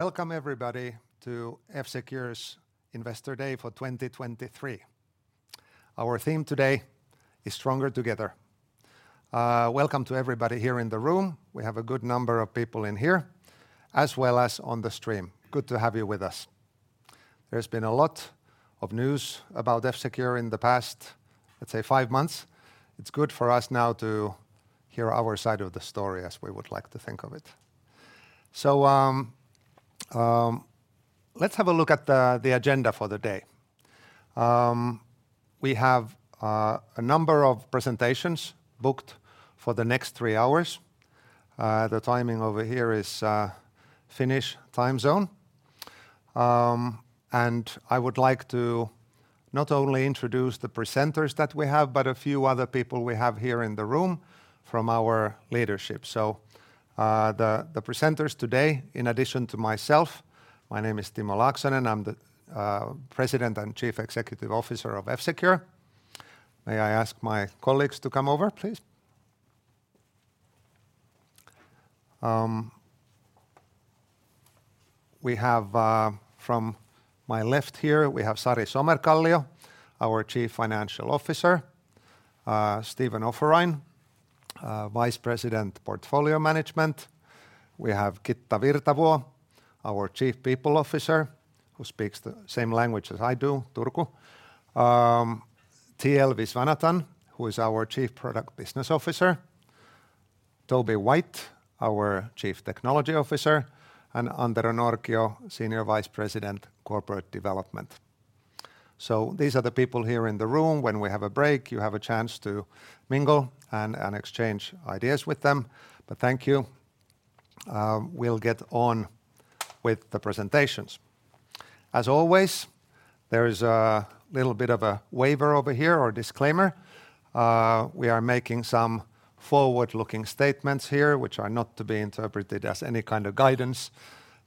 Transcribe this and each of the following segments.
Welcome, everybody, to F-Secure's Investor Day for 2023. Our theme today is Stronger Together. Welcome to everybody here in the room. We have a good number of people in here, as well as on the stream. Good to have you with us. There's been a lot of news about F-Secure in the past, let's say, five months. It's good for us now to hear our side of the story, as we would like to think of it. Let's have a look at the agenda for the day. We have a number of presentations booked for the next three hours. The timing over here is Finnish time zone. I would like to not only introduce the presenters that we have, but a few other people we have here in the room from our leadership. So, the presenters today, in addition to myself, my name is Timo Laaksonen, I'm the President and Chief Executive Officer of F-Secure. May I ask my colleagues to come over, please? We have... From my left here, we have Sari Somerkallio, our Chief Financial Officer; Steven Offerein, Vice President, Portfolio Management. We have Kitta Virtavuo, our Chief People Officer, who speaks the same language as I do, Turku; T.L. Viswanathan, who is our Chief Product Business Officer; Toby White, our Chief Technology Officer; and Antero Norkio, Senior Vice President, Corporate Development. So these are the people here in the room. When we have a break, you have a chance to mingle and exchange ideas with them, but thank you. We'll get on with the presentations. As always, there is a little bit of a waiver over here, or a disclaimer. We are making some forward-looking statements here, which are not to be interpreted as any kind of guidance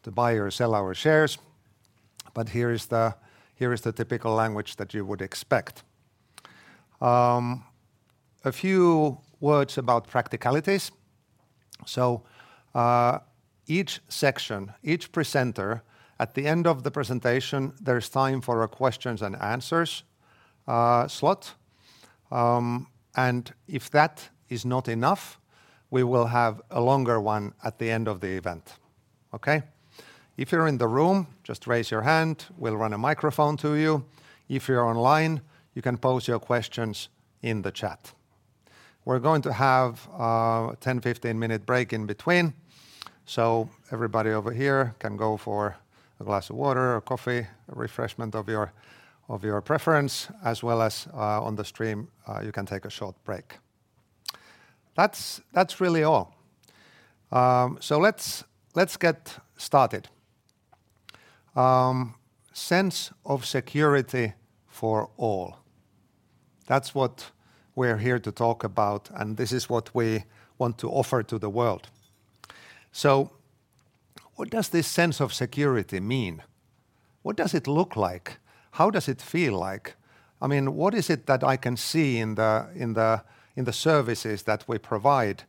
to buy or sell our shares, but here is the, here is the typical language that you would expect. A few words about practicalities. So, each section, each presenter, at the end of the presentation, there is time for a questions and answers slot. And if that is not enough, we will have a longer one at the end of the event. Okay? If you're in the room, just raise your hand, we'll run a microphone to you. If you're online, you can pose your questions in the chat. We're going to have a 10-15-minute break in between, so everybody over here can go for a glass of water or coffee, a refreshment of your preference, as well as on the stream, you can take a short break. That's really all. So let's get started. Sense of security for all, that's what we're here to talk about, and this is what we want to offer to the world. So what does this sense of security mean? What does it look like? How does it feel like? I mean, what is it that I can see in the services that we provide?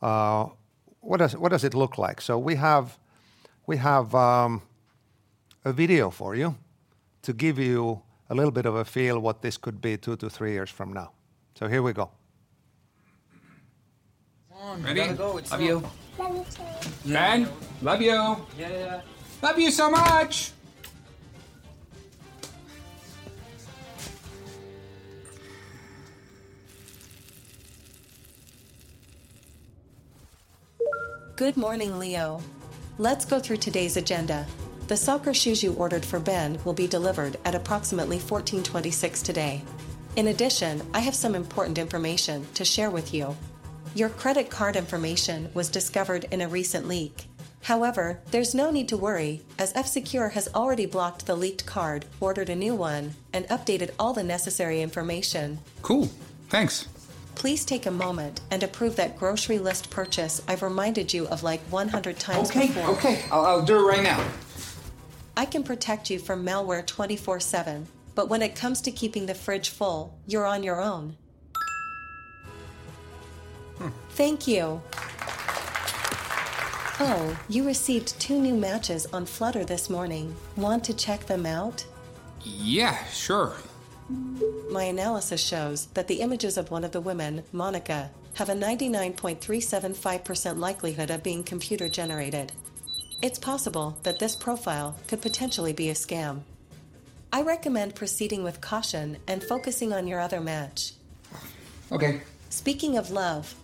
What does it look like? So we have a video for you to give you a little bit of a feel what this could be two-three years from now. So here we go. Come on, we gotta go, it's- Ready? Love you. Love you too. Ben, love you. Yeah, yeah. Love you so much! Good morning, Leo. Let's go through today's agenda. The soccer shoes you ordered for Ben will be delivered at approximately 2:26 P.M. today. In addition, I have some important information to share with you. Your credit card information was discovered in a recent leak. However, there's no need to worry, as F-Secure has already blocked the leaked card, ordered a new one, and updated all the necessary information. Cool, thanks. Please take a moment and approve that grocery list purchase I've reminded you of, like, 100 times before. Okay, okay, I'll, I'll do it right now. I can protect you from malware 24/7, but when it comes to keeping the fridge full, you're on your own. Hmm. Thank you. Oh, you received two new matches on Flutter this morning. Want to check them out? Yeah, sure. My analysis shows that the images of one of the women, Monica, have a 99.375% likelihood of being computer-generated. It's possible that this profile could potentially be a scam. I recommend proceeding with caution and focusing on your other match. Okay. Speaking of love,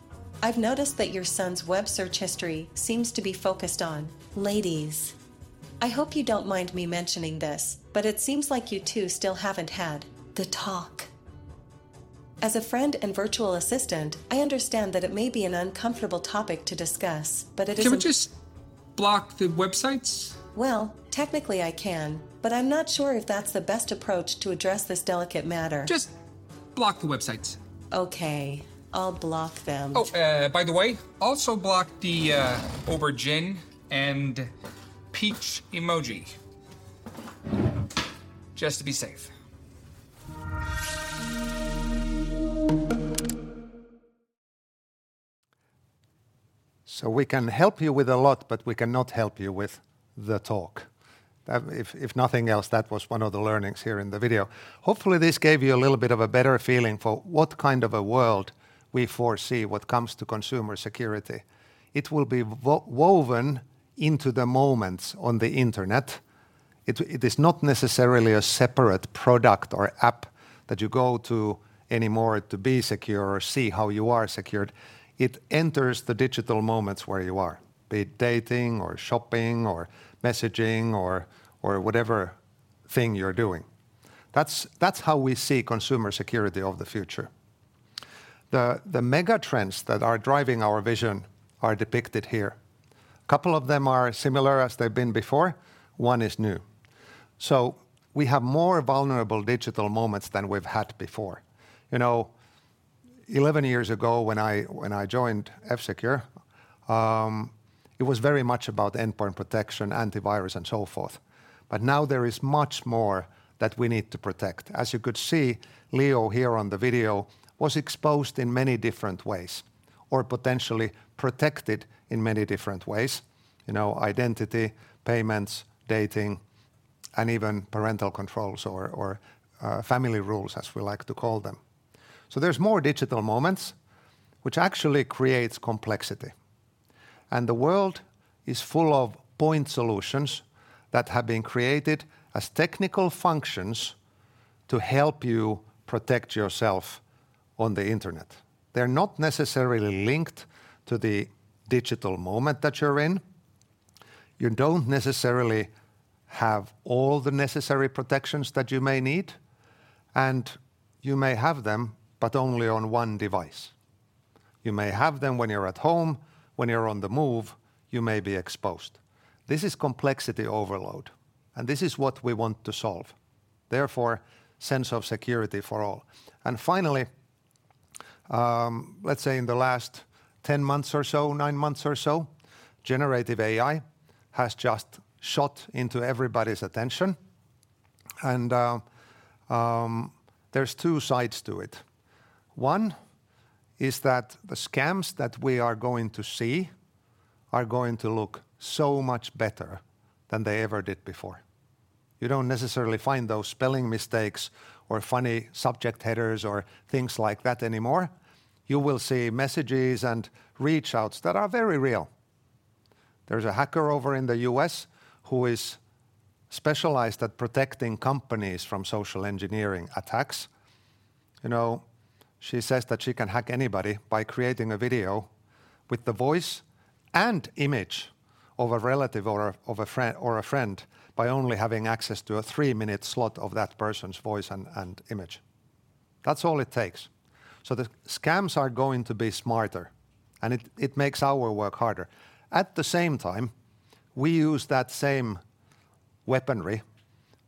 I've noticed that your son's web search history seems to be focused on ladies. I hope you don't mind me mentioning this, but it seems like you two still haven't had the talk. As a friend and virtual assistant, I understand that it may be an uncomfortable topic to discuss, but it is- Can we just block the websites? Well, technically I can, but I'm not sure if that's the best approach to address this delicate matter. Just block the websites. Okay, I'll block them. Oh, by the way, also block the aubergine and peach emoji, just to be safe... So we can help you with a lot, but we cannot help you with the talk. That, if nothing else, that was one of the learnings here in the video. Hopefully, this gave you a little bit of a better feeling for what kind of a world we foresee when it comes to consumer security. It will be woven into the moments on the internet. It is not necessarily a separate product or app that you go to anymore to be secure or see how you are secured. It enters the digital moments where you are, be it dating, or shopping, or messaging, or whatever thing you're doing. That's how we see consumer security of the future. The megatrends that are driving our vision are depicted here. A couple of them are similar as they've been before, one is new. We have more vulnerable digital moments than we've had before. You know, 11 years ago, when I joined F-Secure, it was very much about endpoint protection, antivirus, and so forth, but now there is much more that we need to protect. As you could see, Leo, here on the video, was exposed in many different ways, or potentially protected in many different ways. You know, identity, payments, dating, and even parental controls or, or, family rules, as we like to call them. There's more digital moments, which actually creates complexity. The world is full of point solutions that have been created as technical functions to help you protect yourself on the internet. They're not necessarily linked to the digital moment that you're in. You don't necessarily have all the necessary protections that you may need, and you may have them, but only on one device. You may have them when you're at home; when you're on the move, you may be exposed. This is complexity overload, and this is what we want to solve: therefore, sense of security for all. And finally, let's say in the last 10 months or so, nine months or so, Generative AI has just shot into everybody's attention, and there's two sides to it. One is that the scams that we are going to see are going to look so much better than they ever did before. You don't necessarily find those spelling mistakes or funny subject headers or things like that anymore. You will see messages and reach outs that are very real. There's a hacker over in the U.S. who is specialized at protecting companies from social engineering attacks. You know, she says that she can hack anybody by creating a video with the voice and image of a relative or of, of a friend by only having access to a three-minute slot of that person's voice and image. That's all it takes. The scams are going to be smarter, and it makes our work harder. At the same time, we use that same weaponry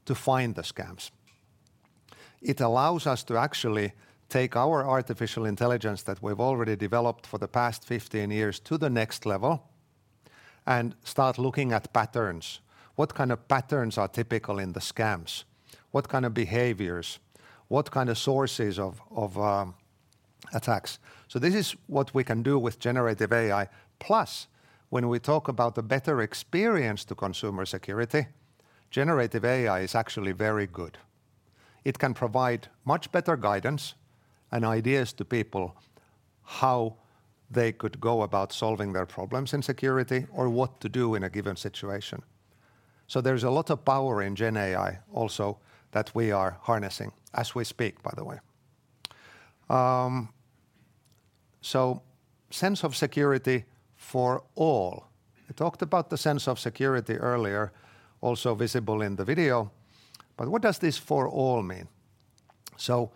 to find the scams. It allows us to actually take our artificial intelligence that we've already developed for the past 15 years to the next level and start looking at patterns. What kind of patterns are typical in the scams? What kind of behaviors, what kind of sources of attacks? So this is what we can do with Generative AI. Plus, when we talk about the better experience to consumer security, Generative AI is actually very good. It can provide much better guidance and ideas to people, how they could go about solving their problems in security or what to do in a given situation. So there's a lot of power in Gen AI also that we are harnessing as we speak, by the way. So sense of security for all. I talked about the sense of security earlier, also visible in the video, but what does this for all mean? So,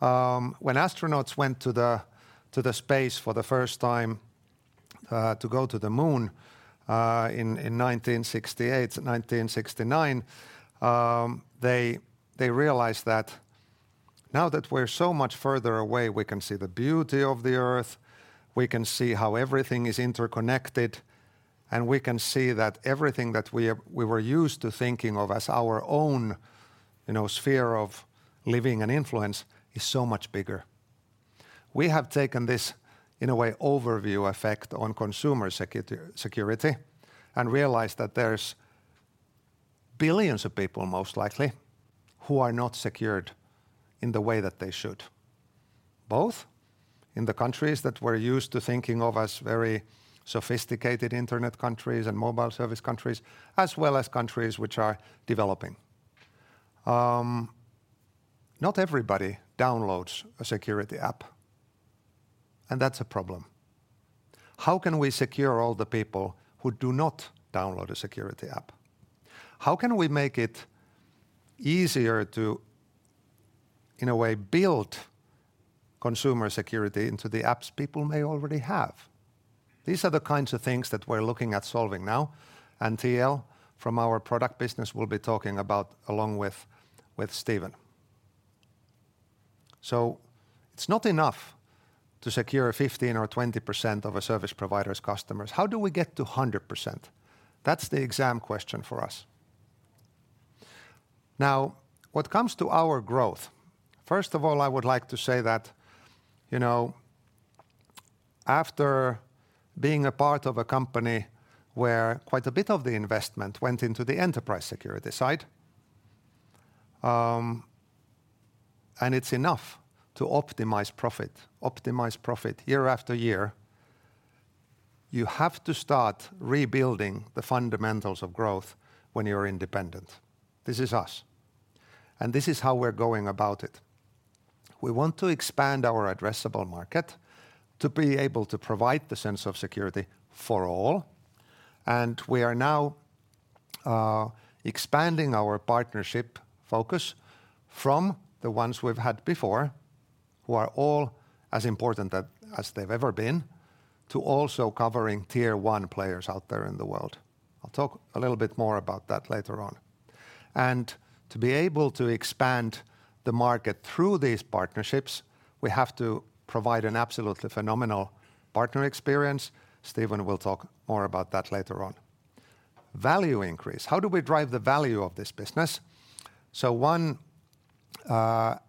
when astronauts went to the space for the first time to go to the moon in 1968, 1969, they realized that now that we're so much further away, we can see the beauty of the Earth, we can see how everything is interconnected, and we can see that everything that we have, we were used to thinking of as our own, you know, sphere of living and influence is so much bigger. We have taken this, in a way, overview effect on consumer security and realized that there's billions of people, most likely, who are not secured in the way that they should, both in the countries that we're used to thinking of as very sophisticated internet countries and mobile service countries, as well as countries which are developing. Not everybody downloads a security app, and that's a problem. How can we secure all the people who do not download a security app? How can we make it easier to, in a way, build consumer security into the apps people may already have? These are the kinds of things that we're looking at solving now, and T.L., from our product business, will be talking about along with, with Steven. So it's not enough to secure 15% or 20% of a service provider's customers. How do we get to 100%? That's the exam question for us. Now, what comes to our growth, first of all, I would like to say that, you know, after being a part of a company where quite a bit of the investment went into the enterprise security side, and it's enough to optimize profit, optimize profit year after year, you have to start rebuilding the fundamentals of growth when you're independent. This is us, and this is how we're going about it. We want to expand our addressable market to be able to provide the sense of security for all, and we are now expanding our partnership focus from the ones we've had before, who are all as important as, as they've ever been, to also covering Tier 1 players out there in the world. I'll talk a little bit more about that later on. To be able to expand the market through these partnerships, we have to provide an absolutely phenomenal partner experience. Steven will talk more about that later on. Value increase. How do we drive the value of this business? So one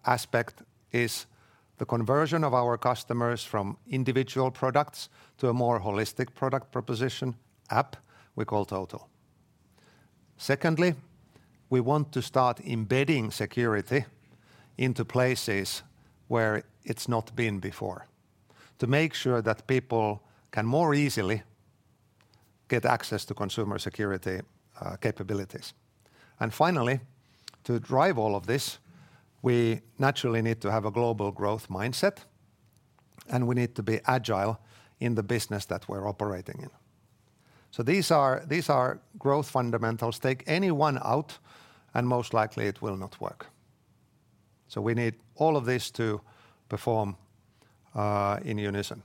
aspect is the conversion of our customers from individual products to a more holistic product proposition app we call Total. Secondly, we want to start embedding security into places where it's not been before, to make sure that people can more easily get access to consumer security capabilities. And finally, to drive all of this, we naturally need to have a global growth mindset, and we need to be agile in the business that we're operating in. So these are, these are growth fundamentals. Take any one out, and most likely it will not work. So we need all of this to perform in unison.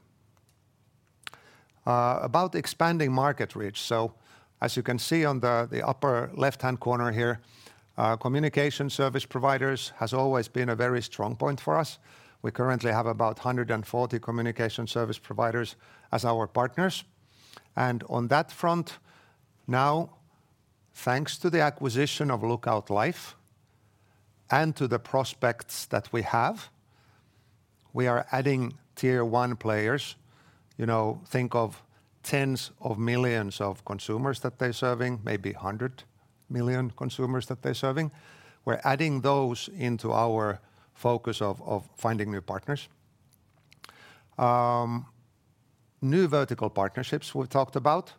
About expanding market reach, so as you can see on the upper left-hand corner here, communication service providers has always been a very strong point for us. We currently have about 140 communication service providers as our partners, and on that front, now, thanks to the acquisition of Lookout Life and to the prospects that we have, we are adding Tier 1 players. You know, think of tens of millions of consumers that they're serving, maybe 100 million consumers that they're serving. We're adding those into our focus of finding new partners. New vertical partnerships we've talked about.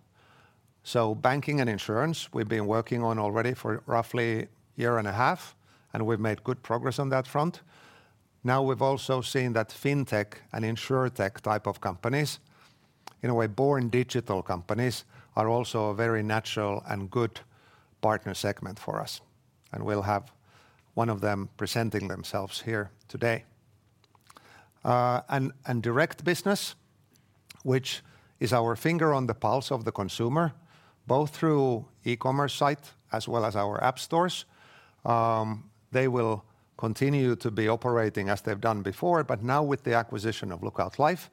So banking and insurance, we've been working on already for roughly a year and a half, and we've made good progress on that front. Now, we've also seen that fintech and insurtech type of companies, in a way, born digital companies, are also a very natural and good partner segment for us, and we'll have one of them presenting themselves here today. Direct business, which is our finger on the pulse of the consumer, both through e-commerce site as well as our app stores, they will continue to be operating as they've done before, but now with the acquisition of Lookout Life,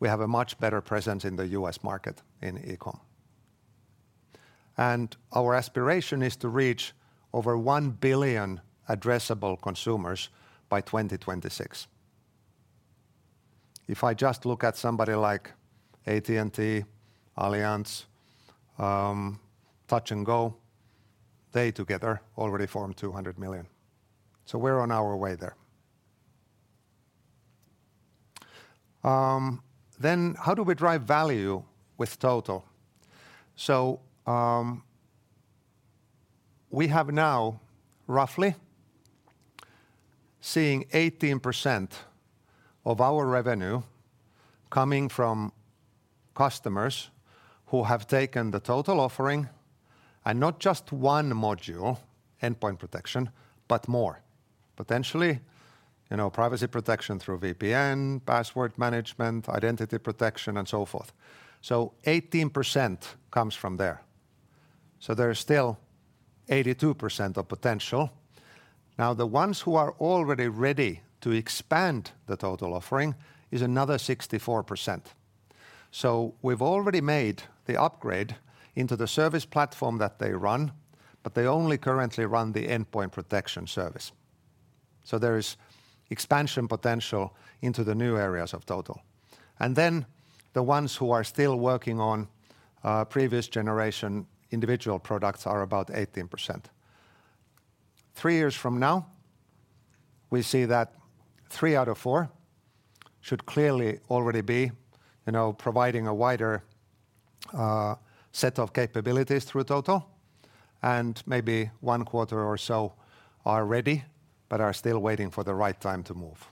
we have a much better presence in the U.S. market in e-com. Our aspiration is to reach over 1 billion addressable consumers by 2026. If I just look at somebody like AT&T, Allianz, Touch 'n Go, they together already form 200 million. We're on our way there. How do we drive value with Total? So, we have now roughly seeing 18% of our revenue coming from customers who have taken the Total offering, and not just one module, endpoint protection, but more. Potentially, you know, privacy protection through VPN, password management, identity protection, and so forth. So 18% comes from there, so there is still 82% of potential. Now, the ones who are already ready to expand the Total offering is another 64%. So we've already made the upgrade into the service platform that they run, but they only currently run the endpoint protection service, so there is expansion potential into the new areas of Total. And then the ones who are still working on previous generation individual products are about 18%. Three years from now, we see that three out of four should clearly already be, you know, providing a wider, you know, set of capabilities through Total, and maybe one quarter or so are ready, but are still waiting for the right time to move.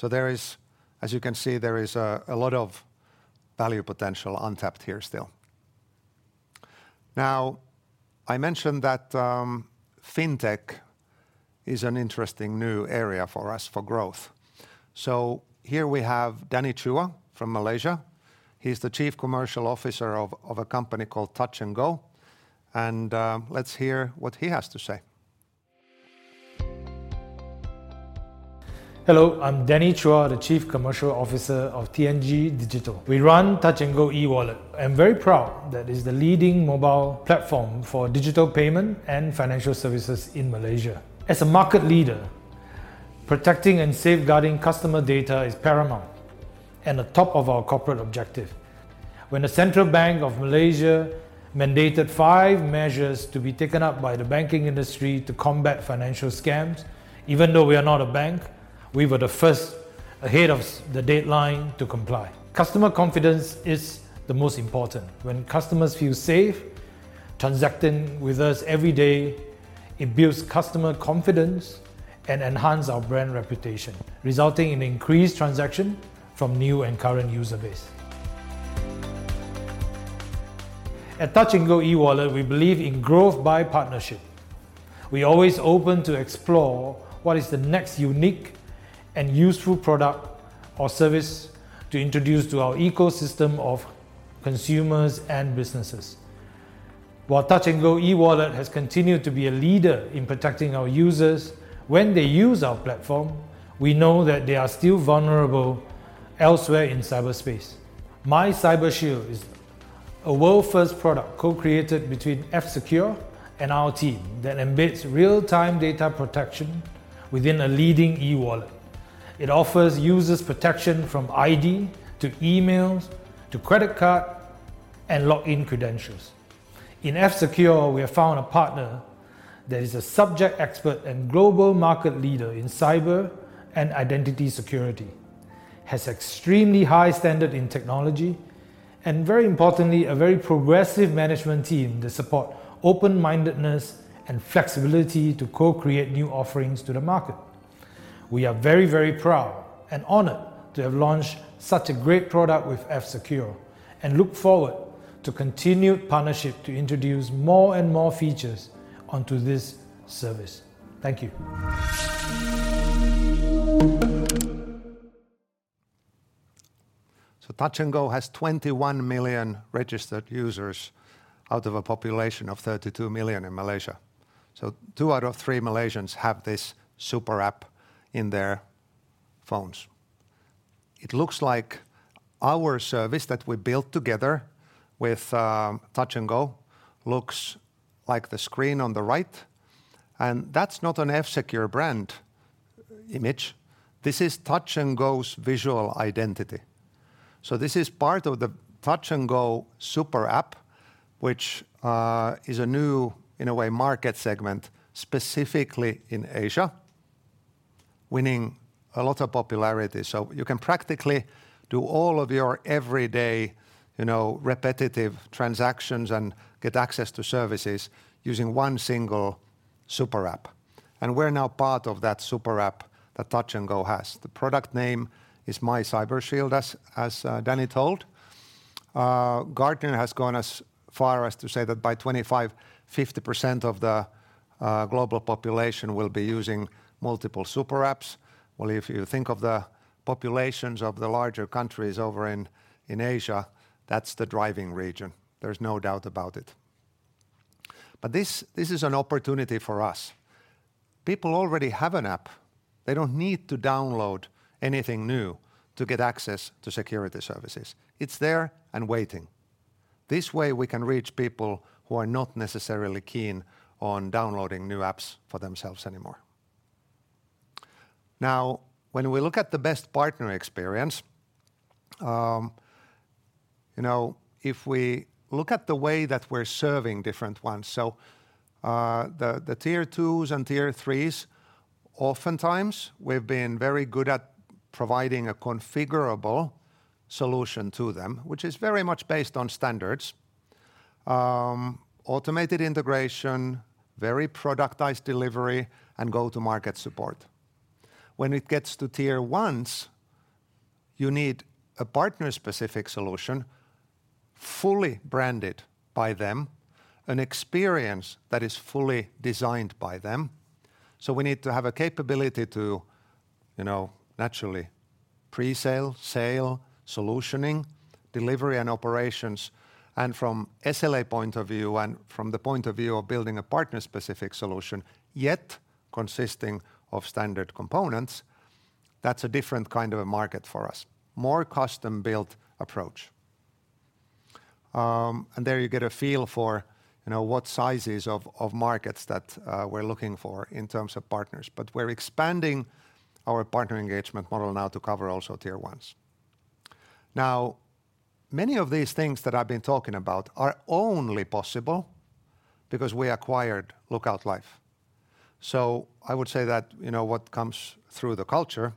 There is, as you can see, a lot of value potential untapped here still. I mentioned that fintech is an interesting new area for us for growth. Here we have Danny Chua from Malaysia. He's the Chief Commercial Officer of a company called Touch 'n Go, and let's hear what he has to say. ... Hello, I'm Danny Chua, the Chief Commercial Officer of TNG Digital. We run Touch 'n Go eWallet. I'm very proud that it's the leading mobile platform for digital payment and financial services in Malaysia. As a market leader, protecting and safeguarding customer data is paramount and the top of our corporate objective. When the Central Bank of Malaysia mandated five measures to be taken up by the banking industry to combat financial scams, even though we are not a bank, we were the first ahead of the deadline to comply. Customer confidence is the most important. When customers feel safe transacting with us every day, it builds customer confidence and enhance our brand reputation, resulting in increased transaction from new and current user base. At Touch 'n Go eWallet, we believe in growth by partnership. We always open to explore what is the next unique and useful product or service to introduce to our ecosystem of consumers and businesses. While Touch 'n Go eWallet has continued to be a leader in protecting our users, when they use our platform, we know that they are still vulnerable elsewhere in cyberspace. MyCyberShield is a world-first product co-created between F-Secure and our team that embeds real-time data protection within a leading e-wallet. It offers users protection from ID, to emails, to credit card, and login credentials. In F-Secure, we have found a partner that is a subject expert and global market leader in cyber and identity security, has extremely high standard in technology, and very importantly, a very progressive management team that support open-mindedness and flexibility to co-create new offerings to the market. We are very, very proud and honored to have launched such a great product with F-Secure, and look forward to continued partnership to introduce more and more features onto this service. Thank you. Touch 'n Go has 21 million registered users out of a population of 32 million in Malaysia. Two out of three Malaysians have this super app in their phones. It looks like our service that we built together with Touch 'n Go looks like the screen on the right, and that's not an F-Secure brand image. This is Touch 'n Go's visual identity. This is part of the Touch 'n Go super app, which is a new, in a way, market segment, specifically in Asia, winning a lot of popularity. You can practically do all of your everyday, you know, repetitive transactions and get access to services using one single super app, and we're now part of that super app that Touch 'n Go has. The product name is MyCyberShield, as Danny told. Gartner has gone as far as to say that by 2025, 50% of the global population will be using multiple super apps. Well, if you think of the populations of the larger countries over in Asia, that's the driving region. There's no doubt about it. This is an opportunity for us. People already have an app. They don't need to download anything new to get access to security services. It's there and waiting. This way, we can reach people who are not necessarily keen on downloading new apps for themselves anymore. Now, when we look at the best partner experience, you know, if we look at the way that we're serving different ones, the Tier 2s and Tier 3s, oftentimes, we've been very good at providing a configurable solution to them, which is very much based on standards. Automated integration, very productized delivery, and go-to-market support. When it gets to Tier 1s, you need a partner-specific solution, fully branded by them, an experience that is fully designed by them. So we need to have a capability to, you know, naturally, pre-sale, sale, solutioning, delivery, and operations. And from SLA point of view and from the point of view of building a partner-specific solution, yet consisting of standard components, that's a different kind of a market for us. More custom-built approach. And there you get a feel for, you know, what sizes of markets that we're looking for in terms of partners. But we're expanding our partner engagement model now to cover also Tier 1s. Now, many of these things that I've been talking about are only possible because we acquired Lookout Life. I would say that, you know, what comes through the culture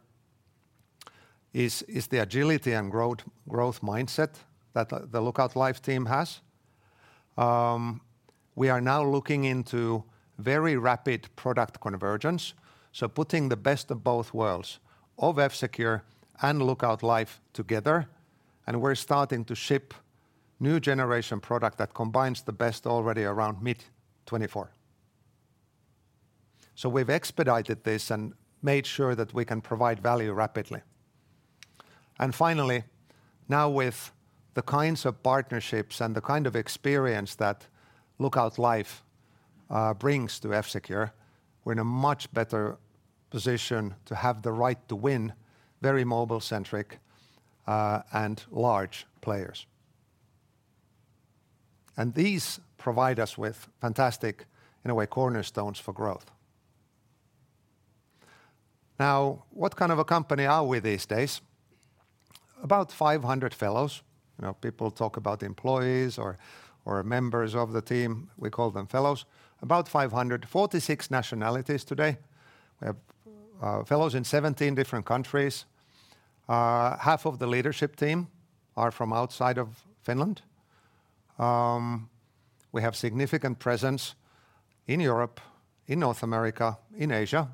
is, is the agility and growth, growth mindset that the Lookout Life team has. We are now looking into very rapid product convergence, so putting the best of both worlds of F-Secure and Lookout Life together, and we're starting to ship new generation product that combines the best already around mid-2024. We've expedited this and made sure that we can provide value rapidly. Finally, now with the kinds of partnerships and the kind of experience that Lookout Life brings to F-Secure, we're in a much better position to have the right to win very mobile-centric, and large players. These provide us with fantastic, in a way, cornerstones for growth. Now, what kind of a company are we these days? About 500 fellows. You know, people talk about employees or, or members of the team, we call them fellows. About 546 nationalities today. We have fellows in 17 different countries. Half of the leadership team are from outside of Finland. We have significant presence in Europe, in North America, in Asia,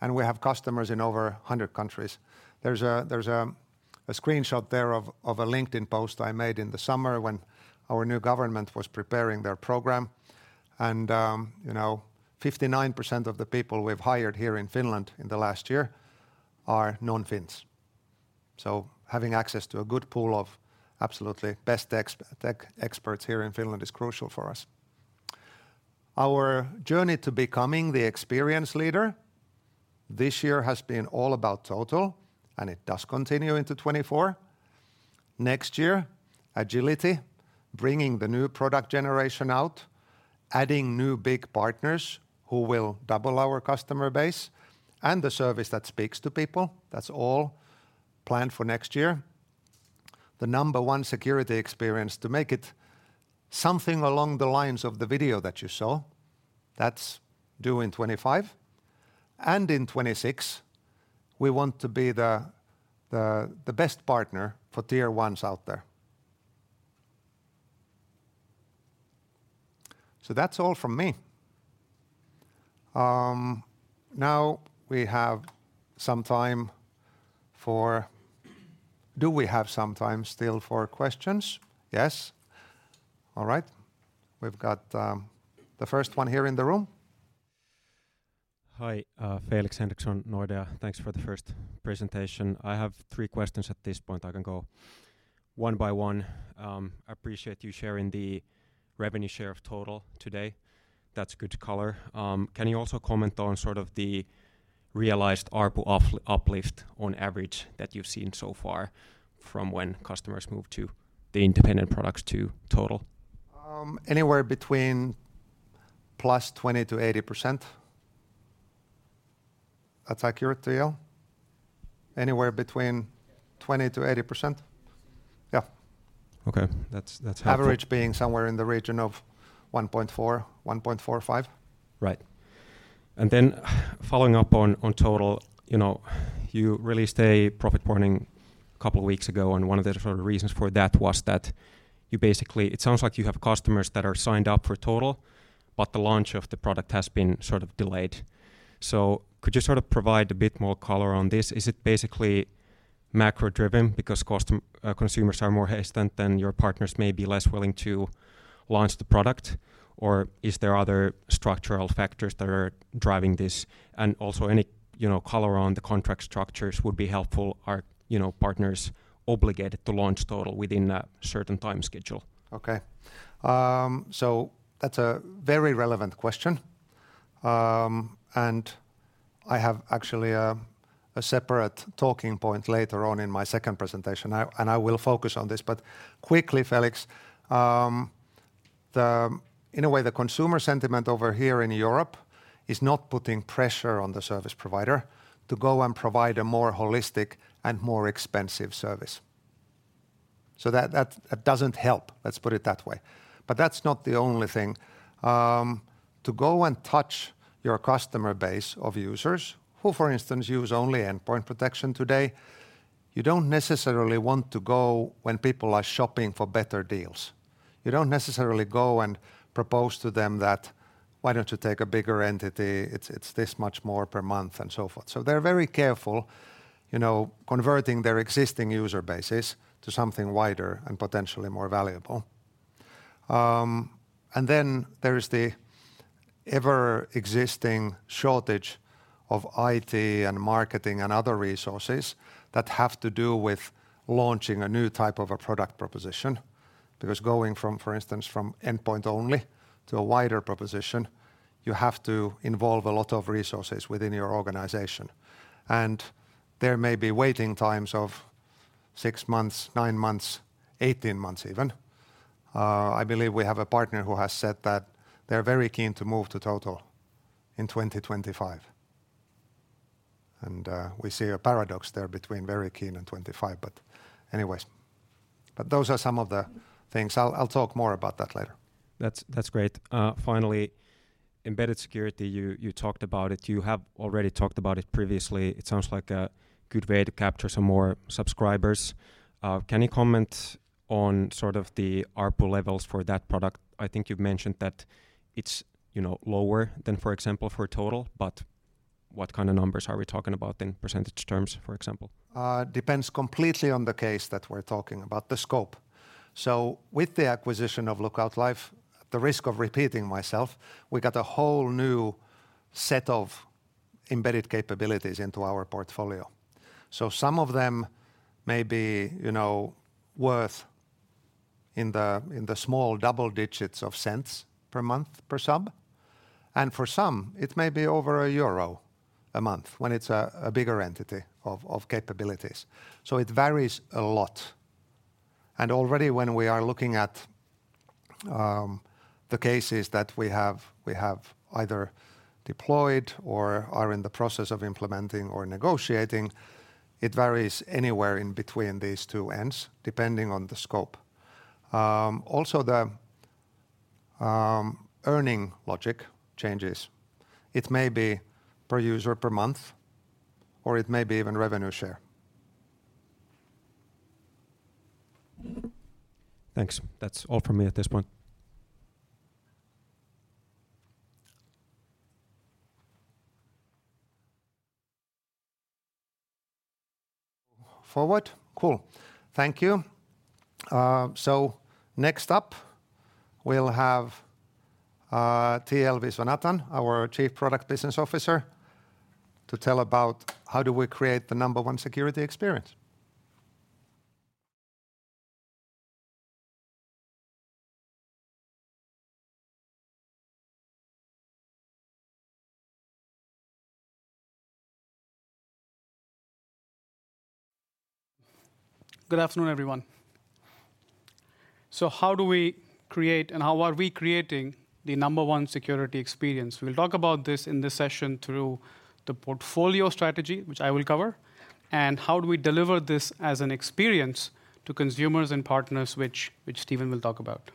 and we have customers in over 100 countries. There's a screenshot there of a LinkedIn post I made in the summer when our new government was preparing their program. And you know, 59% of the people we've hired here in Finland in the last year are non-Finns. So having access to a good pool of absolutely best ex-tech experts here in Finland is crucial for us. Our journey to becoming the experience leader, this year has been all about Total, and it does continue into 2024. Next year, agility, bringing the new product generation out, adding new big partners who will double our customer base, and a service that speaks to people. That's all planned for next year. The number one security experience to make it something along the lines of the video that you saw, that's due in 2025. And in 2026, we want to be the best partner for Tier 1s out there. So that's all from me. Now we have some time for questions. Do we have some time still for questions? Yes. All right. We've got the first one here in the room. Hi, Felix Henriksson, Nordea. Thanks for the first presentation. I have three questions at this point. I can go one by one. I appreciate you sharing the revenue share of Total today. That's good color. Can you also comment on sort of the realized ARPU uplift, on average, that you've seen so far from when customers move to the independent products to Total? Anywhere between +20%-80%. That's accurate to you? Anywhere between 20%-80%? Yeah. Okay, that's, that's helpful. Average being somewhere in the region of 1.4-1.45. Right. And then, following up on Total, you know, you released a profit warning a couple of weeks ago, and one of the different reasons for that was that you basically—it sounds like you have customers that are signed up for Total, but the launch of the product has been sort of delayed. So could you sort of provide a bit more color on this? Is it basically macro-driven because customers are more hesitant or your partners may be less willing to launch the product, or is there other structural factors that are driving this? And also any, you know, color on the contract structures would be helpful. Are, you know, partners obligated to launch Total within a certain time schedule? Okay. So that's a very relevant question, and I have actually a separate talking point later on in my second presentation, and I will focus on this. But quickly, Felix, in a way, the consumer sentiment over here in Europe is not putting pressure on the service provider to go and provide a more holistic and more expensive service. So that doesn't help, let's put it that way. But that's not the only thing. To go and touch your customer base of users who, for instance, use only endpoint protection today, you don't necessarily want to go when people are shopping for better deals. You don't necessarily go and propose to them that, "Why don't you take a bigger entity? It's this much more per month," and so forth. So they're very careful, you know, converting their existing user bases to something wider and potentially more valuable. And then there is the ever-existing shortage of IT and marketing and other resources that have to do with launching a new type of a product proposition. Because going from, for instance, from endpoint only to a wider proposition, you have to involve a lot of resources within your organization, and there may be waiting times of six months, nine months, 18 months even. I believe we have a partner who has said that they're very keen to move to Total in 2025, and we see a paradox there between very keen and 2025, but anyways. But those are some of the things. I'll, I'll talk more about that later. That's great. Finally, embedded security. You talked about it. You have already talked about it previously. It sounds like a good way to capture some more subscribers. Can you comment on the ARPU levels for that product? I think you've mentioned that it's, you know, lower than, for example, Total, but what kind of numbers are we talking about in percentage terms, for example? Depends completely on the case that we're talking about, the scope. With the acquisition of Lookout Life, at the risk of repeating myself, we got a whole new set of embedded capabilities into our portfolio. Some of them may be, you know, worth in the small double digits of cents per month per sub, and for some it may be over EUR 1 a month when it's a bigger entity of capabilities. It varies a lot, and already when we are looking at the cases that we have, we have either deployed or are in the process of implementing or negotiating, it varies anywhere in between these two ends, depending on the scope. Also, the earning logic changes. It may be per user per month, or it may be even revenue share. Thanks. That's all from me at this point. Forward? Cool. Thank you. So next up, we'll have T.L. Viswanathan, our Chief Product Business Officer, to tell about how do we create the number one security experience. Good afternoon, everyone. So how do we create, and how are we creating the number one security experience? We'll talk about this in this session through the portfolio strategy, which I will cover, and how do we deliver this as an experience to consumers and partners, which Steven will talk about.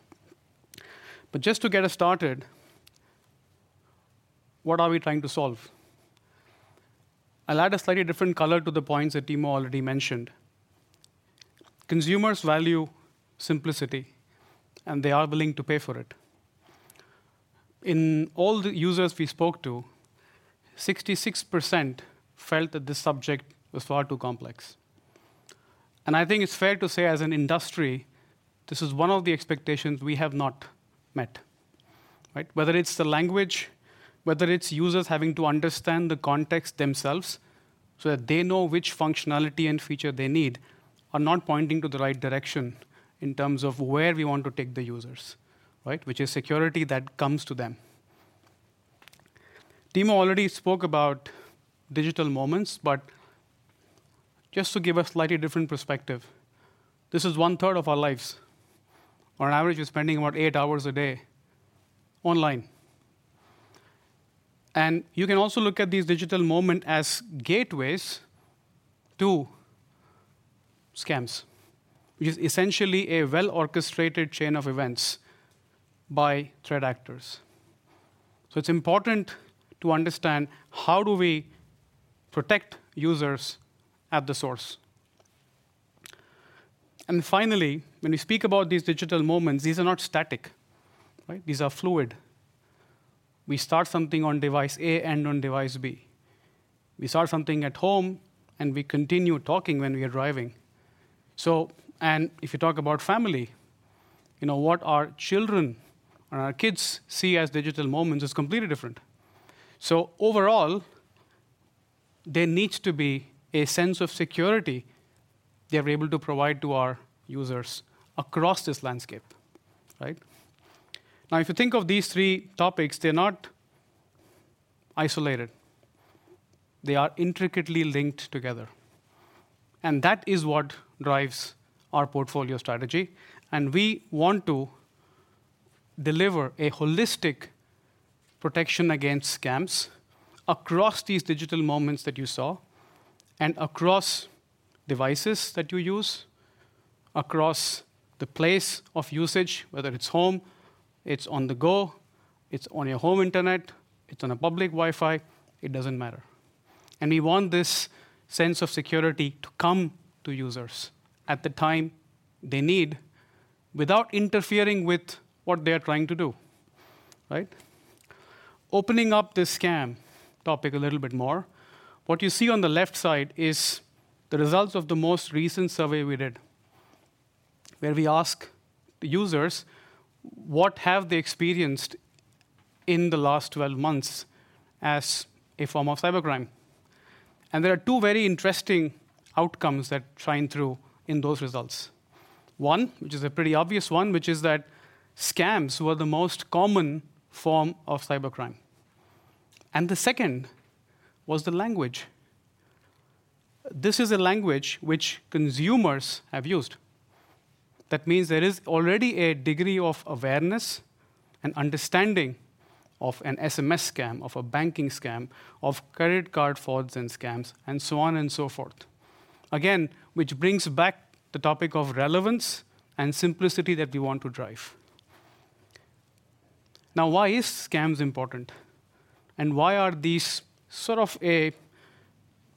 But just to get us started, what are we trying to solve? I'll add a slightly different color to the points that Timo already mentioned. Consumers value simplicity, and they are willing to pay for it. In all the users we spoke to, 66% felt that the subject was far too complex. I think it's fair to say, as an industry, this is one of the expectations we have not met, right? Whether it's the language, whether it's users having to understand the context themselves so that they know which functionality and feature they need, are not pointing to the right direction in terms of where we want to take the users, right? Which is security that comes to them. Timo already spoke about digital moments, but just to give a slightly different perspective, this is one third of our lives. On average, we're spending about eight hours a day online. You can also look at these digital moment as gateways to scams, which is essentially a well-orchestrated chain of events by threat actors. So it's important to understand how do we protect users at the source. Finally, when we speak about these digital moments, these are not static, right? These are fluid. We start something on device A, end on device B. We start something at home, and we continue talking when we are driving. So, and if you talk about family, you know, what our children or our kids see as digital moments is completely different. So overall, there needs to be a sense of security that we're able to provide to our users across this landscape, right? Now, if you think of these three topics, they're not isolated. They are intricately linked together, and that is what drives our portfolio strategy, and we want to deliver a holistic protection against scams across these digital moments that you saw, and across devices that you use, across the place of usage, whether it's home, it's on the go, it's on your home internet, it's on a public Wi-Fi, it doesn't matter. We want this sense of security to come to users at the time they need, without interfering with what they are trying to do, right? Opening up this scam topic a little bit more, what you see on the left side is the results of the most recent survey we did, where we ask the users what have they experienced in the last 12 months as a form of cybercrime. There are two very interesting outcomes that shine through in those results. One, which is a pretty obvious one, which is that scams were the most common form of cybercrime, and the second was the language. This is a language which consumers have used. That means there is already a degree of awareness and understanding of an SMS scam, of a banking scam, of credit card frauds and scams, and so on and so forth. Again, which brings back the topic of relevance and simplicity that we want to drive. Now, why is scams important? And why are these sort of a,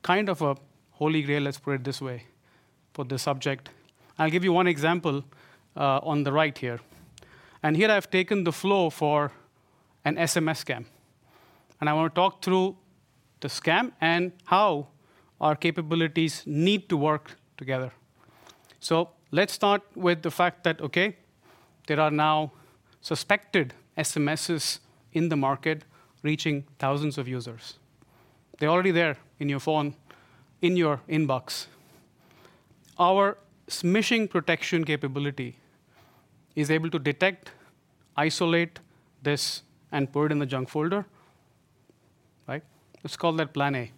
kind of a holy grail, let's put it this way, for this subject? I'll give you one example on the right here, and here I've taken the flow for an SMS scam, and I want to talk through the scam and how our capabilities need to work together… So let's start with the fact that, okay, there are now suspected SMSs in the market reaching thousands of users. They're already there in your phone, in your inbox. Our smishing protection capability is able to detect, isolate this, and put it in the junk folder, right? Let's call that plan A.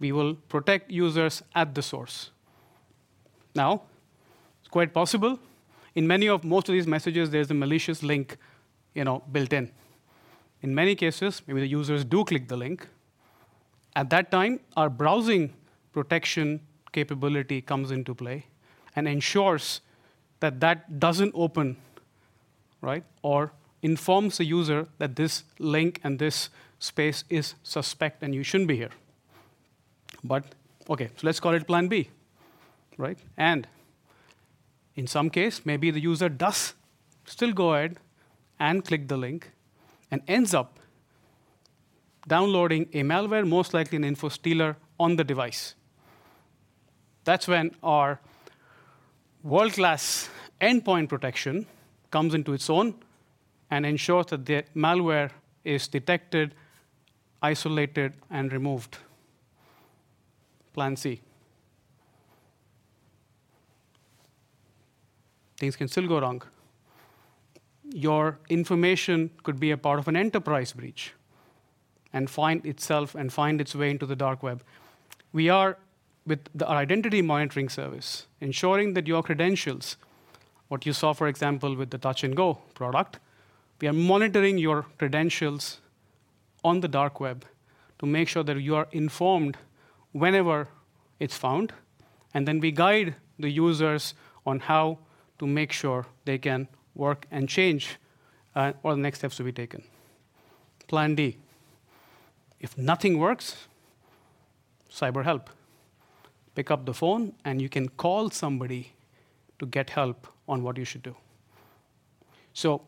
We will protect users at the source. Now, it's quite possible, in many of most of these messages, there's a malicious link, you know, built in. In many cases, maybe the users do click the link. At that time, our browsing protection capability comes into play and ensures that that doesn't open, right? Or informs the user that this link and this space is suspect, and you shouldn't be here. But, okay, so let's call it plan B, right? And in some case, maybe the user does still go ahead and click the link and ends up downloading a malware, most likely an infostealer, on the device. That's when our world-class endpoint protection comes into its own and ensures that the malware is detected, isolated, and removed. Plan C. Things can still go wrong. Your information could be a part of an enterprise breach, and find itself and find its way into the dark web. We are with our identity monitoring service, ensuring that your credentials—what you saw, for example, with the Touch 'n Go product—we are monitoring your credentials on the dark web to make sure that you are informed whenever it's found, and then we guide the users on how to make sure they can work and change, or the next steps to be taken. Plan D. If nothing works, cyber help. Pick up the phone, and you can call somebody to get help on what you should do. So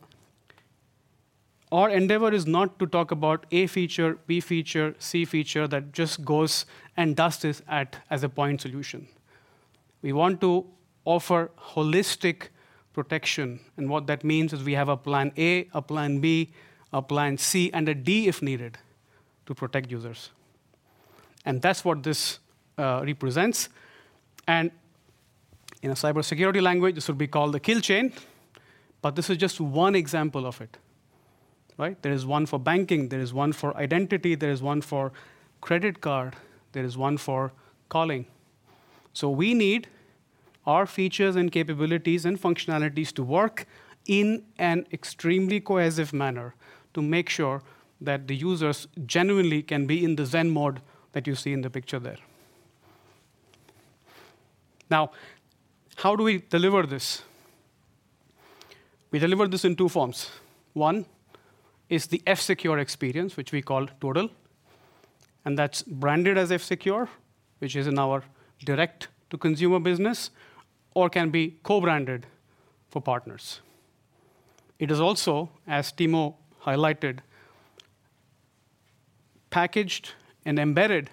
our endeavor is not to talk about A feature, B feature, C feature that just goes and does this as a point solution. We want to offer holistic protection, and what that means is we have a plan A, a plan B, a plan C, and a D, if needed, to protect users. That's what this represents. In a cybersecurity language, this would be called the kill chain, but this is just one example of it, right? There is one for banking, there is one for identity, there is one for credit card, there is one for calling. So we need our features, and capabilities, and functionalities to work in an extremely cohesive manner to make sure that the users genuinely can be in the zen mode that you see in the picture there. Now, how do we deliver this? We deliver this in two forms. One is the F-Secure experience, which we call Total, and that's branded as F-Secure, which is in our direct-to-consumer business, or can be co-branded for partners. It is also, as Timo highlighted, packaged and embedded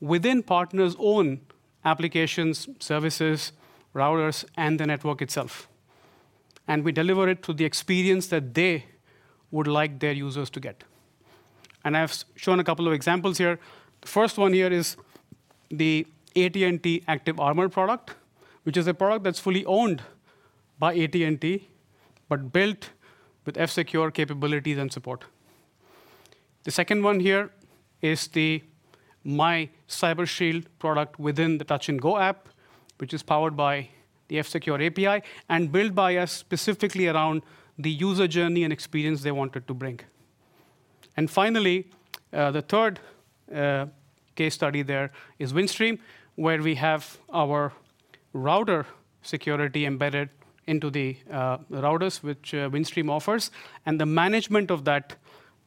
within partners' own applications, services, routers, and the network itself, and we deliver it through the experience that they would like their users to get. I've shown a couple of examples here. The first one here is the AT&T ActiveArmor product, which is a product that's fully owned by AT&T, but built with F-Secure capabilities and support. The second one here is the MyCyberShield product within the Touch 'n Go app, which is powered by the F-Secure API and built by us specifically around the user journey and experience they wanted to bring. Finally, the third case study there is Windstream, where we have our router security embedded into the routers, which Windstream offers, and the management of that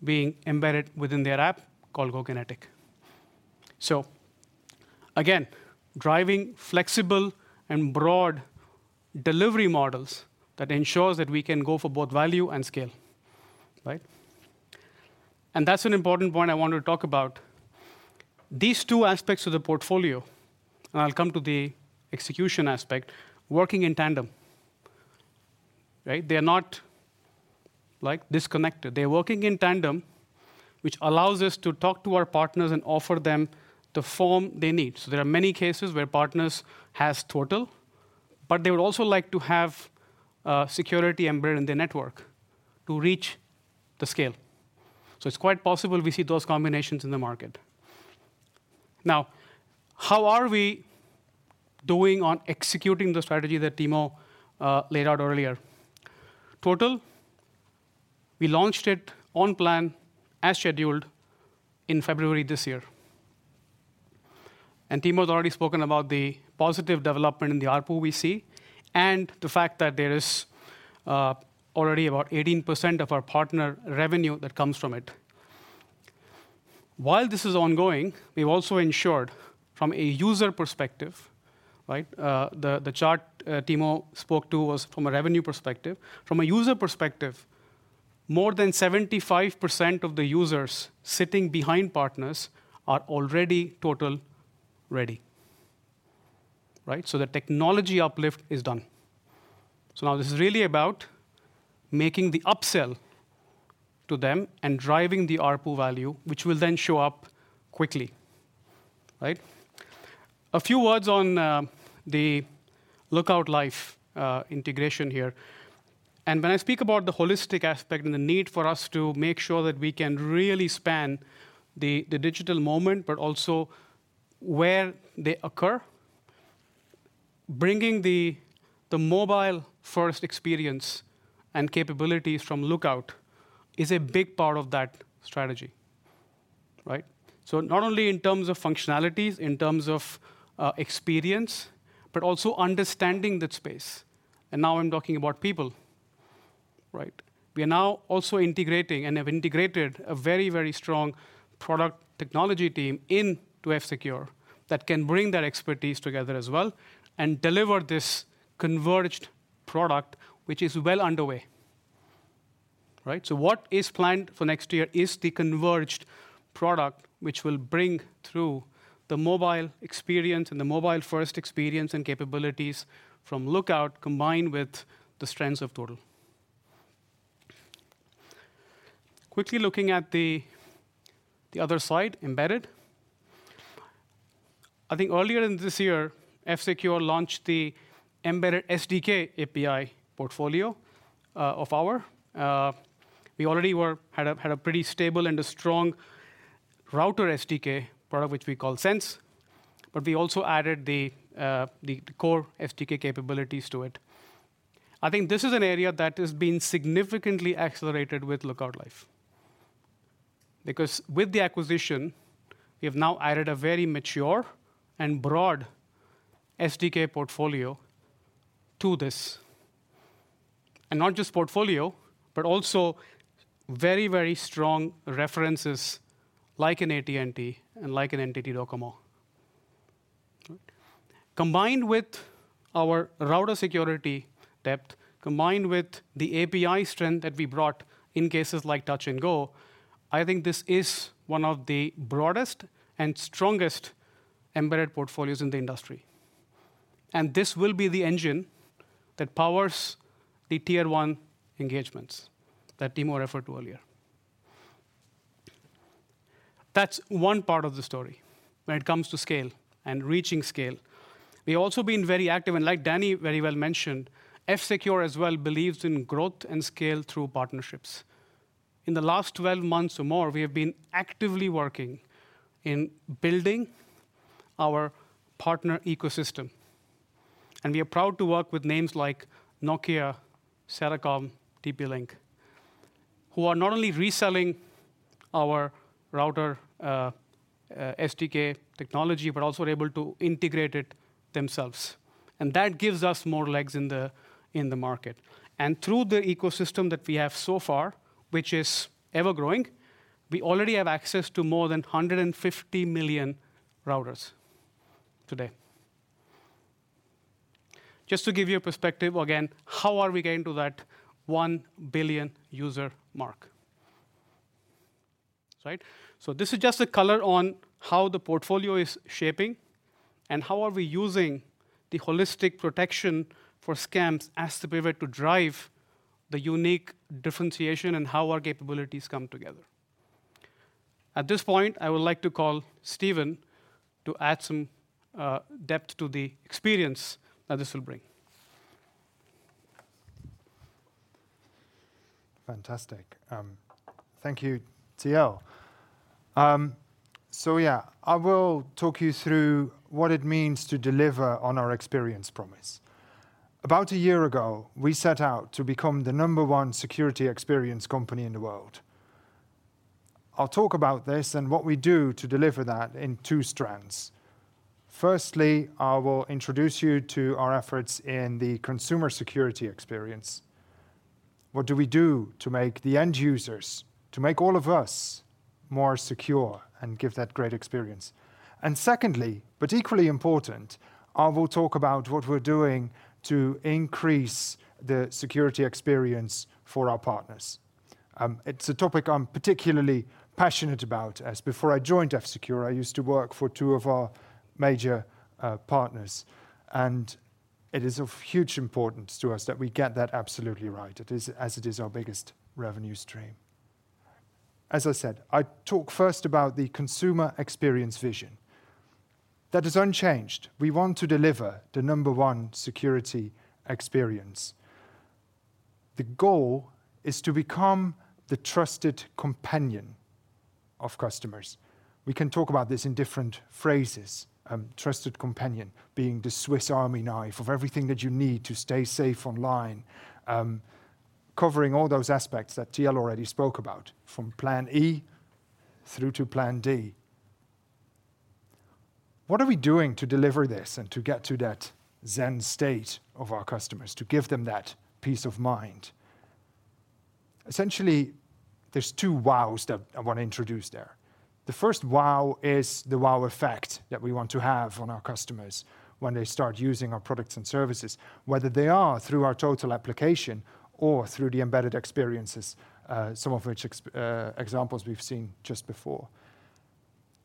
being embedded within their app called GoKinetic. So again, driving flexible and broad delivery models that ensures that we can go for both value and scale, right? And that's an important point I want to talk about. These two aspects of the portfolio, and I'll come to the execution aspect, working in tandem, right? They are not, like, disconnected. They are working in tandem, which allows us to talk to our partners and offer them the form they need. So there are many cases where partners has Total, but they would also like to have security embedded in their network to reach the scale. So it's quite possible we see those combinations in the market. Now, how are we doing on executing the strategy that Timo laid out earlier? Total, we launched it on plan, as scheduled, in February this year. Timo has already spoken about the positive development in the ARPU we see, and the fact that there is already about 18% of our partner revenue that comes from it. While this is ongoing, we've also ensured from a user perspective, right? The chart Timo spoke to was from a revenue perspective. From a user perspective, more than 75% of the users sitting behind partners are already Total ready, right? So the technology uplift is done. So now this is really about making the upsell to them and driving the ARPU value, which will then show up quickly, right? A few words on the Lookout Life integration here. And when I speak about the holistic aspect and the need for us to make sure that we can really span the digital moment, but also where they occur, bringing the mobile-first experience and capabilities from Lookout is a big part of that strategy, right? So not only in terms of functionalities, in terms of experience, but also understanding that space. And now I'm talking about people, right? We are now also integrating, and have integrated, a very, very strong product technology team into F-Secure that can bring that expertise together as well and deliver this converged product, which is well underway, right? So what is planned for next year is the converged product, which will bring through the mobile experience and the mobile-first experience and capabilities from Lookout, combined with the strengths of Total. Quickly looking at the other side, embedded. I think earlier in this year, F-Secure launched the embedded SDK API portfolio of our. We already had a pretty stable and a strong router SDK product, which we call Sense, but we also added the core SDK capabilities to it. I think this is an area that has been significantly accelerated with Lookout Life, because with the acquisition, we have now added a very mature and broad SDK portfolio to this. And not just portfolio, but also very, very strong references, like in AT&T and like in NTT DOCOMO. Combined with our router security depth, combined with the API strength that we brought in cases like Touch 'n Go, I think this is one of the broadest and strongest embedded portfolios in the industry, and this will be the engine that powers the Tier 1 engagements that Timo referred to earlier. That's one part of the story when it comes to scale and reaching scale. We've also been very active, and like Danny very well mentioned, F-Secure as well believes in growth and scale through partnerships. In the last 12 months or more, we have been actively working in building our partner ecosystem, and we are proud to work with names like Nokia, Sercomm, TP-Link, who are not only reselling our router SDK technology, but also are able to integrate it themselves. That gives us more legs in the market. Through the ecosystem that we have so far, which is ever-growing, we already have access to more than 150 million routers today. Just to give you a perspective again, how are we getting to that 1 billion user mark, right? So this is just a color on how the portfolio is shaping and how are we using the holistic protection for scams as the pivot to drive the unique differentiation and how our capabilities come together. At this point, I would like to call Steven to add some depth to the experience that this will bring. Fantastic. Thank you, T.L. So yeah, I will talk you through what it means to deliver on our experience promise. About a year ago, we set out to become the number one security experience company in the world. I'll talk about this and what we do to deliver that in two strands. Firstly, I will introduce you to our efforts in the consumer security experience. What do we do to make the end users, to make all of us, more secure and give that great experience? And secondly, but equally important, I will talk about what we're doing to increase the security experience for our partners. It's a topic I'm particularly passionate about, as before I joined F-Secure, I used to work for two of our major partners, and it is of huge importance to us that we get that absolutely right, as it is our biggest revenue stream. As I said, I talk first about the consumer experience vision. That is unchanged. We want to deliver the number one security experience. The goal is to become the trusted companion of customers. We can talk about this in different phrases, trusted companion, being the Swiss Army knife of everything that you need to stay safe online, covering all those aspects that T.L. already spoke about, from Plan E through to Plan D. What are we doing to deliver this and to get to that zen state of our customers, to give them that peace of mind? Essentially-... There's two wows that I wanna introduce there. The first wow is the wow effect that we want to have on our customers when they start using our products and services, whether they are through our Total application or through the embedded experiences, some of which examples we've seen just before.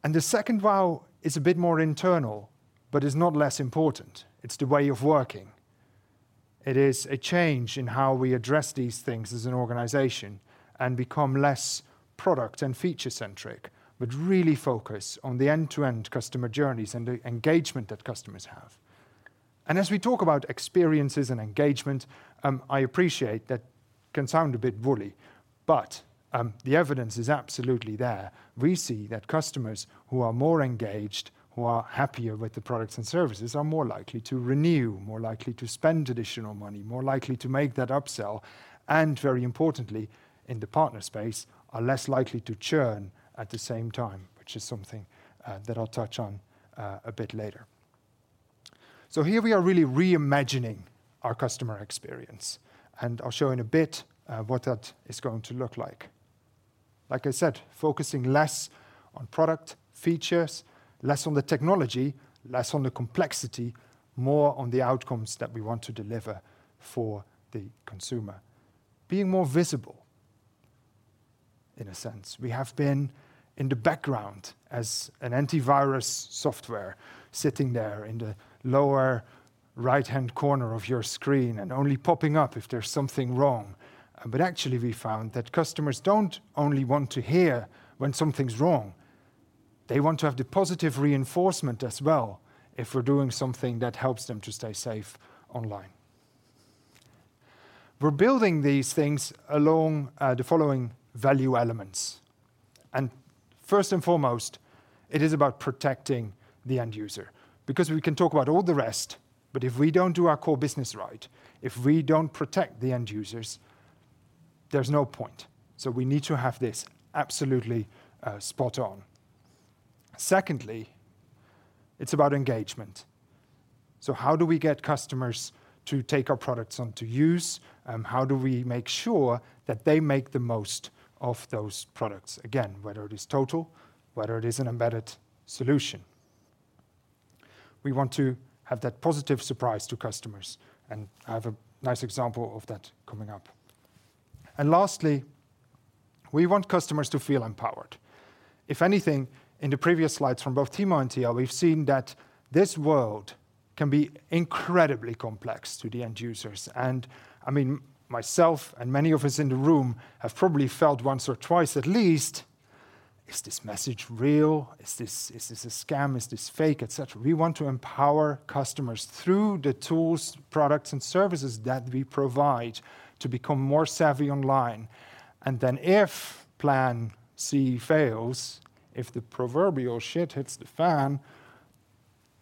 And the second wow is a bit more internal, but is not less important. It's the way of working. It is a change in how we address these things as an organization, and become less product and feature-centric, but really focus on the end-to-end customer journeys and the engagement that customers have. And as we talk about experiences and engagement, I appreciate that can sound a bit woolly, but the evidence is absolutely there. We see that customers who are more engaged, who are happier with the products and services, are more likely to renew, more likely to spend additional money, more likely to make that upsell, and very importantly, in the partner space, are less likely to churn at the same time, which is something that I'll touch on a bit later. So here we are really reimagining our customer experience, and I'll show in a bit what that is going to look like. Like I said, focusing less on product features, less on the technology, less on the complexity, more on the outcomes that we want to deliver for the consumer. Being more visible, in a sense. We have been in the background as an antivirus software, sitting there in the lower right-hand corner of your screen and only popping up if there's something wrong. But actually, we found that customers don't only want to hear when something's wrong, they want to have the positive reinforcement as well, if we're doing something that helps them to stay safe online. We're building these things along the following value elements. And first and foremost, it is about protecting the end user, because we can talk about all the rest, but if we don't do our core business right, if we don't protect the end users, there's no point. So we need to have this absolutely spot on. Secondly, it's about engagement. So how do we get customers to take our products onto use, how do we make sure that they make the most of those products? Again, whether it is Total, whether it is an embedded solution. We want to have that positive surprise to customers, and I have a nice example of that coming up. Lastly, we want customers to feel empowered. If anything, in the previous slides from both Timo and Tia, we've seen that this world can be incredibly complex to the end users. And, I mean, myself and many of us in the room have probably felt once or twice at least, "Is this message real? Is this, is this a scam? Is this fake?" et cetera. We want to empower customers through the tools, products, and services that we provide to become more savvy online. And then if plan C fails, if the proverbial sht hits the fan,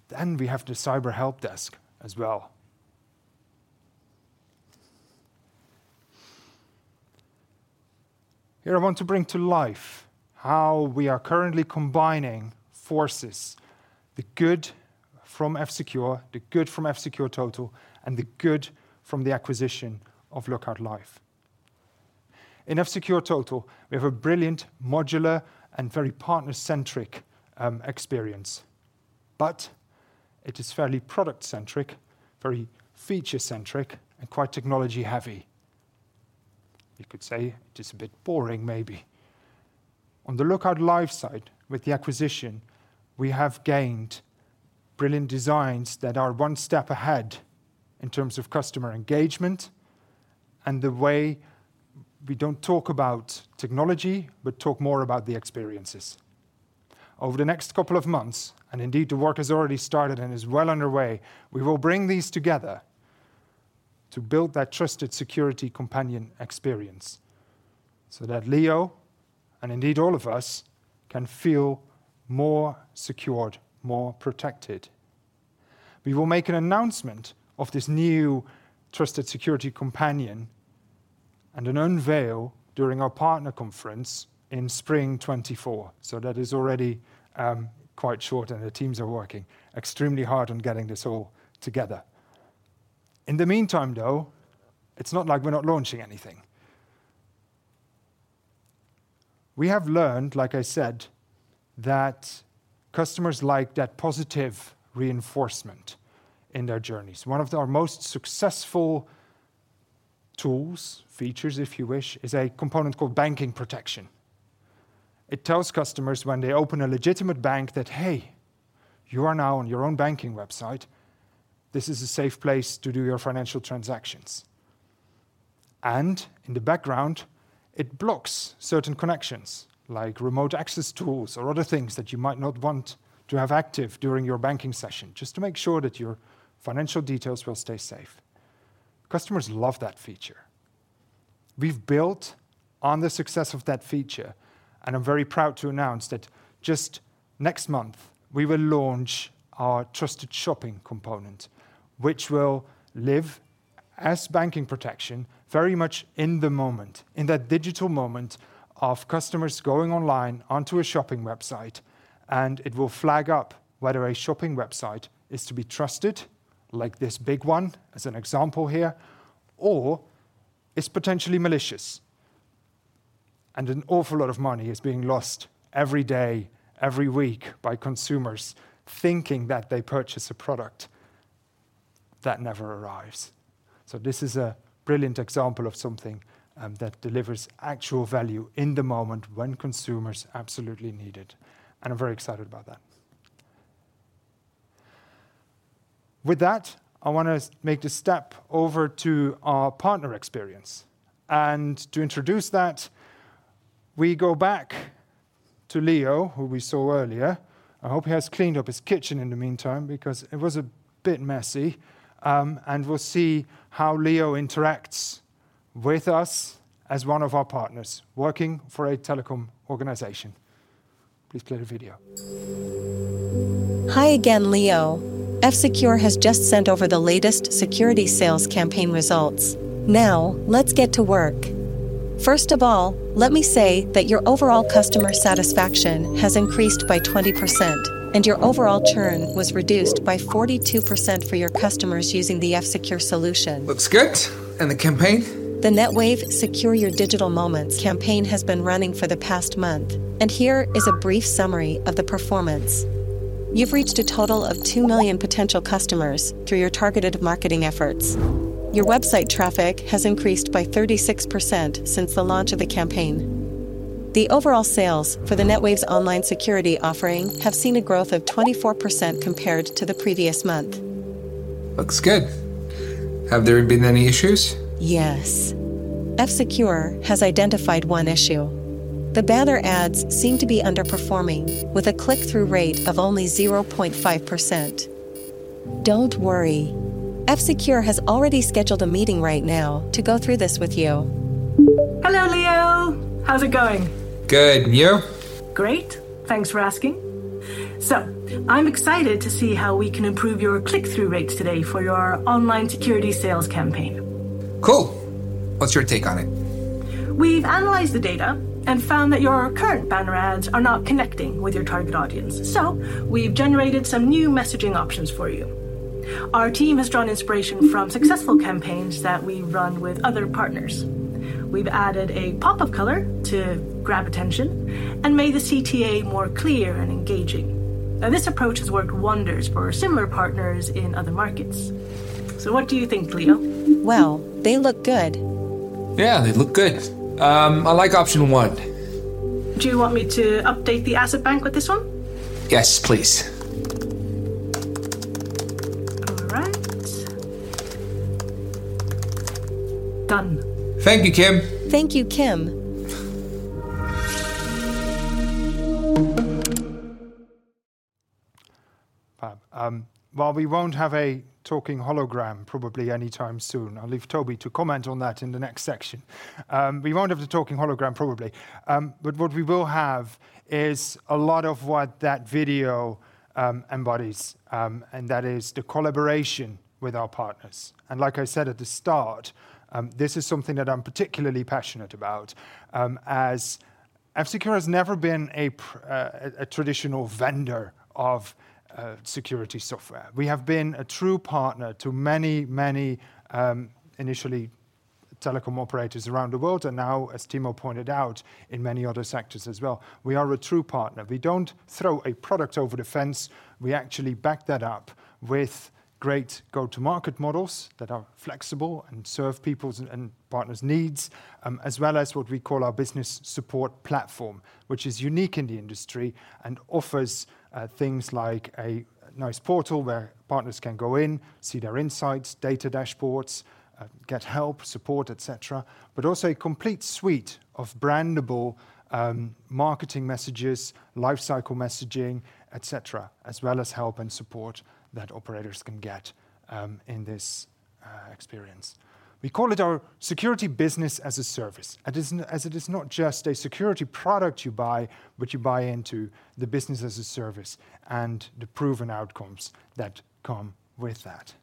then we have the cyber help desk as well. Here, I want to bring to life how we are currently combining forces, the good from F-Secure, the good from F-Secure Total, and the good from the acquisition of Lookout Life. In F-Secure Total, we have a brilliant, modular, and very partner-centric experience, but it is fairly product-centric, very feature-centric, and quite technology-heavy. You could say it is a bit boring, maybe. On the Lookout Life side, with the acquisition, we have gained brilliant designs that are one step ahead in terms of customer engagement, and the way we don't talk about technology, but talk more about the experiences. Over the next couple of months, and indeed, the work has already started and is well underway, we will bring these together to build that trusted security companion experience so that Leo, and indeed all of us, can feel more secured, more protected. We will make an announcement of this new trusted security companion and an unveil during our partner conference in Spring 2024. So that is already quite short, and the teams are working extremely hard on getting this all together. In the meantime, though, it's not like we're not launching anything. We have learned, like I said, that customers like that positive reinforcement in their journeys. One of our most successful tools, features if you wish, is a component called banking protection. It tells customers when they open a legitimate bank that, "Hey, you are now on your own banking website. This is a safe place to do your financial transactions." And in the background, it blocks certain connections, like remote access tools or other things that you might not want to have active during your banking session, just to make sure that your financial details will stay safe. Customers love that feature. We've built on the success of that feature, and I'm very proud to announce that just next month, we will launch our trusted shopping component, which will live as banking protection, very much in the moment, in that digital moment of customers going online onto a shopping website, and it will flag up whether a shopping website is to be trusted, like this big one as an example here, or it's potentially malicious. And an awful lot of money is being lost every day, every week by consumers thinking that they purchase a product that never arrives. So this is a brilliant example of something that delivers actual value in the moment when consumers absolutely need it, and I'm very excited about that. With that, I wanna make the step over to our partner experience, and to introduce that, we go back to Leo, who we saw earlier. I hope he has cleaned up his kitchen in the meantime because it was a bit messy. We'll see how Leo interacts with us as one of our partners working for a telecom organization. Please play the video. Hi again, Leo. F-Secure has just sent over the latest security sales campaign results. Now, let's get to work. First of all, let me say that your overall customer satisfaction has increased by 20%, and your overall churn was reduced by 42% for your customers using the F-Secure solution. Looks good! The campaign? The NetWave Secure Your Digital Moments campaign has been running for the past month, and here is a brief summary of the performance. You've reached a total of 2 million potential customers through your targeted marketing efforts. Your website traffic has increased by 36% since the launch of the campaign. The overall sales for the NetWave's online security offering have seen a growth of 24% compared to the previous month. Looks good. Have there been any issues? Yes. F-Secure has identified one issue. The banner ads seem to be underperforming with a click-through rate of only 0.5%. Don't worry, F-Secure has already scheduled a meeting right now to go through this with you. Hello, Leo. How's it going? Good, and you? Great. Thanks for asking. So I'm excited to see how we can improve your click-through rates today for your online security sales campaign. Cool! What's your take on it? We've analyzed the data and found that your current banner ads are not connecting with your target audience, so we've generated some new messaging options for you. Our team has drawn inspiration from successful campaigns that we've run with other partners. We've added a pop of color to grab attention and made the CTA more clear and engaging. Now, this approach has worked wonders for similar partners in other markets. So what do you think, Leo? Well, they look good. Yeah, they look good. I like option one. Do you want me to update the asset bank with this one? Yes, please. All right. Done. Thank you, Kim. Thank you, Kim. While we won't have a talking hologram probably anytime soon, I'll leave Toby to comment on that in the next section. We won't have a talking hologram, probably. What we will have is a lot of what that video embodies, and that is the collaboration with our partners. Like I said at the start, this is something that I'm particularly passionate about, as F-Secure has never been a pr- a, a traditional vendor of security software. We have been a true partner to many, many, initially, telecom operators around the world, and now, as Timo pointed out, in many other sectors as well. We are a true partner. We don't throw a product over the fence. We actually back that up with great go-to-market models that are flexible and serve people's and partners' needs, as well as what we call our business support platform, which is unique in the industry and offers things like a nice portal where partners can go in, see their insights, data dashboards, get help, support, et cetera. But also a complete suite of brandable marketing messages, lifecycle messaging, et cetera, as well as help and support that operators can get in this experience. We call it our security business as a service. It is as it is not just a security product you buy, but you buy into the business as a service and the proven outcomes that come with that.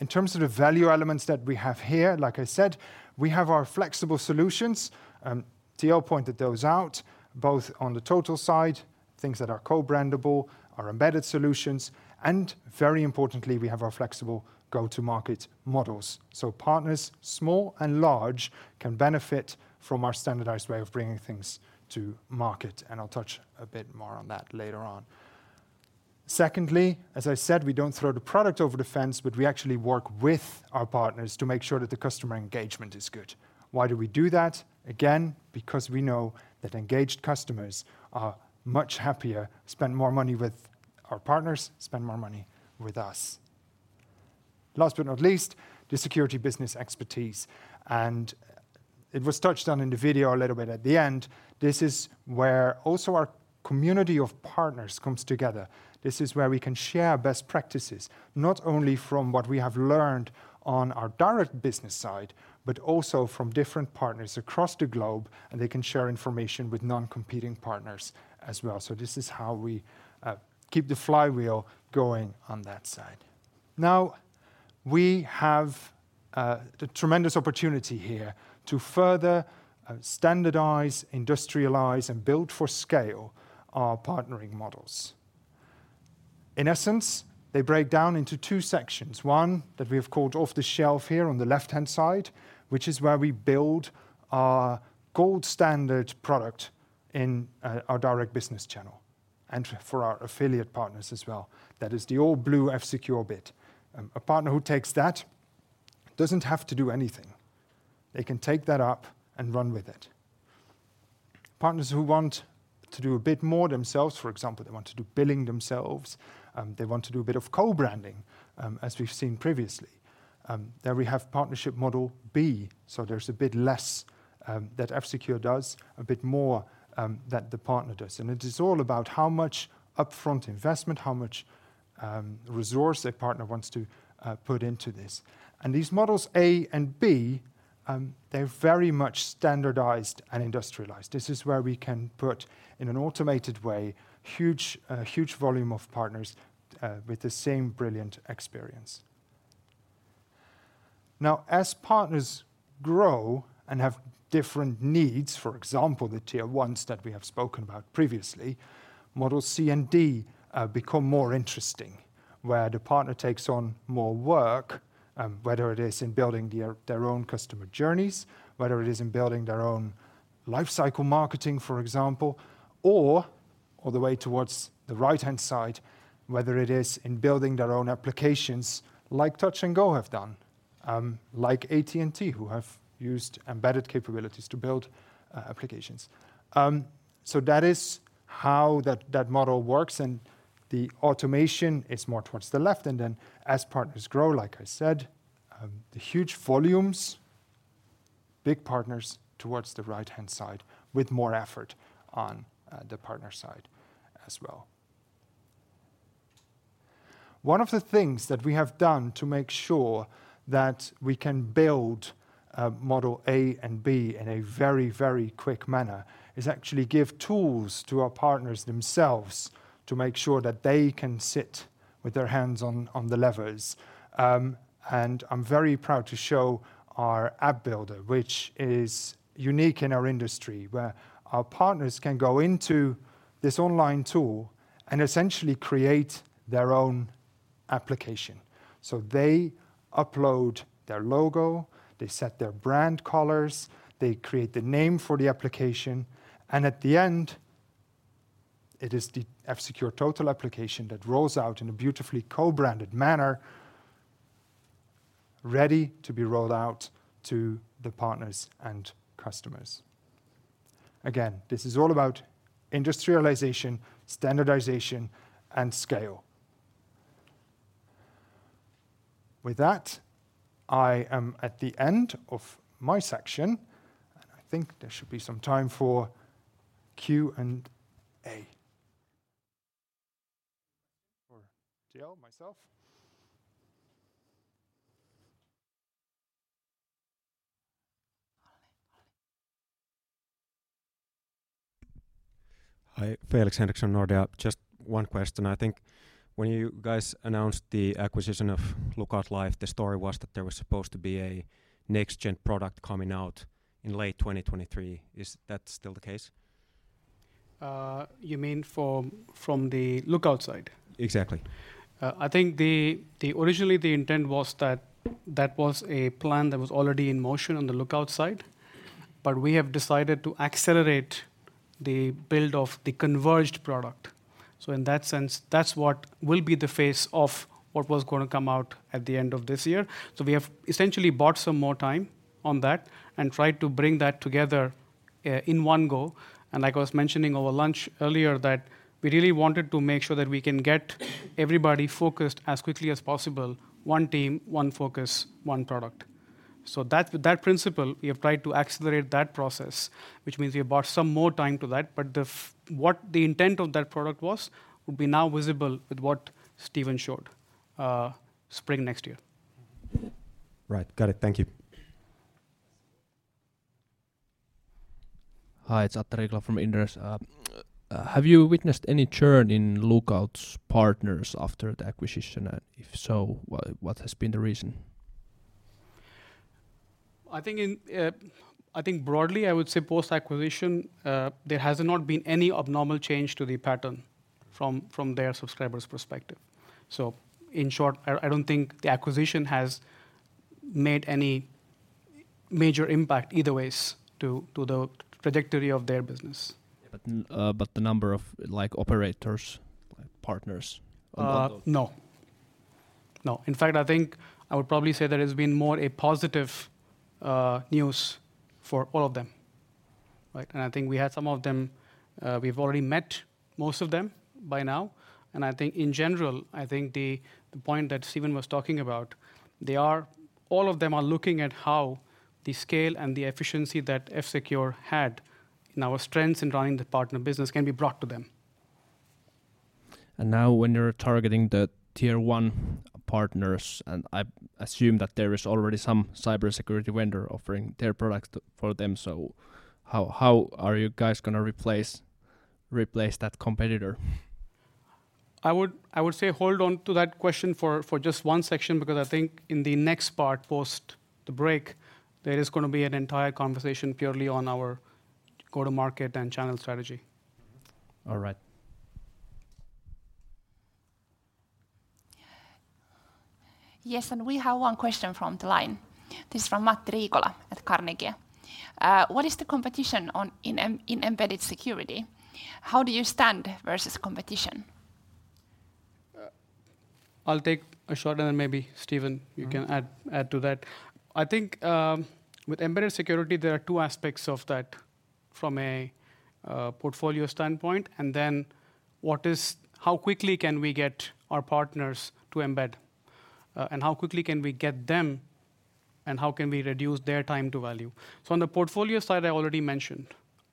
In terms of the value elements that we have here, like I said, we have our flexible solutions, and Timo pointed those out, both on the total side, things that are co-brandable, our embedded solutions, and very importantly, we have our flexible go-to-market models. Partners, small and large, can benefit from our standardized way of bringing things to market, and I'll touch a bit more on that later on. Secondly, as I said, we don't throw the product over the fence, but we actually work with our partners to make sure that the customer engagement is good. Why do we do that? Again, because we know that engaged customers are much happier, spend more money with our partners, spend more money with us. Last but not least, the security business expertise, and it was touched on in the video a little bit at the end. This is where also our community of partners comes together. This is where we can share best practices, not only from what we have learned on our direct business side, but also from different partners across the globe, and they can share information with non-competing partners as well. So this is how we keep the flywheel going on that side. We have the tremendous opportunity here to further standardize, industrialize, and build for scale our partnering models. In essence, they break down into two sections: one, that we have called off-the-shelf here on the left-hand side, which is where we build our gold standard product in our direct business channel and for our affiliate partners as well. That is the all blue F-Secure bit. A partner who takes that doesn't have to do anything. They can take that up and run with it. Partners who want to do a bit more themselves, for example, they want to do billing themselves, they want to do a bit of co-branding, as we've seen previously, there we have partnership model B, so there's a bit less that F-Secure does, a bit more that the partner does. And it is all about how much upfront investment, how much resource a partner wants to put into this. And these models A and B, they're very much standardized and industrialized. This is where we can put, in an automated way, huge huge volume of partners with the same brilliant experience. Now, as partners grow and have different needs, for example, the Tier 1s that we have spoken about previously, models C and D, become more interesting, where the partner takes on more work, whether it is in building their, their own customer journeys, whether it is in building their own lifecycle marketing, for example, or all the way towards the right-hand side, whether it is in building their own applications, like Touch 'n Go have done, like AT&T, who have used embedded capabilities to build, applications. So that is how that, that model works, and the automation is more towards the left, and then as partners grow, like I said, the huge volumes, big partners towards the right-hand side, with more effort on, the partner side as well. One of the things that we have done to make sure that we can build, model A and B in a very, very quick manner, is actually give tools to our partners themselves to make sure that they can sit with their hands on, on the levers. I'm very proud to show our app builder, which is unique in our industry, where our partners can go into this online tool and essentially create their own application. They upload their logo, they set their brand colors, they create the name for the application, and at the end, it is the F-Secure Total application that rolls out in a beautifully co-branded manner, ready to be rolled out to the partners and customers. Again, this is all about industrialization, standardization, and scale. With that, I am at the end of my section. I think there should be some time for Q and A.... For T.L., myself? Hi, Felix Henriksson, Nordea. Just one question. I think when you guys announced the acquisition of Lookout Life, the story was that there was supposed to be a next gen product coming out in late 2023. Is that still the case? You mean from the Lookout side? Exactly. I think the original intent was that that was a plan that was already in motion on the Lookout side, but we have decided to accelerate the build of the converged product. So in that sense, that's what will be the face of what was gonna come out at the end of this year. So we have essentially bought some more time on that and tried to bring that together, in one go. And like I was mentioning over lunch earlier, that we really wanted to make sure that we can get everybody focused as quickly as possible, one team, one focus, one product. So, that principle, we have tried to accelerate that process, which means we have bought some more time to that, but what the intent of that product was will now be visible with what Steven showed, spring next year. Right. Got it. Thank you. Hi, it's Atte Riikola from Inderes. Have you witnessed any churn in Lookout's partners after the acquisition? And if so, what has been the reason? I think broadly, I would say post-acquisition, there has not been any abnormal change to the pattern from their subscribers' perspective. So in short, I don't think the acquisition has made any major impact either way to the trajectory of their business. But the number of like, operators, like partners on Lookout? No. In fact, I think I would probably say there has been more a positive, news for all of them, right? I think we had some of them, we've already met most of them by now, and I think in general, I think the point that Steven was talking about, they are—all of them are looking at how the scale and the efficiency that F-Secure had, and our strengths in running the partner business, can be brought to them. Now when you're targeting the Tier 1 partners, and I assume that there is already some cybersecurity vendor offering their products to, for them, so how, how are you guys gonna replace?... replace that competitor? I would say hold on to that question for just one section, because I think in the next part, post the break, there is gonna be an entire conversation purely on our go-to-market and channel strategy. All right. Yes, and we have one question from the line. This is from Matti Riikonen at Carnegie. What is the competition in embedded security? How do you stand versus competition? I'll take a shot, and then maybe Steven- Mm-hmm... you can add, add to that. I think with embedded security, there are two aspects of that from a portfolio standpoint, and then what is-- how quickly can we get our partners to embed? How quickly can we get them, and how can we reduce their time to value? On the portfolio side, I already mentioned,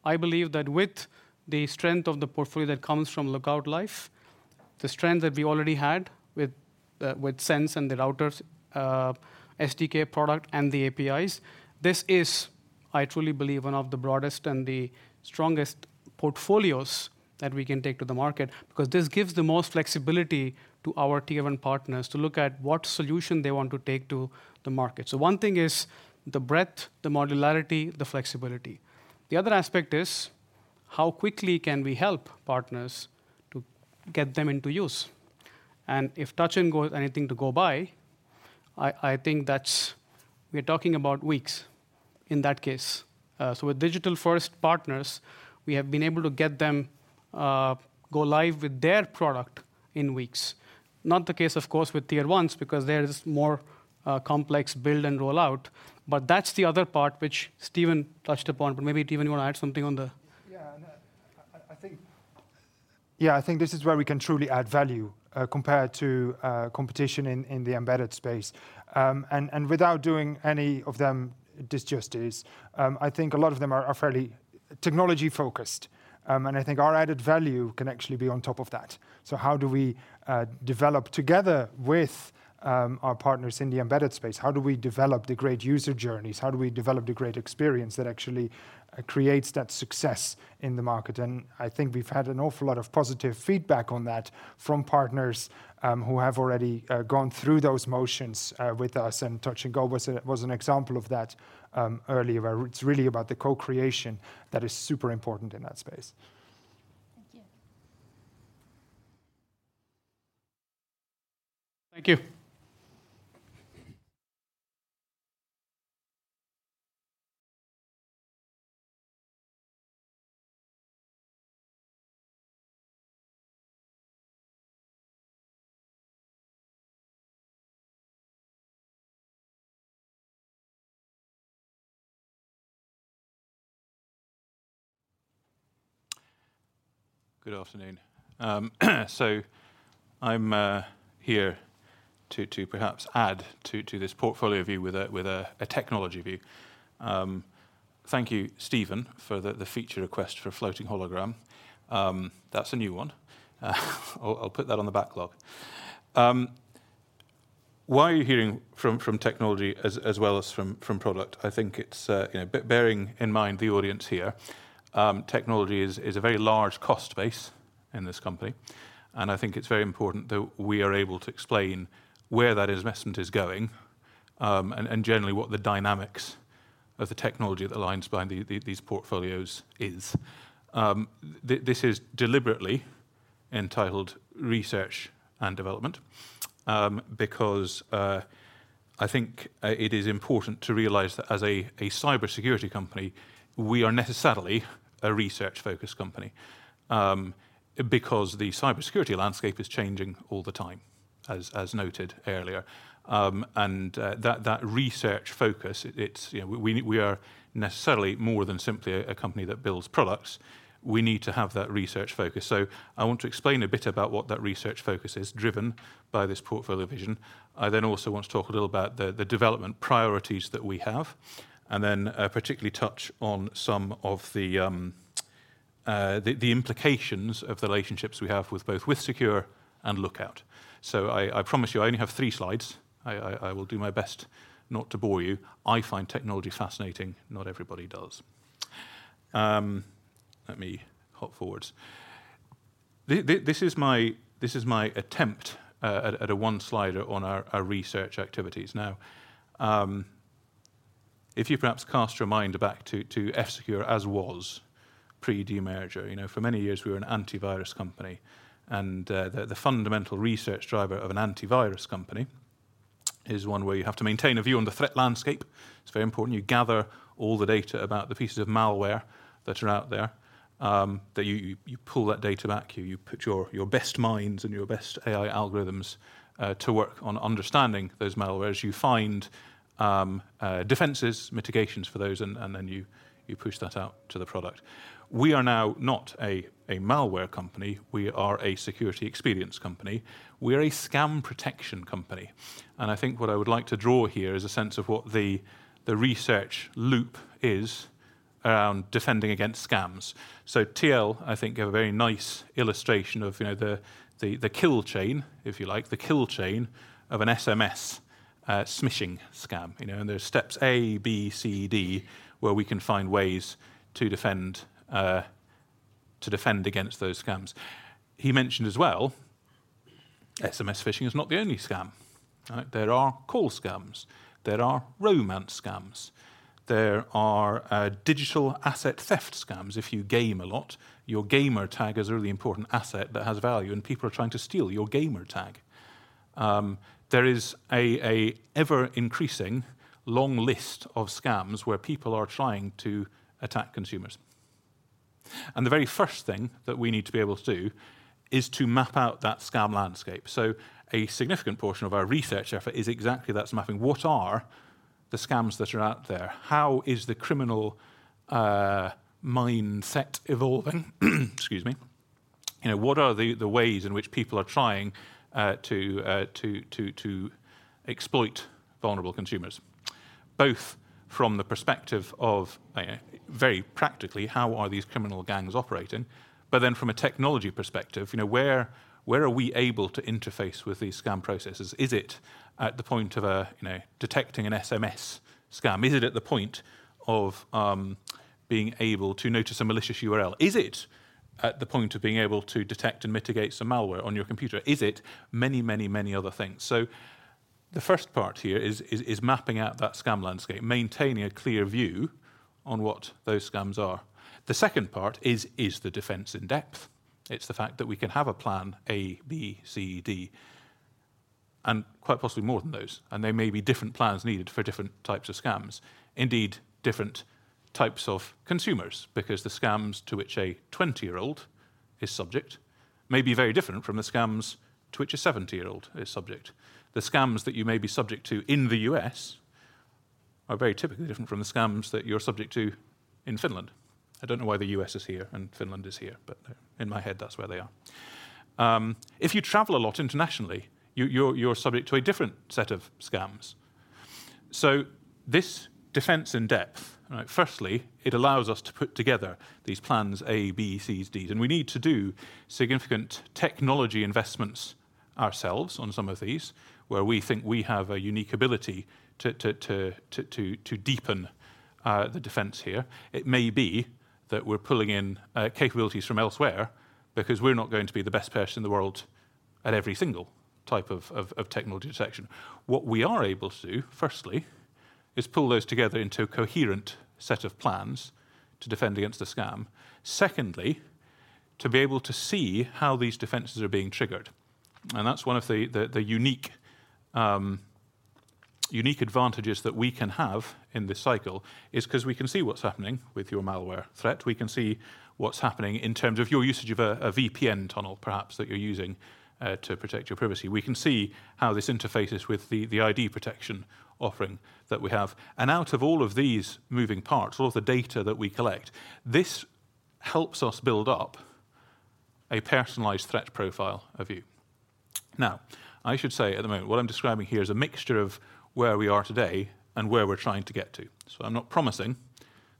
I believe that with the strength of the portfolio that comes from Lookout Life, the strength that we already had with Sense and the routers, SDK product, and the APIs, this is, I truly believe, one of the broadest and the strongest portfolios that we can take to the market, because this gives the most flexibility to our Tier 1 partners to look at what solution they want to take to the market. One thing is the breadth, the modularity, the flexibility. The other aspect is, how quickly can we help partners to get them into use? If Touch 'n Go is anything to go by, I think that's... We're talking about weeks in that case. With digital-first partners, we have been able to get them go live with their product in weeks. Not the case, of course, with Tier 1s, because there is more complex build and rollout, but that's the other part which Steven touched upon. Maybe, Steven, you want to add something on the- Yeah, I think... Yeah, I think this is where we can truly add value compared to competition in the embedded space. And without doing any of them disjustice, I think a lot of them are fairly technology-focused. And I think our added value can actually be on top of that. So how do we develop together with our partners in the embedded space? How do we develop the great user journeys? How do we develop the great experience that actually creates that success in the market? And I think we've had an awful lot of positive feedback on that from partners who have already gone through those motions with us, and Touch 'n Go was an example of that earlier, where it's really about the co-creation that is super important in that space. Thank you. Thank you. Good afternoon. So I'm here to perhaps add to this portfolio view with a technology view. Thank you, Steven, for the feature request for floating hologram. That's a new one. I'll put that on the backlog. Why are you hearing from technology as well as from product? I think it's you know, bearing in mind the audience here, technology is a very large cost base in this company, and I think it's very important that we are able to explain where that investment is going, and generally what the dynamics of the technology that aligns behind these portfolios is. This is deliberately entitled Research and Development, because I think it is important to realize that as a cybersecurity company, we are necessarily a research-focused company, because the cybersecurity landscape is changing all the time, as noted earlier. And that research focus, it's, you know, we are necessarily more than simply a company that builds products. We need to have that research focus. So I want to explain a bit about what that research focus is, driven by this portfolio vision. I then also want to talk a little about the development priorities that we have, and then particularly touch on some of the implications of the relationships we have with both WithSecure and Lookout. So I promise you, I only have three slides. I will do my best not to bore you. I find technology fascinating, not everybody does. Let me hop forwards. This is my attempt at a one slider on our research activities. Now, if you perhaps cast your mind back to F-Secure, as was pre-demerger, you know, for many years, we were an antivirus company, and the fundamental research driver of an antivirus company is one where you have to maintain a view on the threat landscape. It's very important. You gather all the data about the pieces of malware that are out there, that you pull that data back, you put your best minds and your best AI algorithms to work on understanding those malwares. You find defenses, mitigations for those, and then you push that out to the product. We are now not a malware company, we are a security experience company. We are a scam protection company. And I think what I would like to draw here is a sense of what the research loop is around defending against scams. So T.L., I think, gave a very nice illustration of, you know, the kill chain, if you like, the kill chain of an SMS smishing scam, you know, and there are steps A, B, C, D, where we can find ways to defend to defend against those scams. He mentioned as well SMS phishing is not the only scam, right? There are call scams, there are romance scams, there are digital asset theft scams. If you game a lot, your gamer tag is a really important asset that has value, and people are trying to steal your gamer tag. There is an ever-increasing long list of scams where people are trying to attack consumers. And the very first thing that we need to be able to do is to map out that scam landscape. So a significant portion of our research effort is exactly that, it's mapping what are the scams that are out there? How is the criminal mindset evolving? Excuse me. You know, what are the ways in which people are trying to exploit vulnerable consumers, both from the perspective of very practically, how are these criminal gangs operating? But then from a technology perspective, you know, where are we able to interface with these scam processes? Is it at the point of, you know, detecting an SMS scam? Is it at the point of being able to notice a malicious URL? Is it at the point of being able to detect and mitigate some malware on your computer? Is it many, many, many other things? So the first part here is mapping out that scam landscape, maintaining a clear view on what those scams are. The second part is the defense in depth. It's the fact that we can have a plan A, B, C, D, and quite possibly more than those, and there may be different plans needed for different types of scams. Indeed, different types of consumers, because the scams to which a 20-year-old is subject may be very different from the scams to which a 70-year-old is subject. The scams that you may be subject to in the U.S. are very typically different from the scams that you're subject to in Finland. I don't know why the U.S. is here and Finland is here, but in my head, that's where they are. If you travel a lot internationally, you're subject to a different set of scams. So this defense in depth, right, firstly, it allows us to put together these plans A, B, C, Ds, and we need to do significant technology investments ourselves on some of these, where we think we have a unique ability to deepen the defense here. It may be that we're pulling in capabilities from elsewhere because we're not going to be the best person in the world at every single type of technology detection. What we are able to do, firstly, is pull those together into a coherent set of plans to defend against the scam. Secondly, to be able to see how these defenses are being triggered, and that's one of the unique advantages that we can have in this cycle, is 'cause we can see what's happening with your malware threat. We can see what's happening in terms of your usage of a VPN tunnel, perhaps, that you're using to protect your privacy. We can see how this interfaces with the ID protection offering that we have. And out of all of these moving parts, all of the data that we collect, this helps us build up a personalized threat profile of you. Now, I should say at the moment, what I'm describing here is a mixture of where we are today and where we're trying to get to. So I'm not promising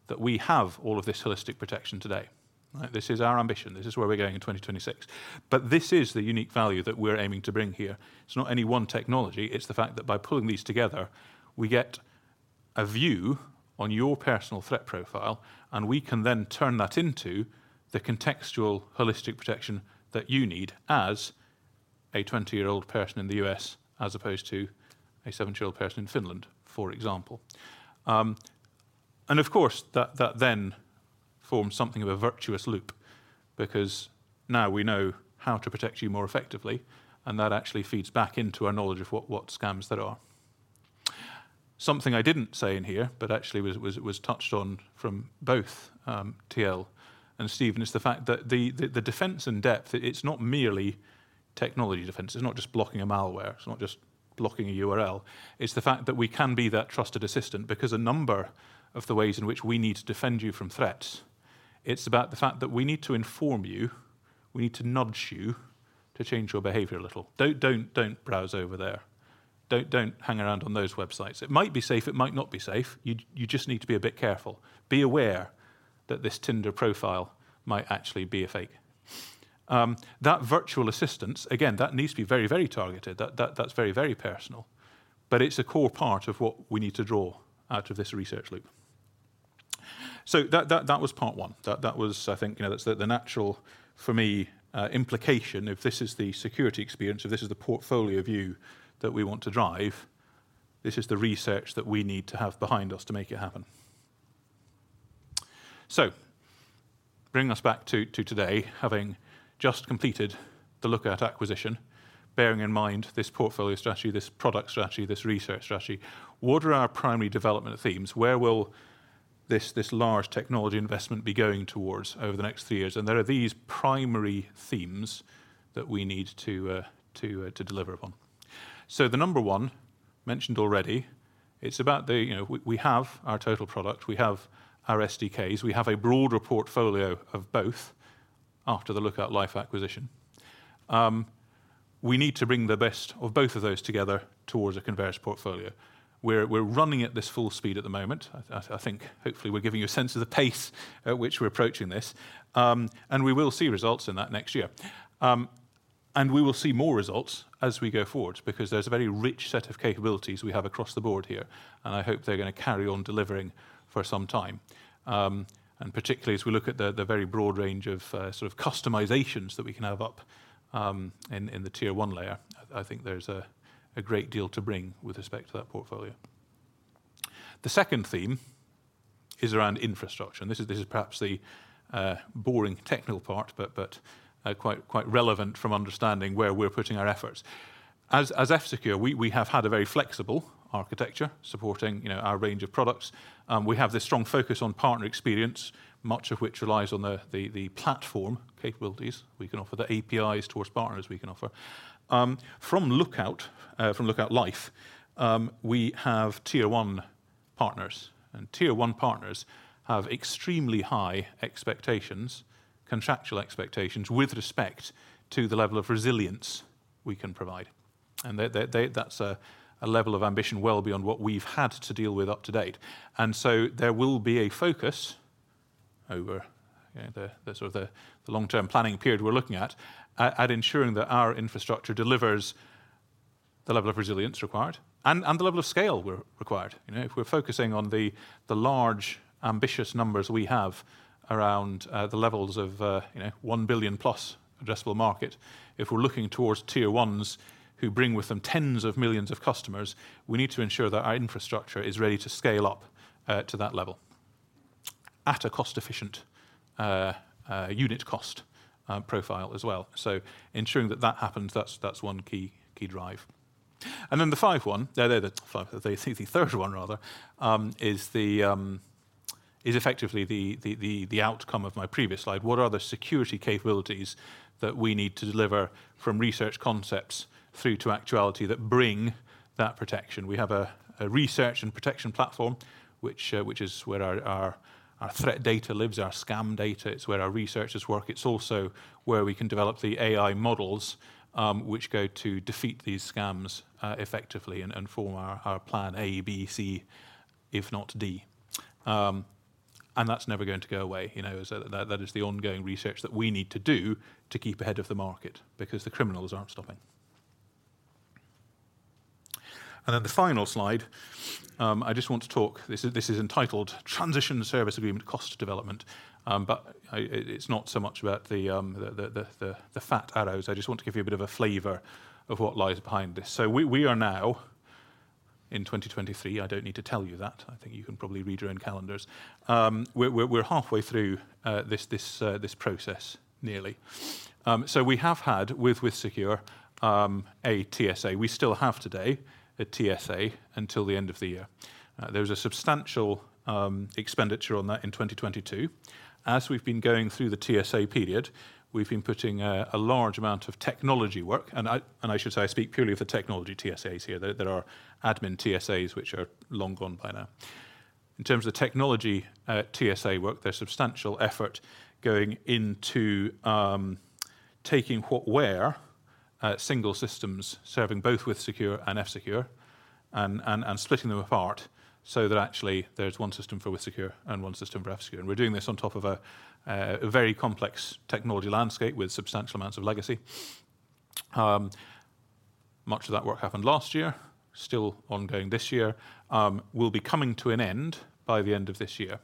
that we have all of this holistic protection today, right? This is our ambition, this is where we're going in 2026. But this is the unique value that we're aiming to bring here. It's not any one technology, it's the fact that by pulling these together, we get a view on your personal threat profile, and we can then turn that into the contextual, holistic protection that you need as a 20-year-old person in the U.S., as opposed to a 70-year-old person in Finland, for example. And of course, that then forms something of a virtuous loop, because now we know how to protect you more effectively, and that actually feeds back into our knowledge of what scams there are. Something I didn't say in here, but actually was touched on from both T.L. and Steven, is the fact that the defense in depth; it's not merely technology defense. It's not just blocking a malware, it's not just blocking a URL. It's the fact that we can be that trusted assistant, because a number of the ways in which we need to defend you from threats, it's about the fact that we need to inform you, we need to nudge you to change your behavior a little. "Don't browse over there. Don't hang around on those websites. It might be safe, it might not be safe. You, you just need to be a bit careful. Be aware that this Tinder profile might actually be a fake." That virtual assistant, again, that needs to be very, very targeted. That's very, very personal, but it's a core part of what we need to draw out of this research loop. So that was part one. That was... I think, you know, that's the natural, for me, implication. If this is the security experience, if this is the portfolio view that we want to drive, this is the research that we need to have behind us to make it happen. So bringing us back to today, having just completed the Lookout acquisition, bearing in mind this portfolio strategy, this product strategy, this research strategy, what are our primary development themes? Where will this large technology investment be going towards over the next three years? There are these primary themes that we need to, you know, to deliver upon. Number one, mentioned already, it's about the, you know, we have our Total product, we have our SDKs, we have a broader portfolio of both after the Lookout Life acquisition. We need to bring the best of both of those together towards a converged portfolio, where we're running at this full speed at the moment. I think, hopefully, we're giving you a sense of the pace at which we're approaching this. We will see results in that next year. And we will see more results as we go forward, because there's a very rich set of capabilities we have across the board here, and I hope they're gonna carry on delivering for some time. And particularly, as we look at the very broad range of sort of customizations that we can have up in the Tier 1 layer. I think there's a great deal to bring with respect to that portfolio.... The second theme is around infrastructure, and this is perhaps the boring technical part, but quite relevant from understanding where we're putting our efforts. As F-Secure, we have had a very flexible architecture supporting, you know, our range of products. We have this strong focus on partner experience, much of which relies on the platform capabilities we can offer, the APIs towards partners we can offer. From Lookout, from Lookout Life, we have Tier 1 partners, and Tier 1 partners have extremely high expectations, contractual expectations, with respect to the level of resilience we can provide. And that, that's a level of ambition well beyond what we've had to deal with up to date. And so there will be a focus over the long-term planning period we're looking at, ensuring that our infrastructure delivers the level of resilience required and the level of scale required. You know, if we're focusing on the large, ambitious numbers we have around the levels of, you know, 1 billion+ addressable market, if we're looking towards Tier 1s who bring with them tens of millions of customers, we need to ensure that our infrastructure is ready to scale up to that level at a cost-efficient unit cost profile as well. So ensuring that that happens, that's one key drive. And then the fifth one. The fifth, the third one rather, is effectively the outcome of my previous slide. What are the security capabilities that we need to deliver from research concepts through to actuality that bring that protection? We have a research and protection platform, which is where our threat data lives, our scam data. It's where our researchers work. It's also where we can develop the AI models, which go to defeat these scams effectively and form our plan A, B, C, if not D. And that's never going to go away, you know, so that is the ongoing research that we need to do to keep ahead of the market because the criminals aren't stopping. And then the final slide, I just want to talk. This is entitled Transition Service Agreement cost development, but it is not so much about the fat arrows. I just want to give you a bit of a flavor of what lies behind this. So we are now in 2023, I don't need to tell you that. I think you can probably read your own calendars. We're halfway through this process nearly. So we have had, with WithSecure, a TSA. We still have today a TSA until the end of the year. There was a substantial expenditure on that in 2022. As we've been going through the TSA period, we've been putting a large amount of technology work, and I should say, I speak purely of the technology TSAs here. There are admin TSAs, which are long gone by now. In terms of technology, TSA work, there's substantial effort going into taking what were single systems serving both WithSecure and F-Secure, splitting them apart so that actually there's one system for WithSecure and one system for F-Secure. We're doing this on top of a very complex technology landscape with substantial amounts of legacy. Much of that work happened last year, still ongoing this year, will be coming to an end by the end of this year,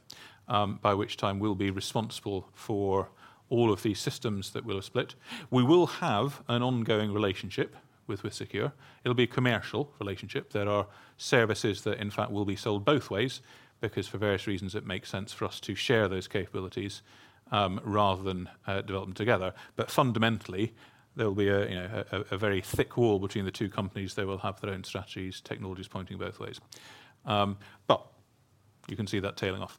by which time we'll be responsible for all of these systems that we'll split. We will have an ongoing relationship with WithSecure. It'll be a commercial relationship. There are services that, in fact, will be sold both ways, because for various reasons, it makes sense for us to share those capabilities, rather than develop them together. But fundamentally, there will be a, you know, very thick wall between the two companies. They will have their own strategies, technologies pointing both ways. But you can see that tailing off.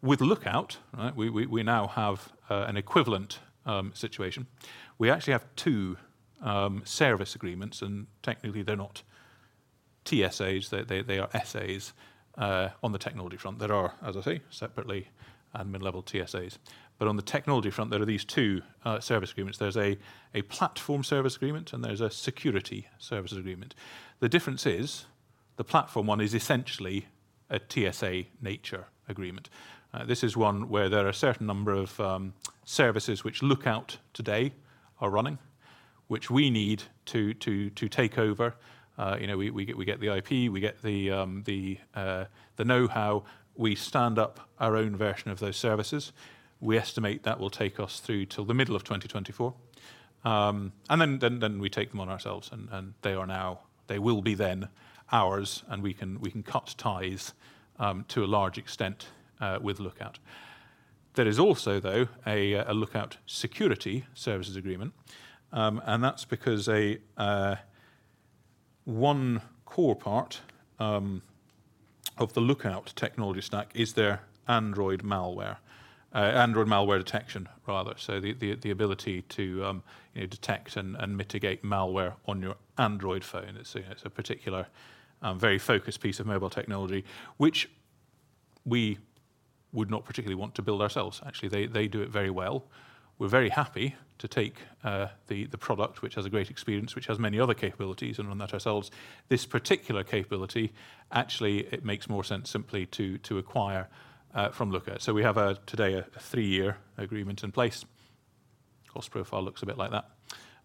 With Lookout, right, we now have an equivalent situation. We actually have two service agreements, and technically, they're not TSAs, they are SAs on the technology front. There are, as I say, separately, admin level TSAs. But on the technology front, there are these two service agreements. There's a platform service agreement, and there's a security services agreement. The difference is, the platform one is essentially a TSA nature agreement. This is one where there are a certain number of services which Lookout today are running, which we need to take over. You know, we get the IP, we get the know-how. We stand up our own version of those services. We estimate that will take us through till the middle of 2024, and then we take them on ourselves, and they are now- they will be then ours, and we can cut ties to a large extent with Lookout. There is also, though, a Lookout security services agreement, and that's because one core part of the Lookout technology stack is their Android malware. Android malware detection, rather. So the ability to, you know, detect and mitigate malware on your Android phone. It's a particular very focused piece of mobile technology, which we would not particularly want to build ourselves. Actually, they, they do it very well. We're very happy to take, the, the product, which has a great experience, which has many other capabilities, and run that ourselves. This particular capability, actually, it makes more sense simply to, to acquire, from Lookout. We have a, today, a, a three-year agreement in place. Cost profile looks a bit like that.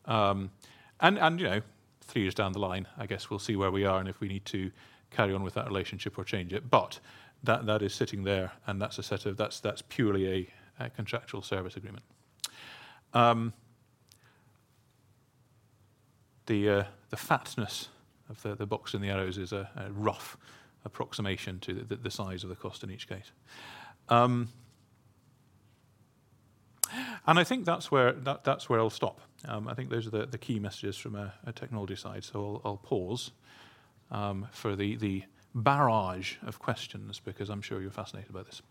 You know, three years down the line, I guess we'll see where we are and if we need to carry on with that relationship or change it. That is sitting there, and that's a set of... That's, that's purely a, a contractual service agreement. The, the fatness of the, the box and the arrows is a, a rough approximation to the, the size of the cost in each case. I think that's where, that, that's where I'll stop. I think those are the key messages from a technology side. So I'll pause for the barrage of questions, because I'm sure you're fascinated by this.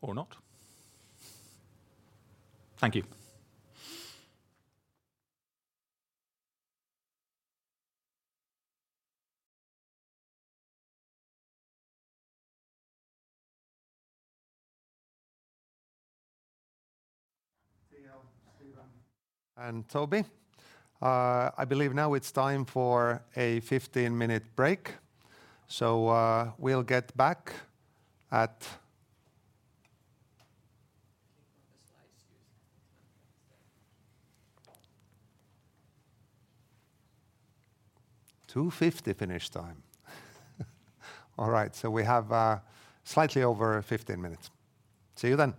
I am. Or not. Thank you.... And Toby, I believe now it's time for a 15-minute break. So, we'll get back at 2:50 P.M. Finnish time. All right, so we have slightly over 15 minutes. See you then.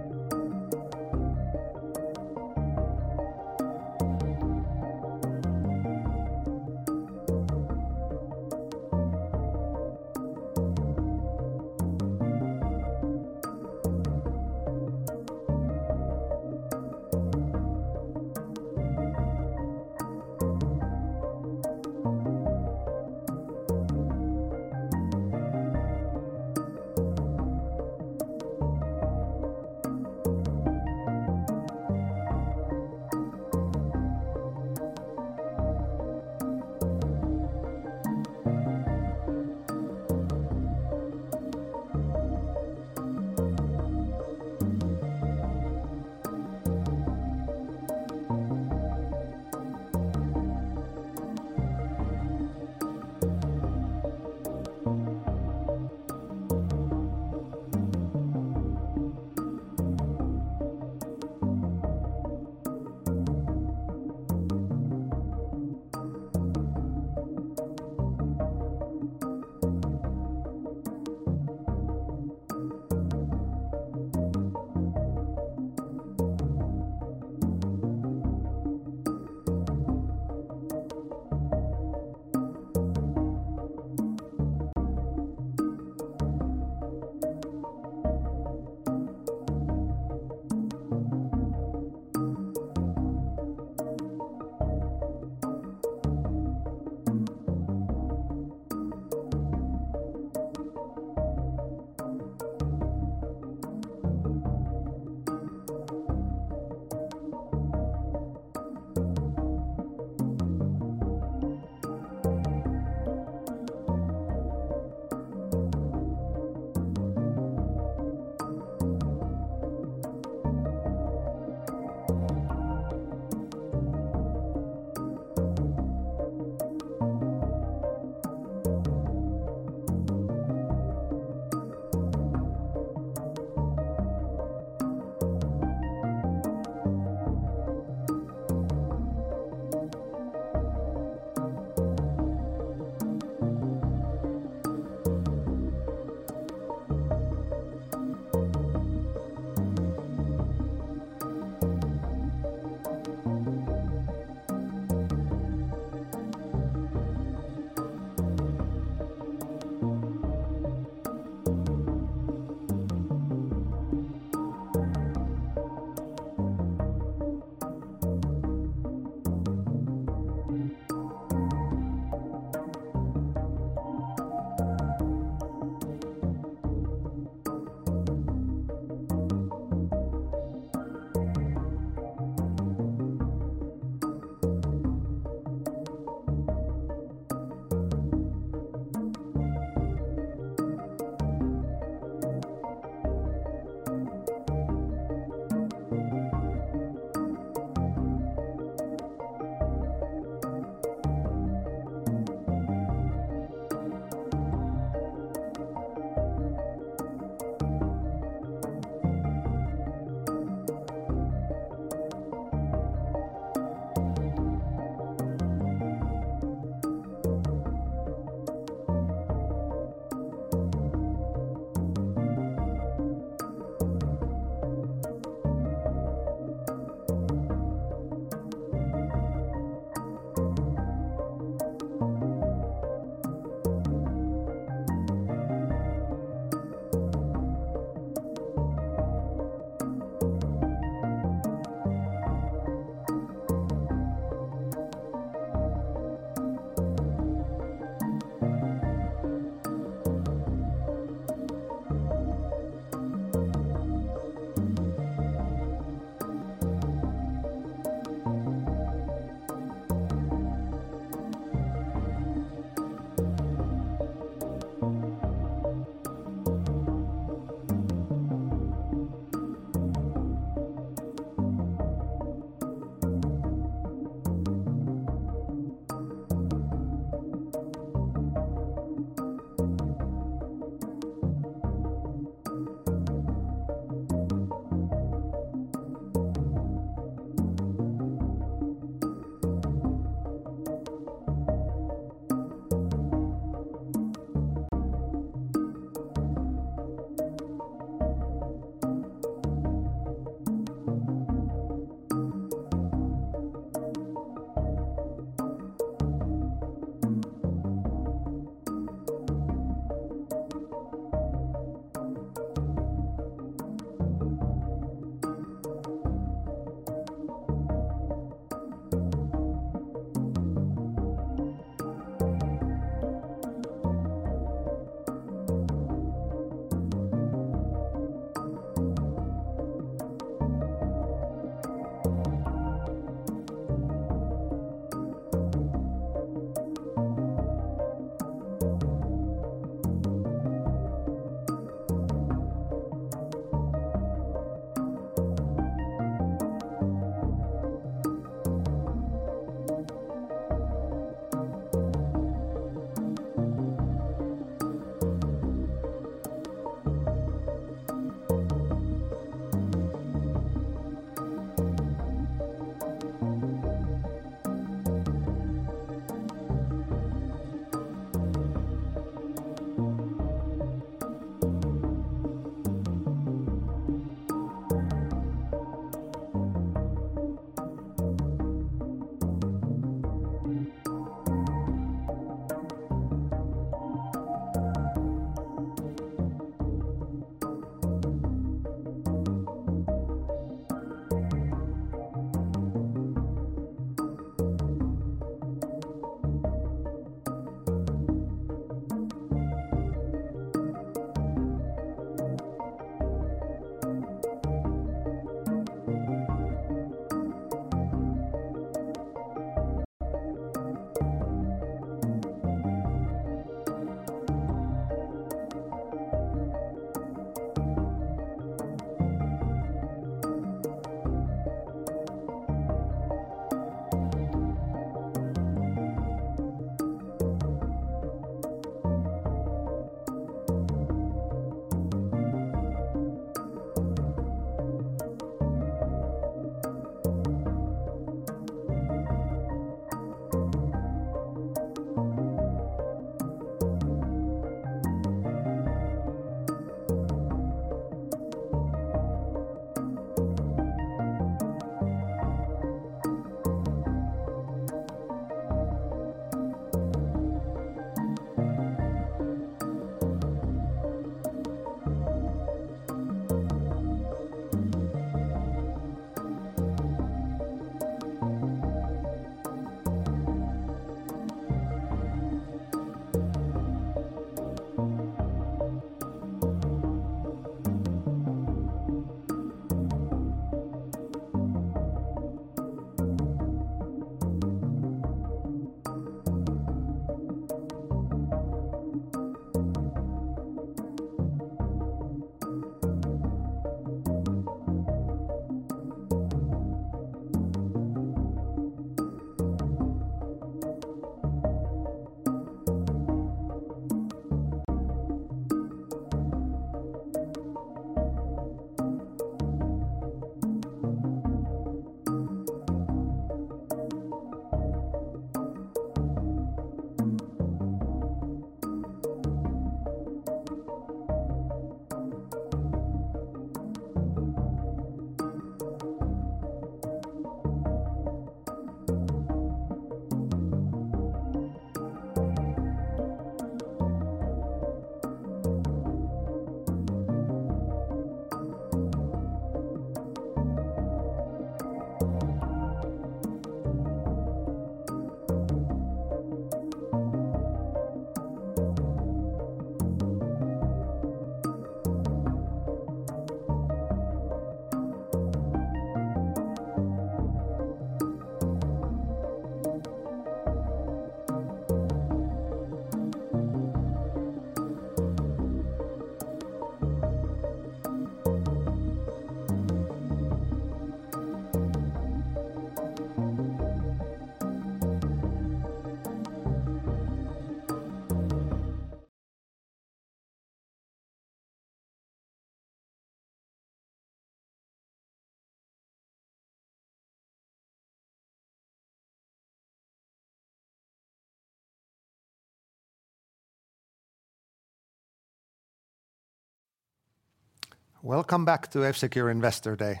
Welcome back to F-Secure Investor Day!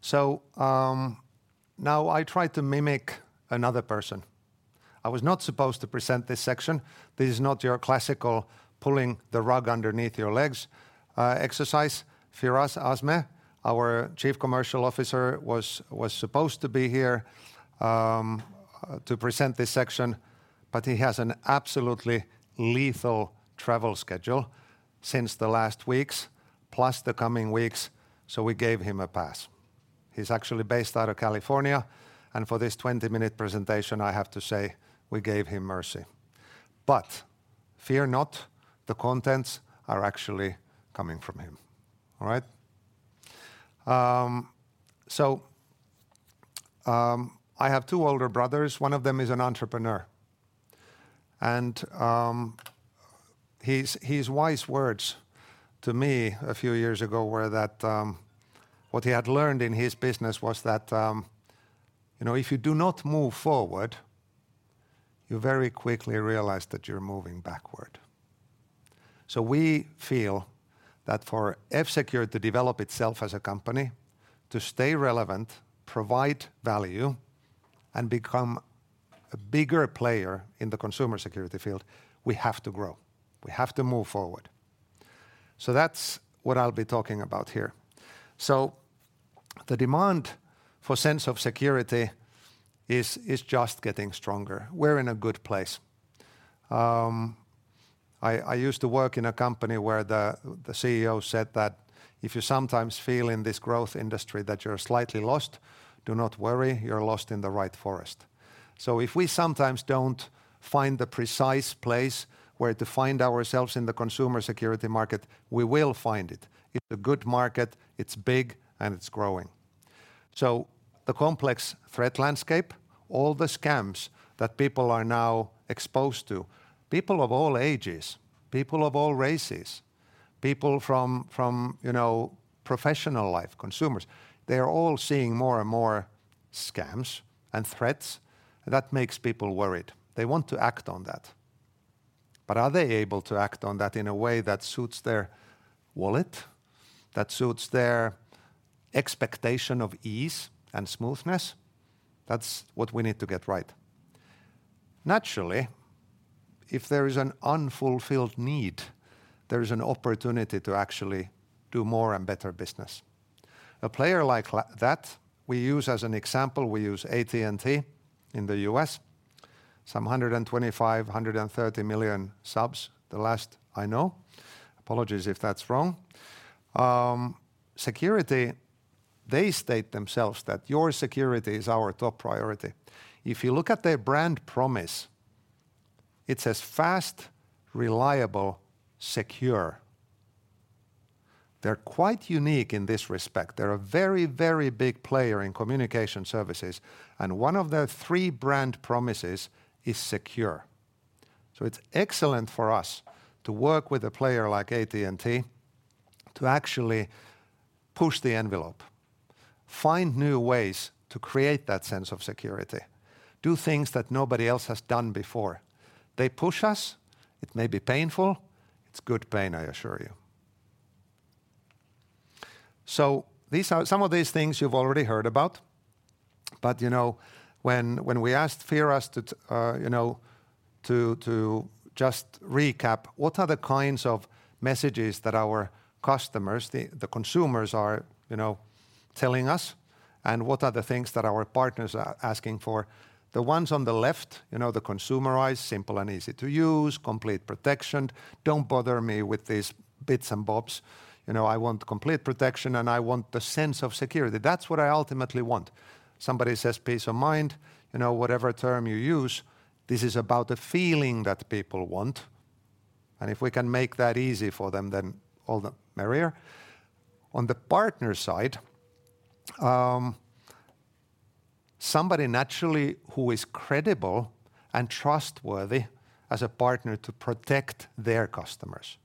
So, now I try to mimic another person. I was not supposed to present this section. This is not your classical pulling the rug underneath your legs exercise. Firas Azmeh, our Chief Commercial Officer, was supposed to be here to present this section.... but he has an absolutely lethal travel schedule since the last weeks, plus the coming weeks, so we gave him a pass. He's actually based out of California, and for this 20-minute presentation, I have to say, we gave him mercy. But fear not, the contents are actually coming from him. All right? So, I have two older brothers, one of them is an entrepreneur. And, his wise words to me a few years ago were that, what he had learned in his business was that, you know, if you do not move forward, you very quickly realize that you're moving backward. So we feel that for F-Secure to develop itself as a company, to stay relevant, provide value, and become a bigger player in the consumer security field, we have to grow. We have to move forward. So that's what I'll be talking about here. So the demand for sense of security is just getting stronger. We're in a good place. I used to work in a company where the CEO said that, "If you sometimes feel in this growth industry that you're slightly lost, do not worry, you're lost in the right forest." So if we sometimes don't find the precise place where to find ourselves in the consumer security market, we will find it. It's a good market, it's big, and it's growing. So the complex threat landscape, all the scams that people are now exposed to, people of all ages, people of all races, people from, you know, professional life, consumers, they are all seeing more and more scams and threats, and that makes people worried. They want to act on that. But are they able to act on that in a way that suits their wallet, that suits their expectation of ease and smoothness? That's what we need to get right. Naturally, if there is an unfulfilled need, there is an opportunity to actually do more and better business. A player like that we use as an example, we use AT&T in the U.S., some 125 million -130 million subs, the last I know. Apologies if that's wrong. Security, they state themselves that, "Your security is our top priority." If you look at their brand promise, it says, "Fast, reliable, secure." They're quite unique in this respect. They're a very, very big player in communication services, and one of their three brand promises is secure. So it's excellent for us to work with a player like AT&T to actually push the envelope, find new ways to create that sense of security, do things that nobody else has done before. They push us. It may be painful, it's good pain, I assure you. So these are some of these things you've already heard about, but, you know, when we asked Firas to, you know, to just recap, what are the kinds of messages that our customers, the consumers are, you know, telling us, and what are the things that our partners are asking for? The ones on the left, you know, the consumerized, simple and easy to use, complete protection. "Don't bother me with these bits and bobs, you know, I want complete protection, and I want the sense of security. That's what I ultimately want." Somebody says, "Peace of mind." You know, whatever term you use, this is about the feeling that people want, and if we can make that easy for them, then all the merrier. On the partner side, somebody naturally who is credible and trustworthy as a partner to protect their customers.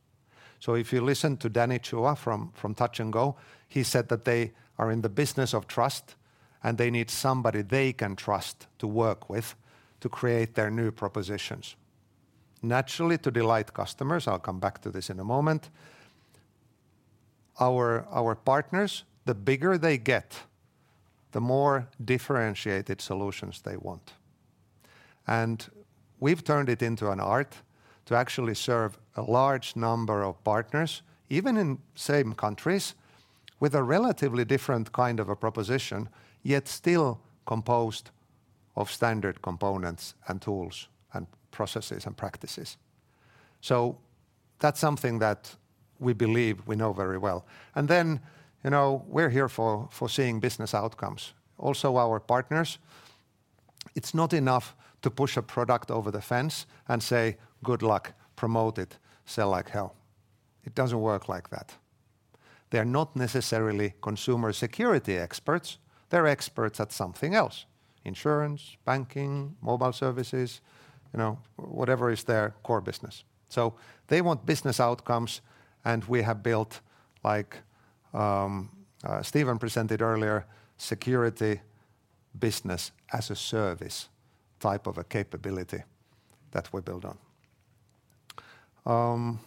So if you listen to Danny Chua from Touch 'n Go, he said that they are in the business of trust, and they need somebody they can trust to work with to create their new propositions. Naturally, to delight customers, I'll come back to this in a moment, our partners, the bigger they get, the more differentiated solutions they want. We've turned it into an art to actually serve a large number of partners, even in same countries, with a relatively different kind of a proposition, yet still composed of standard components, and tools, and processes, and practices. That's something that we believe we know very well. Then, you know, we're here for seeing business outcomes. Also, our partners, it's not enough to push a product over the fence and say, "Good luck, promote it, sell like hell." It doesn't work like that. They're not necessarily consumer security experts, they're experts at something else: insurance, banking, mobile services, you know, whatever is their core business. They want business outcomes, and we have built, like, Steven presented earlier, security business-as-a-service type of a capability that we build on.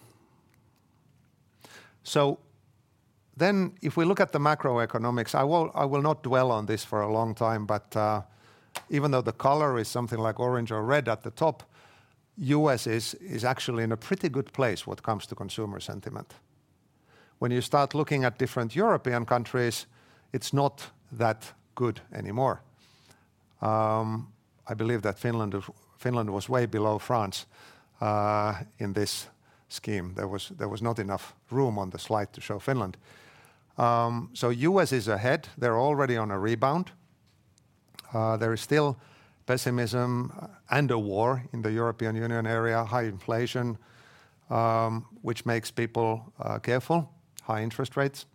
So then if we look at the macroeconomics, I won't—I will not dwell on this for a long time, but, even though the color is something like orange or red at the top, U.S. is, is actually in a pretty good place when it comes to consumer sentiment. When you start looking at different European countries, it's not that good anymore. I believe that Finland of, Finland was way below France, in this scheme. There was, there was not enough room on the slide to show Finland. So U.S. is ahead. They're already on a rebound. There is still pessimism and a war in the European Union area, high inflation, which makes people, careful, high interest rates.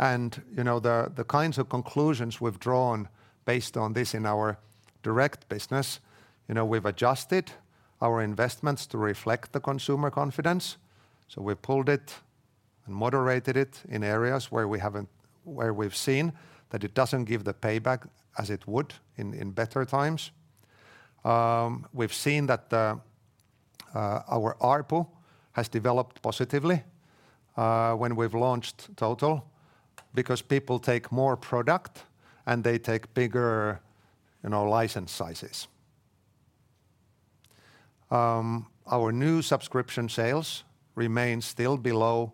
You know, the kinds of conclusions we've drawn based on this in our direct business. You know, we've adjusted our investments to reflect the consumer confidence, so we pulled it and moderated it in areas where we've seen that it doesn't give the payback as it would in better times. We've seen that our ARPU has developed positively when we've launched Total, because people take more product, and they take bigger, you know, license sizes. Our new subscription sales remain still below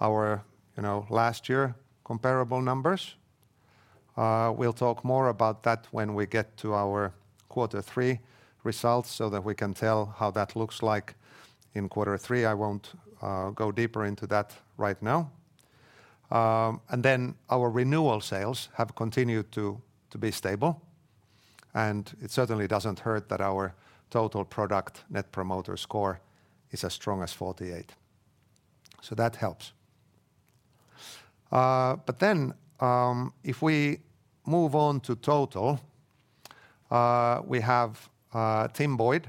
our, you know, last year comparable numbers. We'll talk more about that when we, so that we can tell how that looks like in Quarter Three. I won't go deeper into that right now. Our renewal sales have continued to be stable, and it certainly doesn't hurt that our Total product net promoter score is as strong as 48, so that helps. If we move on to Total, we have Tim Boyd,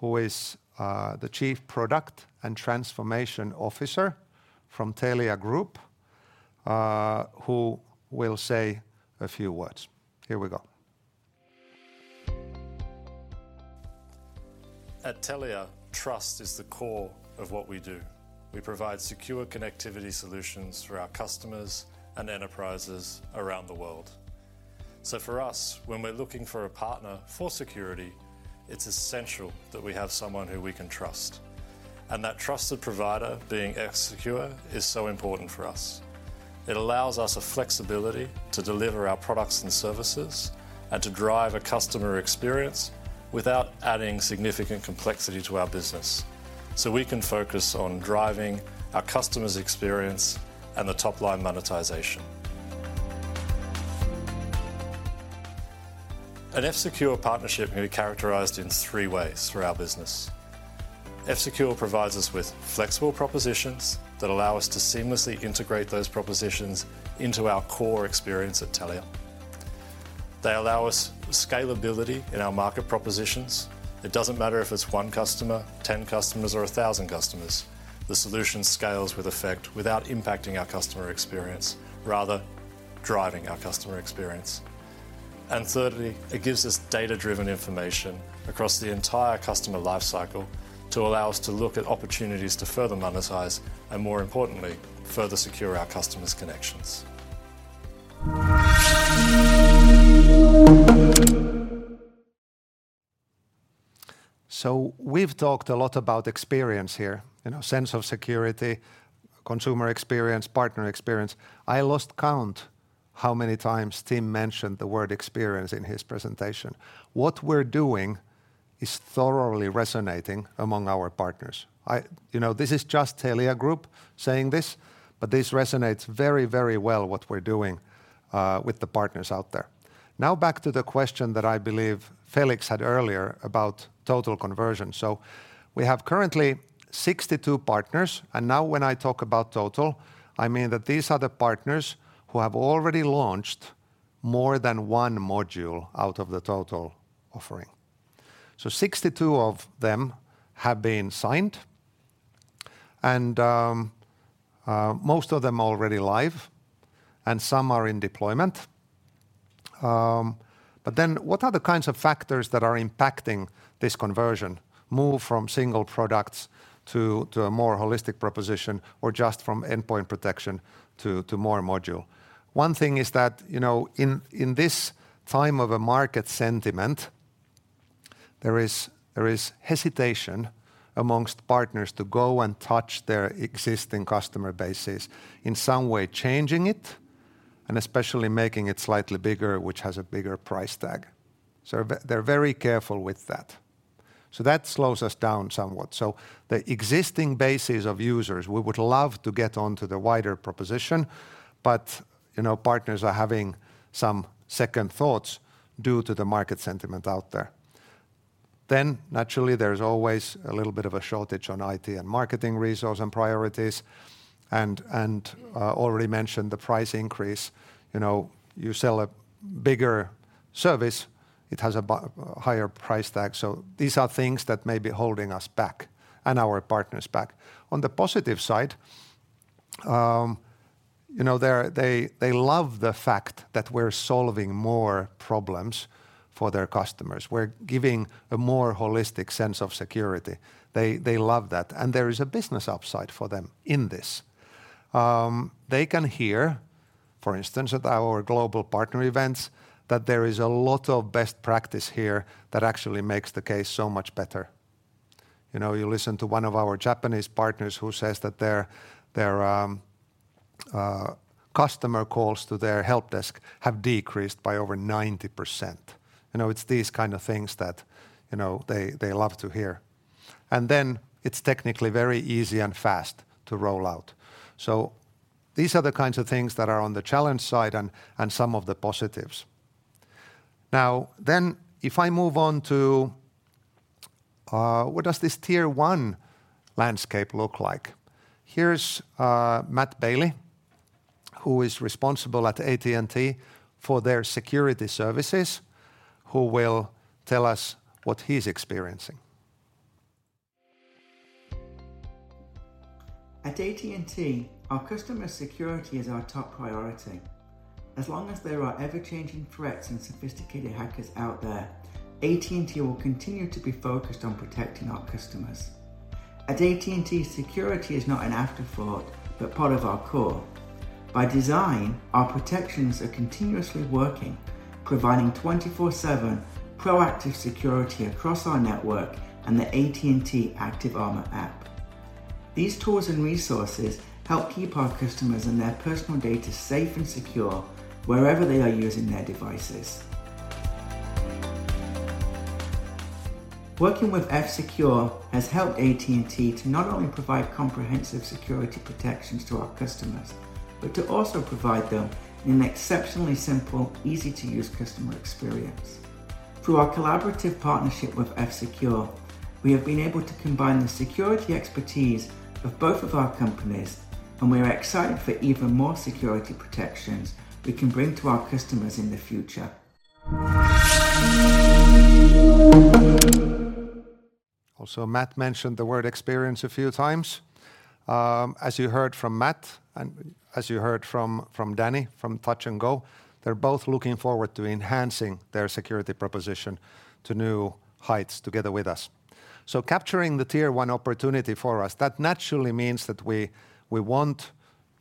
who is the Chief Product and Transformation Officer from Telia Group, who will say a few words. Here we go. At Telia, trust is the core of what we do. We provide secure connectivity solutions for our customers and enterprises around the world. So for us, when we're looking for a partner for security, it's essential that we have someone who we can trust, and that trusted provider being F-Secure, is so important for us. It allows us the flexibility to deliver our products and services and to drive a customer experience without adding significant complexity to our business, so we can focus on driving our customers' experience and the top-line monetization. An F-Secure partnership can be characterized in three ways for our business. F-Secure provides us with flexible propositions that allow us to seamlessly integrate those propositions into our core experience at Telia. They allow us scalability in our market propositions. It doesn't matter if it's one customer, 10 customers or 1,000 customers, the solution scales with effect without impacting our customer experience, rather driving our customer experience. And thirdly, it gives us data-driven information across the entire customer life cycle to allow us to look at opportunities to further monetize and, more importantly, further secure our customers' connections. We've talked a lot about experience here. You know, sense of security, consumer experience, partner experience. I lost count how many times Tim mentioned the word experience in his presentation. What we're doing is thoroughly resonating among our partners. I... You know, this is just Telia group saying this, but this resonates very, very well what we're doing, with the partners out there. Now, back to the question that I believe Felix had earlier about total conversion. We have currently 62 partners, and now when I talk about Total, I mean that these are the partners who have already launched more than one module out of the Total offering. So 62 of them have been signed, and most of them are already live and some are in deployment. But then what are the kinds of factors that are impacting this conversion move from single products to a more holistic proposition, or just from endpoint protection to more modular? One thing is that, you know, in this time of a market sentiment, there is hesitation amongst partners to go and touch their existing customer bases in some way, changing it, and especially making it slightly bigger, which has a bigger price tag. So very they're very careful with that. So that slows us down somewhat. So the existing bases of users, we would love to get on to the wider proposition, but, you know, partners are having some second thoughts due to the market sentiment out there. Then naturally, there's always a little bit of a shortage on IT and marketing resource and priorities and already mentioned the price increase. You know, you sell a bigger service, it has a higher price tag. So these are things that may be holding us back and our partners back. On the positive side, you know, they love the fact that we're solving more problems for their customers. We're giving a more holistic sense of security. They love that, and there is a business upside for them in this. They can hear, for instance, at our global partner events, that there is a lot of best practice here that actually makes the case so much better. You know, you listen to one of our Japanese partners who says that their customer calls to their help desk have decreased by over 90%. You know, it's these kind of things that, you know, they love to hear. And then it's technically very easy and fast to roll out. So these are the kinds of things that are on the challenge side and, and some of the positives. Now, then, if I move on to what does this Tier 1 landscape look like? Here's Matt Bailey, who is responsible at AT&T for their security services, who will tell us what he's experiencing. At AT&T, our customer security is our top priority. As long as there are ever-changing threats and sophisticated hackers out there, AT&T will continue to be focused on protecting our customers. At AT&T, security is not an afterthought, but part of our core. By design, our protections are continuously working, providing 24/7 proactive security across our network and the AT&T ActiveArmor app. These tools and resources help keep our customers and their personal data safe and secure wherever they are using their devices. Working with F-Secure has helped AT&T to not only provide comprehensive security protections to our customers, but to also provide them an exceptionally simple, easy-to-use customer experience. Through our collaborative partnership with F-Secure, we have been able to combine the security expertise of both of our companies, and we are excited for even more security protections we can bring to our customers in the future. Also, Matt mentioned the word experience a few times. As you heard from Matt, and as you heard from Danny, from Touch 'n Go, they're both looking forward to enhancing their security proposition to new heights together with us. So capturing the Tier 1 opportunity for us, that naturally means that we want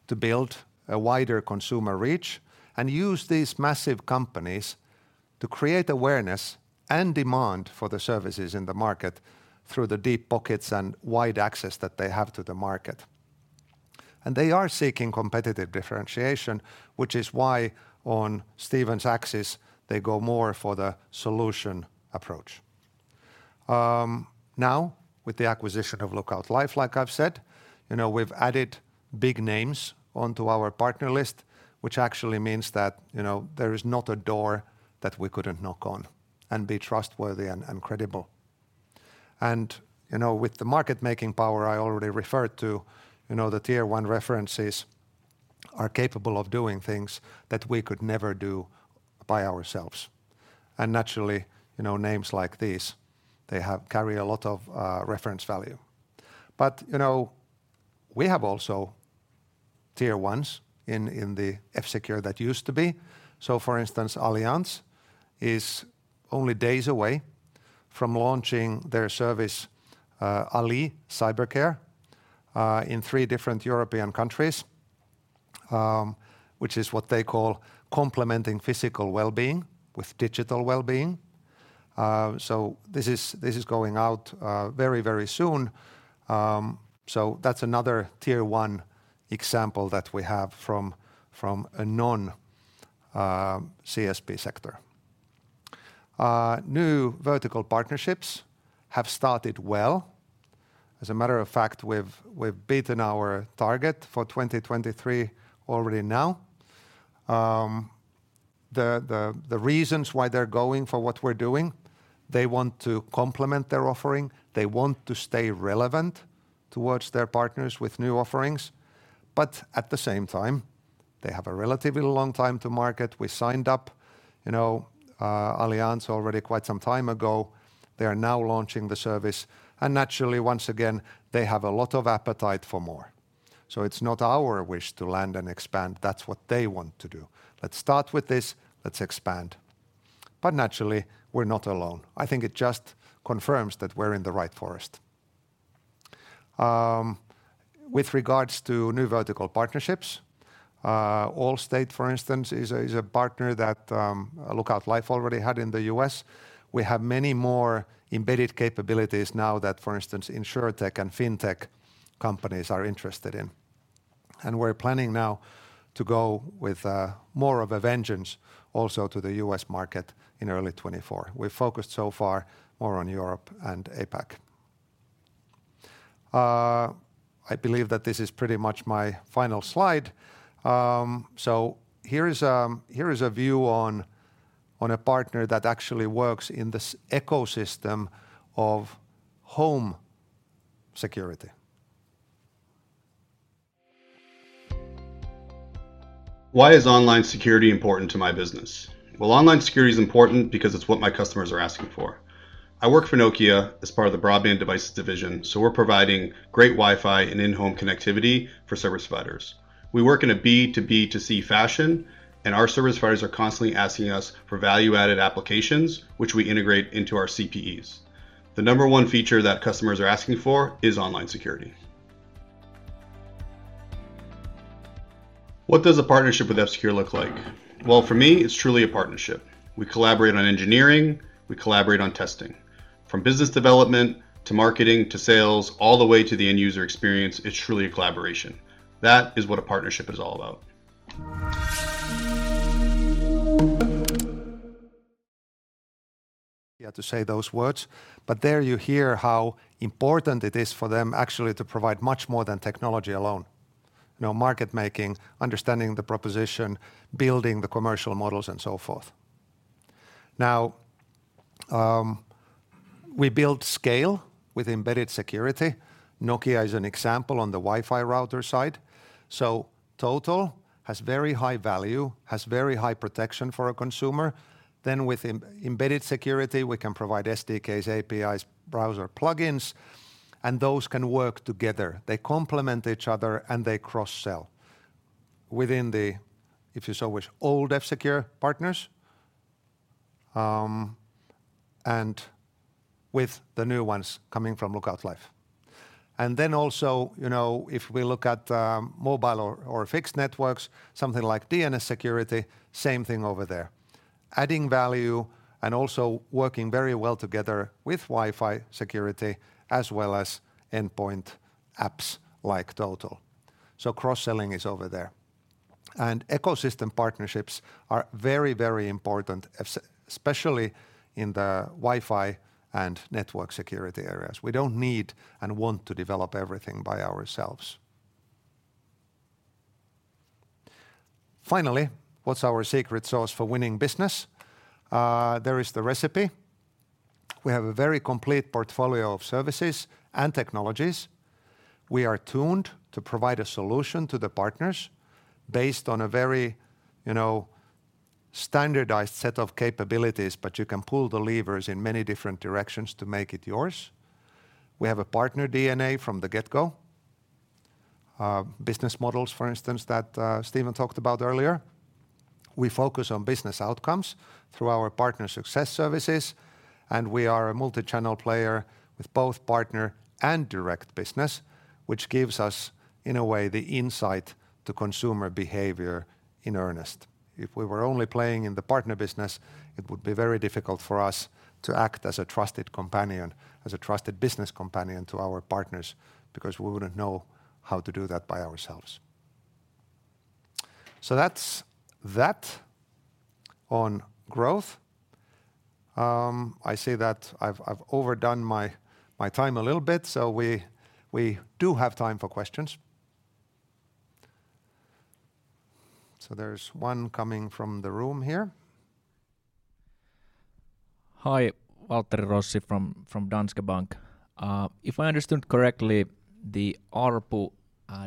to build a wider consumer reach and use these massive companies to create awareness and demand for the services in the market through the deep pockets and wide access that they have to the market. And they are seeking competitive differentiation, which is why, on Steven's axis, they go more for the solution approach. Now, with the acquisition of Lookout Life, like I've said, you know, we've added big names onto our partner list, which actually means that, you know, there is not a door that we couldn't knock on and be trustworthy and, and credible. You know, with the market-making power I already referred to, you know, the Tier 1 references are capable of doing things that we could never do by ourselves. Naturally, you know, names like these, they carry a lot of reference value. You know, we have also Tier 1s in the F-Secure that used to be. For instance, Allianz is only days away from launching their service, allyz Cyber Care, in three different European countries, which is what they call complementing physical well-being with digital well-being. This is going out very, very soon. So that's another Tier 1 example that we have from a non-CSP sector. New vertical partnerships have started well. As a matter of fact, we've beaten our target for 2023 already now. The reasons why they're going for what we're doing, they want to complement their offering, they want to stay relevant towards their partners with new offerings, but at the same time, they have a relatively long time to market. We signed up, you know, Allianz already quite some time ago. They are now launching the service, and naturally, once again, they have a lot of appetite for more. So it's not our wish to land and expand, that's what they want to do. "Let's start with this, let's expand." But naturally, we're not alone. I think it just confirms that we're in the right forest. With regards to new vertical partnerships, Allstate, for instance, is a partner that Lookout Life already had in the U.S. We have many more embedded capabilities now that, for instance, InsurTech and FinTech companies are interested in. We're planning now to go with more of a vengeance also to the U.S. market in early 2024. We've focused so far more on Europe and APAC. I believe that this is pretty much my final slide. So here is a view on a partner that actually works in this ecosystem of home security. Why is online security important to my business? Well, online security is important because it's what my customers are asking for. I work for Nokia as part of the Broadband Devices division, so we're providing great Wi-Fi and in-home connectivity for service providers. We work in a B2B2C fashion, and our service providers are constantly asking us for value-added applications, which we integrate into our CPEs. The number one feature that customers are asking for is online security. What does a partnership with F-Secure look like? Well, for me, it's truly a partnership. We collaborate on engineering, we collaborate on testing. From business development, to marketing, to sales, all the way to the end-user experience, it's truly a collaboration. That is what a partnership is all about. He had to say those words, but there you hear how important it is for them actually to provide much more than technology alone. You know, market making, understanding the proposition, building the commercial models, and so forth. Now, we build scale with embedded security. Nokia is an example on the Wi-Fi router side. So Total has very high value, has very high protection for a consumer. Then with embedded security, we can provide SDKs, APIs, browser plugins, and those can work together. They complement each other, and they cross-sell within the, if you so wish, old F-Secure partners, and with the new ones coming from Lookout Life. And then also, you know, if we look at mobile or fixed networks, something like DNS security, same thing over there: adding value and also working very well together with Wi-Fi security, as well as endpoint apps like Total. So cross-selling is over there. And ecosystem partnerships are very, very important, especially in the Wi-Fi and network security areas. We don't need and want to develop everything by ourselves. Finally, what's our secret sauce for winning business? There is the recipe. We have a very complete portfolio of services and technologies. We are tuned to provide a solution to the partners based on a very, you know, standardized set of capabilities, but you can pull the levers in many different directions to make it yours. We have a partner DNA from the get-go. Business models, for instance, that Steven talked about earlier. We focus on business outcomes through our partner success services, and we are a multi-channel player with both partner and direct business, which gives us, in a way, the insight to consumer behavior in earnest. If we were only playing in the partner business, it would be very difficult for us to act as a trusted companion, as a trusted business companion to our partners, because we wouldn't know how to do that by ourselves. So that's that on growth. I see that I've overdone my time a little bit, so we do have time for questions. So there's one coming from the room here. Hi, Waltteri Rossi from Danske Bank. If I understood correctly, the ARPU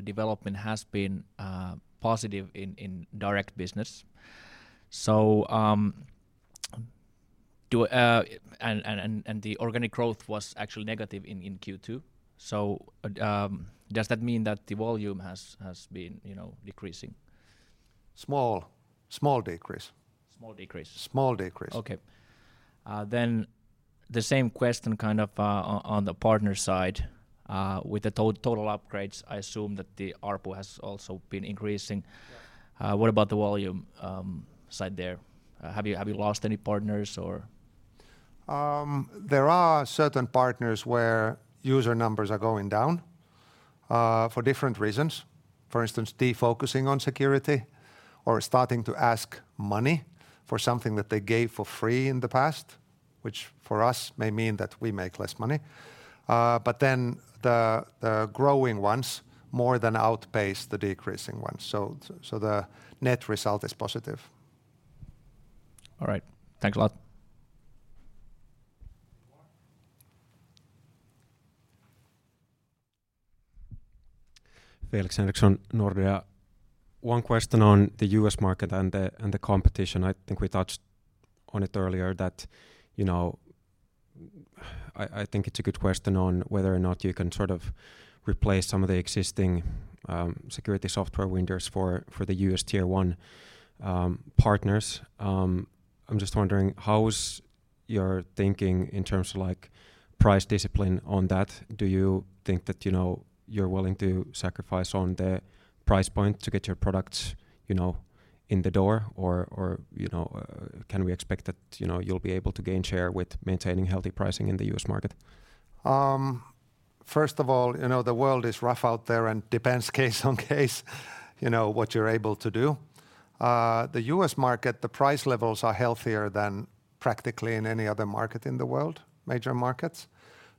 development has been positive in direct business. And the organic growth was actually negative in Q2. So, does that mean that the volume has been, you know, decreasing? Small. Small decrease. Small decrease. Small decrease. Okay. Then the same question, kind of, on the partner side. With the Total upgrades, I assume that the ARPU has also been increasing. Yeah. What about the volume side there? Have you lost any partners or...? There are certain partners where user numbers are going down for different reasons. For instance, defocusing on security or starting to ask money for something that they gave for free in the past, which, for us, may mean that we make less money. But then the growing ones more than outpace the decreasing ones, so the net result is positive. All right. Thanks a lot. One more. Felix Henriksson, Nordea. One question on the U.S. market and the competition. I think we touched on it earlier, that, you know, I think it's a good question on whether or not you can sort of replace some of the existing, you know, security software winners for the U.S. Tier 1 partners. I’m just wondering, how’s your thinking in terms of, like, price discipline on that? Do you think that, you know, you’re willing to sacrifice on the price point to get your products, you know, in the door? Or, you know, can we expect that, you know, you’ll be able to gain share with maintaining healthy pricing in the U.S. market? First of all, you know, the world is rough out there and depends case on case, you know, what you're able to do. The U.S. market, the price levels are healthier than practically in any other market in the world, major markets,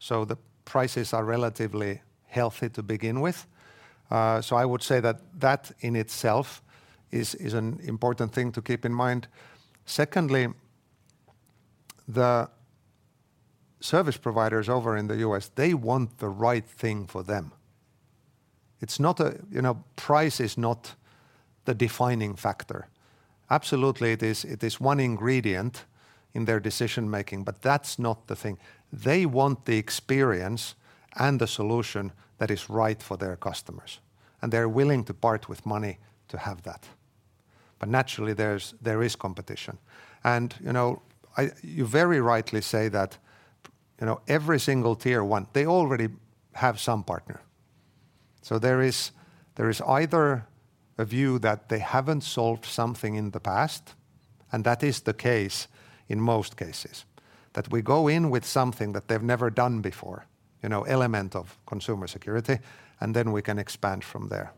so the prices are relatively healthy to begin with. So I would say that that in itself is, is an important thing to keep in mind. Secondly, the service providers over in the U.S., they want the right thing for them. It's not a... You know, price is not the defining factor. Absolutely, it is, it is one ingredient in their decision-making, but that's not the thing. They want the experience and the solution that is right for their customers, and they're willing to part with money to have that. But naturally, there's, there is competition. You know, you very rightly say that, you know, every single Tier 1, they already have some partner. So there is, there is either a view that they haven't solved something in the past, and that is the case in most cases, that we go in with something that they've never done before, you know, element of consumer security, and then we can expand from there.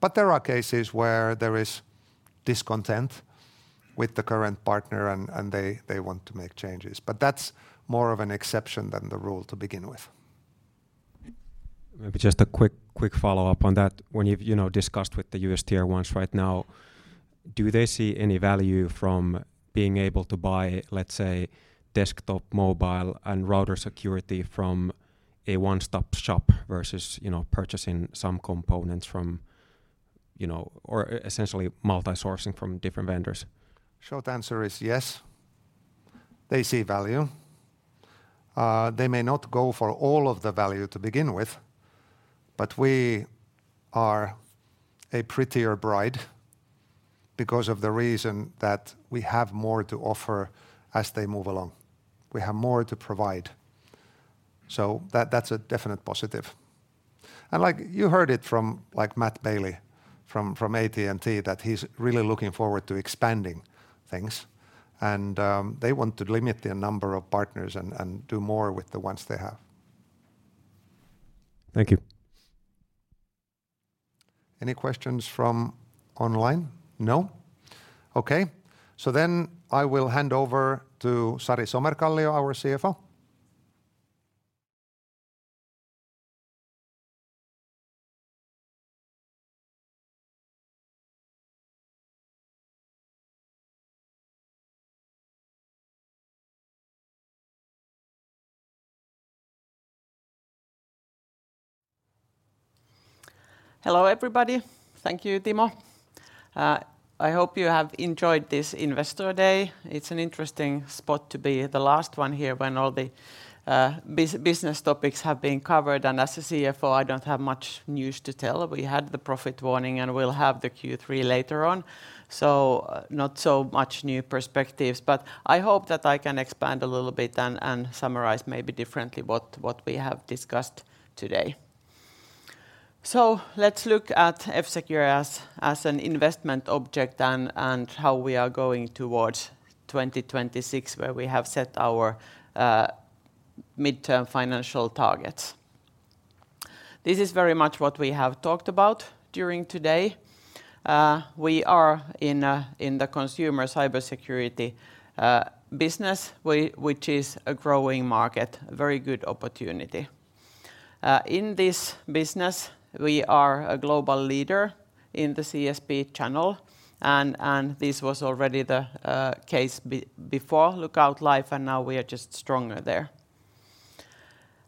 But there are cases where there is discontent with the current partner, and, and they, they want to make changes. But that's more of an exception than the rule to begin with. Maybe just a quick follow-up on that. When you've, you know, discussed with the U.S. Tier 1s right now, do they see any value from being able to buy, let's say, desktop, mobile, and router security from a one-stop shop versus, you know, purchasing some components from, you know, or essentially multi-sourcing from different vendors? Short answer is yes, they see value. They may not go for all of the value to begin with, but we are a prettier bride because of the reason that we have more to offer as they move along. We have more to provide. That's a definite positive. Like you heard it from, like, Matt Bailey, from AT&T, that he's really looking forward to expanding things, and they want to limit the number of partners and do more with the ones they have. Thank you. Any questions from online? No. Okay. So then I will hand over to Sari Somerkallio, our CFO. Hello, everybody. Thank you, Timo. I hope you have enjoyed this Investor Day. It's an interesting spot to be the last one here when all the business topics have been covered, and as a CFO, I don't have much news to tell. We had the profit warning, and we'll have the Q3 later on, so not so much new perspectives. But I hope that I can expand a little bit and summarize maybe differently what we have discussed today. So let's look at F-Secure as an investment object and how we are going towards 2026, where we have set our midterm financial targets. This is very much what we have talked about during today. We are in the consumer cybersecurity business, which is a growing market, a very good opportunity. In this business, we are a global leader in the CSP channel, and this was already the case before Lookout Life, and now we are just stronger there.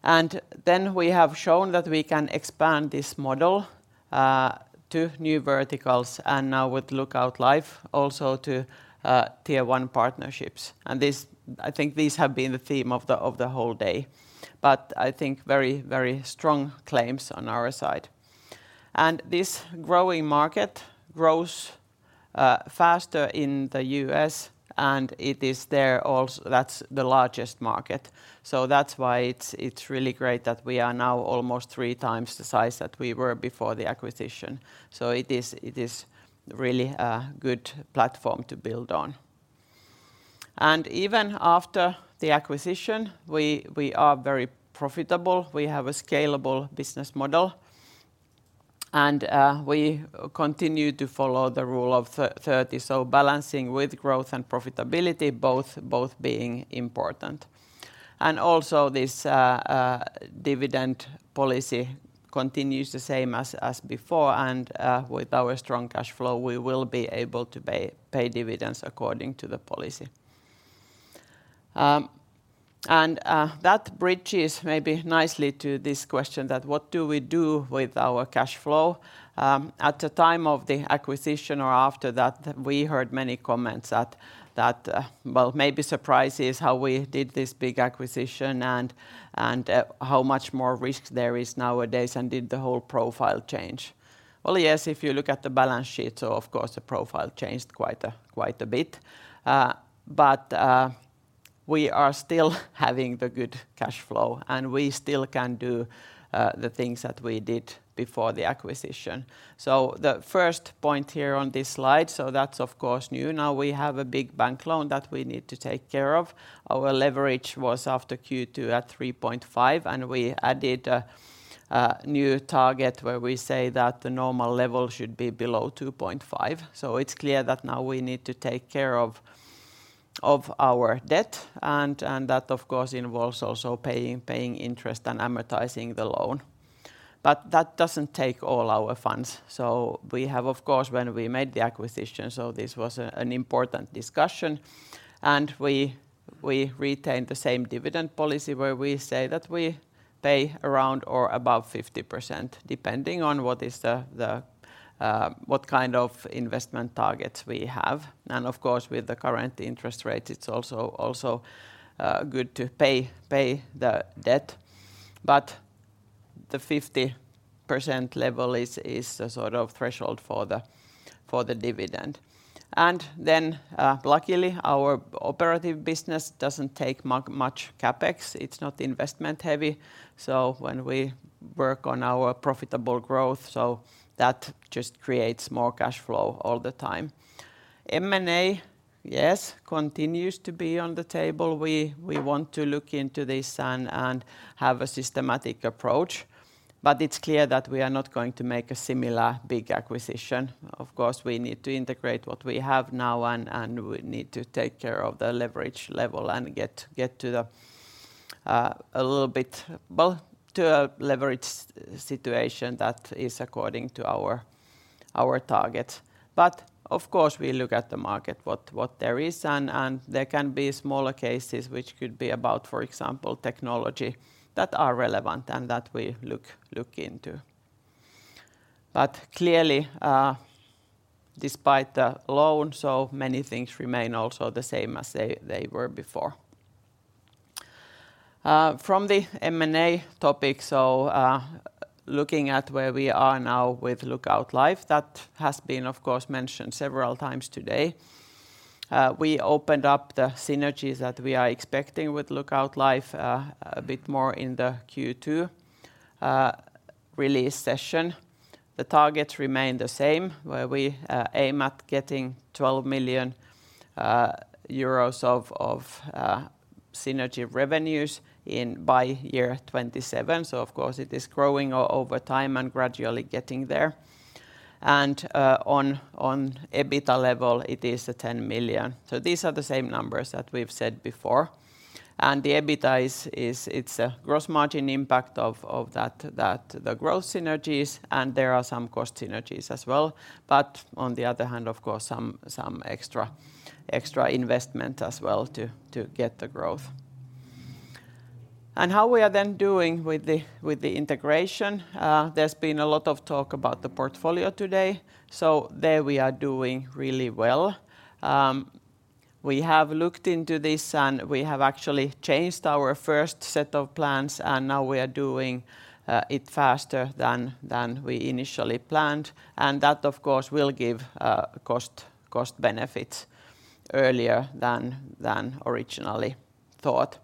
And then we have shown that we can expand this model to new verticals, and now with Lookout Life, also to Tier 1 partnerships. And this, I think these have been the theme of the whole day, but I think very, very strong claims on our side. And this growing market grows faster in the U.S., and it is there, that's the largest market. So that's why it's really great that we are now almost three times the size that we were before the acquisition. So it is really a good platform to build on. And even after the acquisition, we are very profitable. We have a scalable business model, and we continue to follow the Rule of 30, so balancing with growth and profitability, both, both being important. And also this dividend policy continues the same as before, and with our strong cash flow, we will be able to pay dividends according to the policy. And that bridges maybe nicely to this question that what do we do with our cash flow? At the time of the acquisition or after that, we heard many comments that well, maybe surprise is how we did this big acquisition and how much more risk there is nowadays, and did the whole profile change? Well, yes, if you look at the balance sheet, so of course, the profile changed quite a bit. But we are still having the good cash flow, and we still can do the things that we did before the acquisition. So the first point here on this slide, so that's of course, new. Now, we have a big bank loan that we need to take care of. Our leverage was after Q2 at 3.5, and we added a new target where we say that the normal level should be below 2.5. So it's clear that now we need to take care of our debt, and that of course, involves also paying interest and amortizing the loan. But that doesn't take all our funds. So we have, of course, when we made the acquisition, so this was a, an important discussion, and we, we retained the same dividend policy where we say that we pay around or above 50%, depending on what is the, the, what kind of investment targets we have. And of course, with the current interest rate, it's also, also, good to pay, pay the debt. But the 50% level is, is a sort of threshold for the, for the dividend. And then, luckily, our operative business doesn't take much, much CapEx. It's not investment heavy, so when we work on our profitable growth, so that just creates more cash flow all the time. M&A, yes, continues to be on the table. We want to look into this and have a systematic approach, but it's clear that we are not going to make a similar big acquisition. Of course, we need to integrate what we have now, and we need to take care of the leverage level and get to a little bit, well, to a leverage situation that is according to our target. But of course, we look at the market, what there is, and there can be smaller cases which could be about, for example, technology, that are relevant and that we look into. But clearly, despite the loan, so many things remain also the same as they were before. From the M&A topic, so, looking at where we are now with Lookout Life, that has been, of course, mentioned several times today. We opened up the synergies that we are expecting with Lookout Life a bit more in the Q2 release session. The targets remain the same, where we aim at getting 12 million euros of synergy revenues in by year 2027. So of course, it is growing over time and gradually getting there. On EBITDA level, it is 10 million. So these are the same numbers that we've said before. And the EBITDA is it's a gross margin impact of that the growth synergies, and there are some cost synergies as well. But on the other hand, of course, some extra investment as well to get the growth. And how we are then doing with the integration? There's been a lot of talk about the portfolio today, so there we are doing really well. We have looked into this, and we have actually changed our first set of plans, and now we are doing it faster than we initially planned. And that, of course, will give cost benefits earlier than originally thought.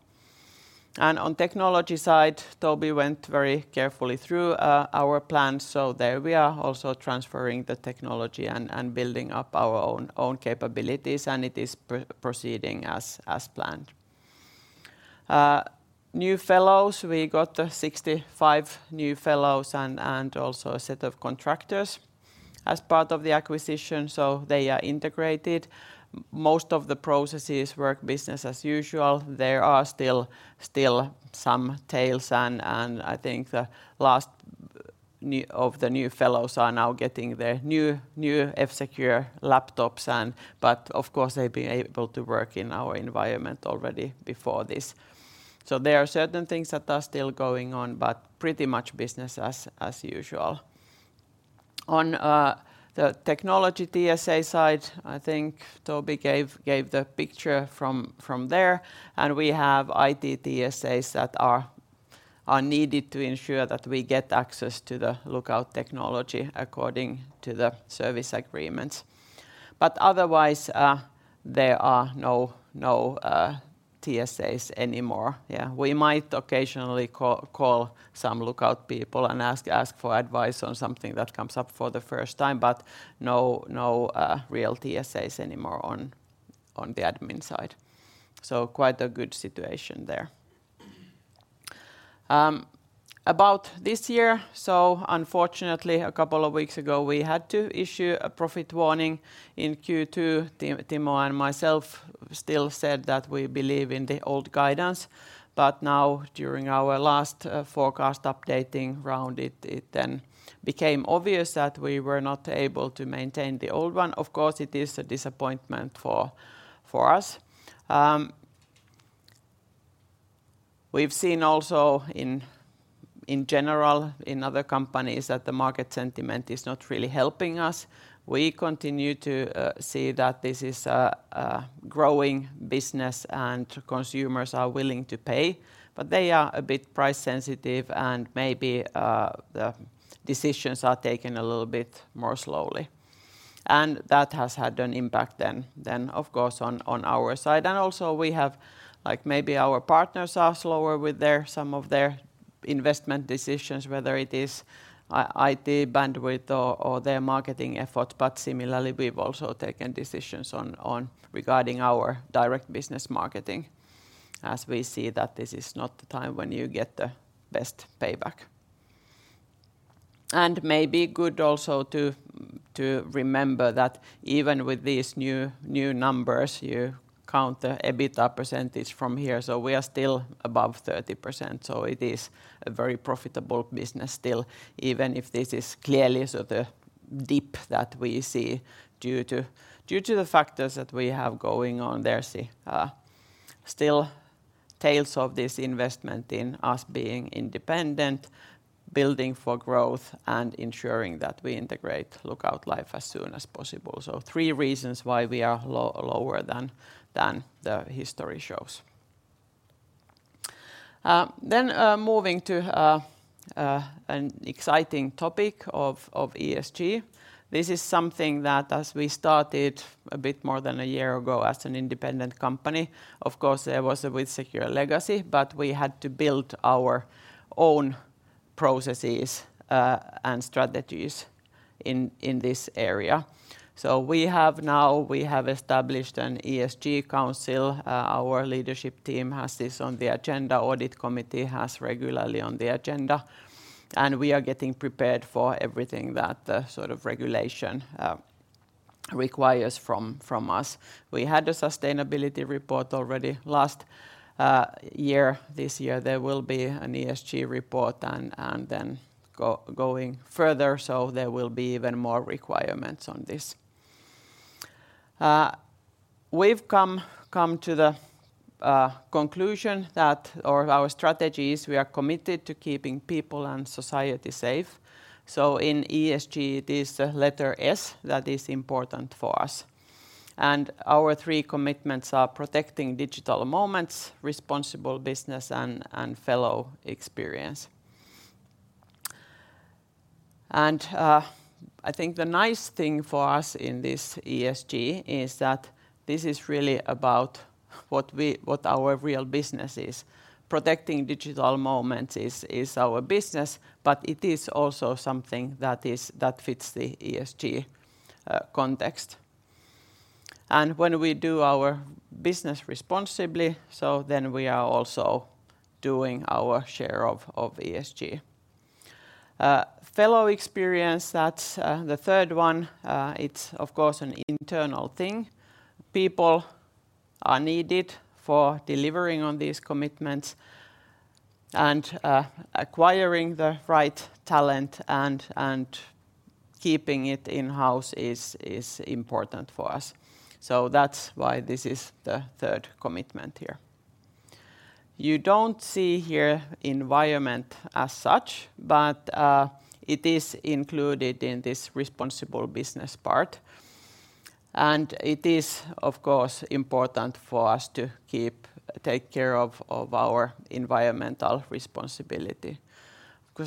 And on technology side, Toby went very carefully through our plan. So there we are also transferring the technology and building up our own capabilities, and it is proceeding as planned. New fellows, we got 65 new fellows and also a set of contractors as part of the acquisition, so they are integrated. Most of the processes work business as usual. There are still some tails, and I think the last new... The new fellows are now getting their new, new F-Secure laptops and-- but of course, they've been able to work in our environment already before this. There are certain things that are still going on, but pretty much business as usual. On the technology TSA side, I think Toby gave the picture from there, and we have IT TSAs that are needed to ensure that we get access to the Lookout technology according to the service agreements. Otherwise, there are no, no TSAs anymore. Yeah, we might occasionally call some Lookout people and ask for advice on something that comes up for the first time, but no, no real TSAs anymore on the admin side. Quite a good situation there. About this year, unfortunately, a couple of weeks ago, we had to issue a profit warning in Q2. Timo and myself still said that we believe in the old guidance, but now, during our last forecast updating round, it then became obvious that we were not able to maintain the old one. Of course, it is a disappointment for us. We've seen also in general, in other companies, that the market sentiment is not really helping us. We continue to see that this is a growing business and consumers are willing to pay, but they are a bit price sensitive and maybe the decisions are taken a little bit more slowly. That has had an impact then, of course, on our side. And also we have, like, maybe our partners are slower with their, some of their investment decisions, whether it is IT bandwidth or their marketing effort, but similarly, we've also taken decisions on regarding our direct business marketing, as we see that this is not the time when you get the best payback. And maybe good also to remember that even with these new numbers, you count the EBITDA percentage from here, so we are still above 30%. So it is a very profitable business still, even if this is clearly so the dip that we see due to the factors that we have going on there, see, still tails of this investment in us being independent, building for growth, and ensuring that we integrate Lookout Life as soon as possible. Three reasons why we are lower than the history shows. Then, moving to an exciting topic of ESG. This is something that as we started a bit more than a year ago as an independent company, of course, there was a WithSecure legacy, but we had to build our own processes and strategies in this area. We have now established an ESG council. Our leadership team has this on the agenda, audit committee has regularly on the agenda, and we are getting prepared for everything that the sort of regulation requires from us. We had a sustainability report already last year. This year there will be an ESG report and going further, so there will be even more requirements on this. We've come to the conclusion that, or our strategy is we are committed to keeping people and society safe. So in ESG, it is the letter S that is important for us. Our three commitments are protecting digital moments, responsible business, and Fellow experience. I think the nice thing for us in this ESG is that this is really about what our real business is. Protecting digital moments is our business, but it is also something that fits the ESG context. When we do our business responsibly, then we are also doing our share of ESG. Fellow experience, that's the third one. It's of course an internal thing. People are needed for delivering on these commitments, and acquiring the right talent and keeping it in-house is important for us. That's why this is the third commitment here. You don't see here environment as such, but it is included in this responsible business part. It is, of course, important for us to keep... take care of our environmental responsibility.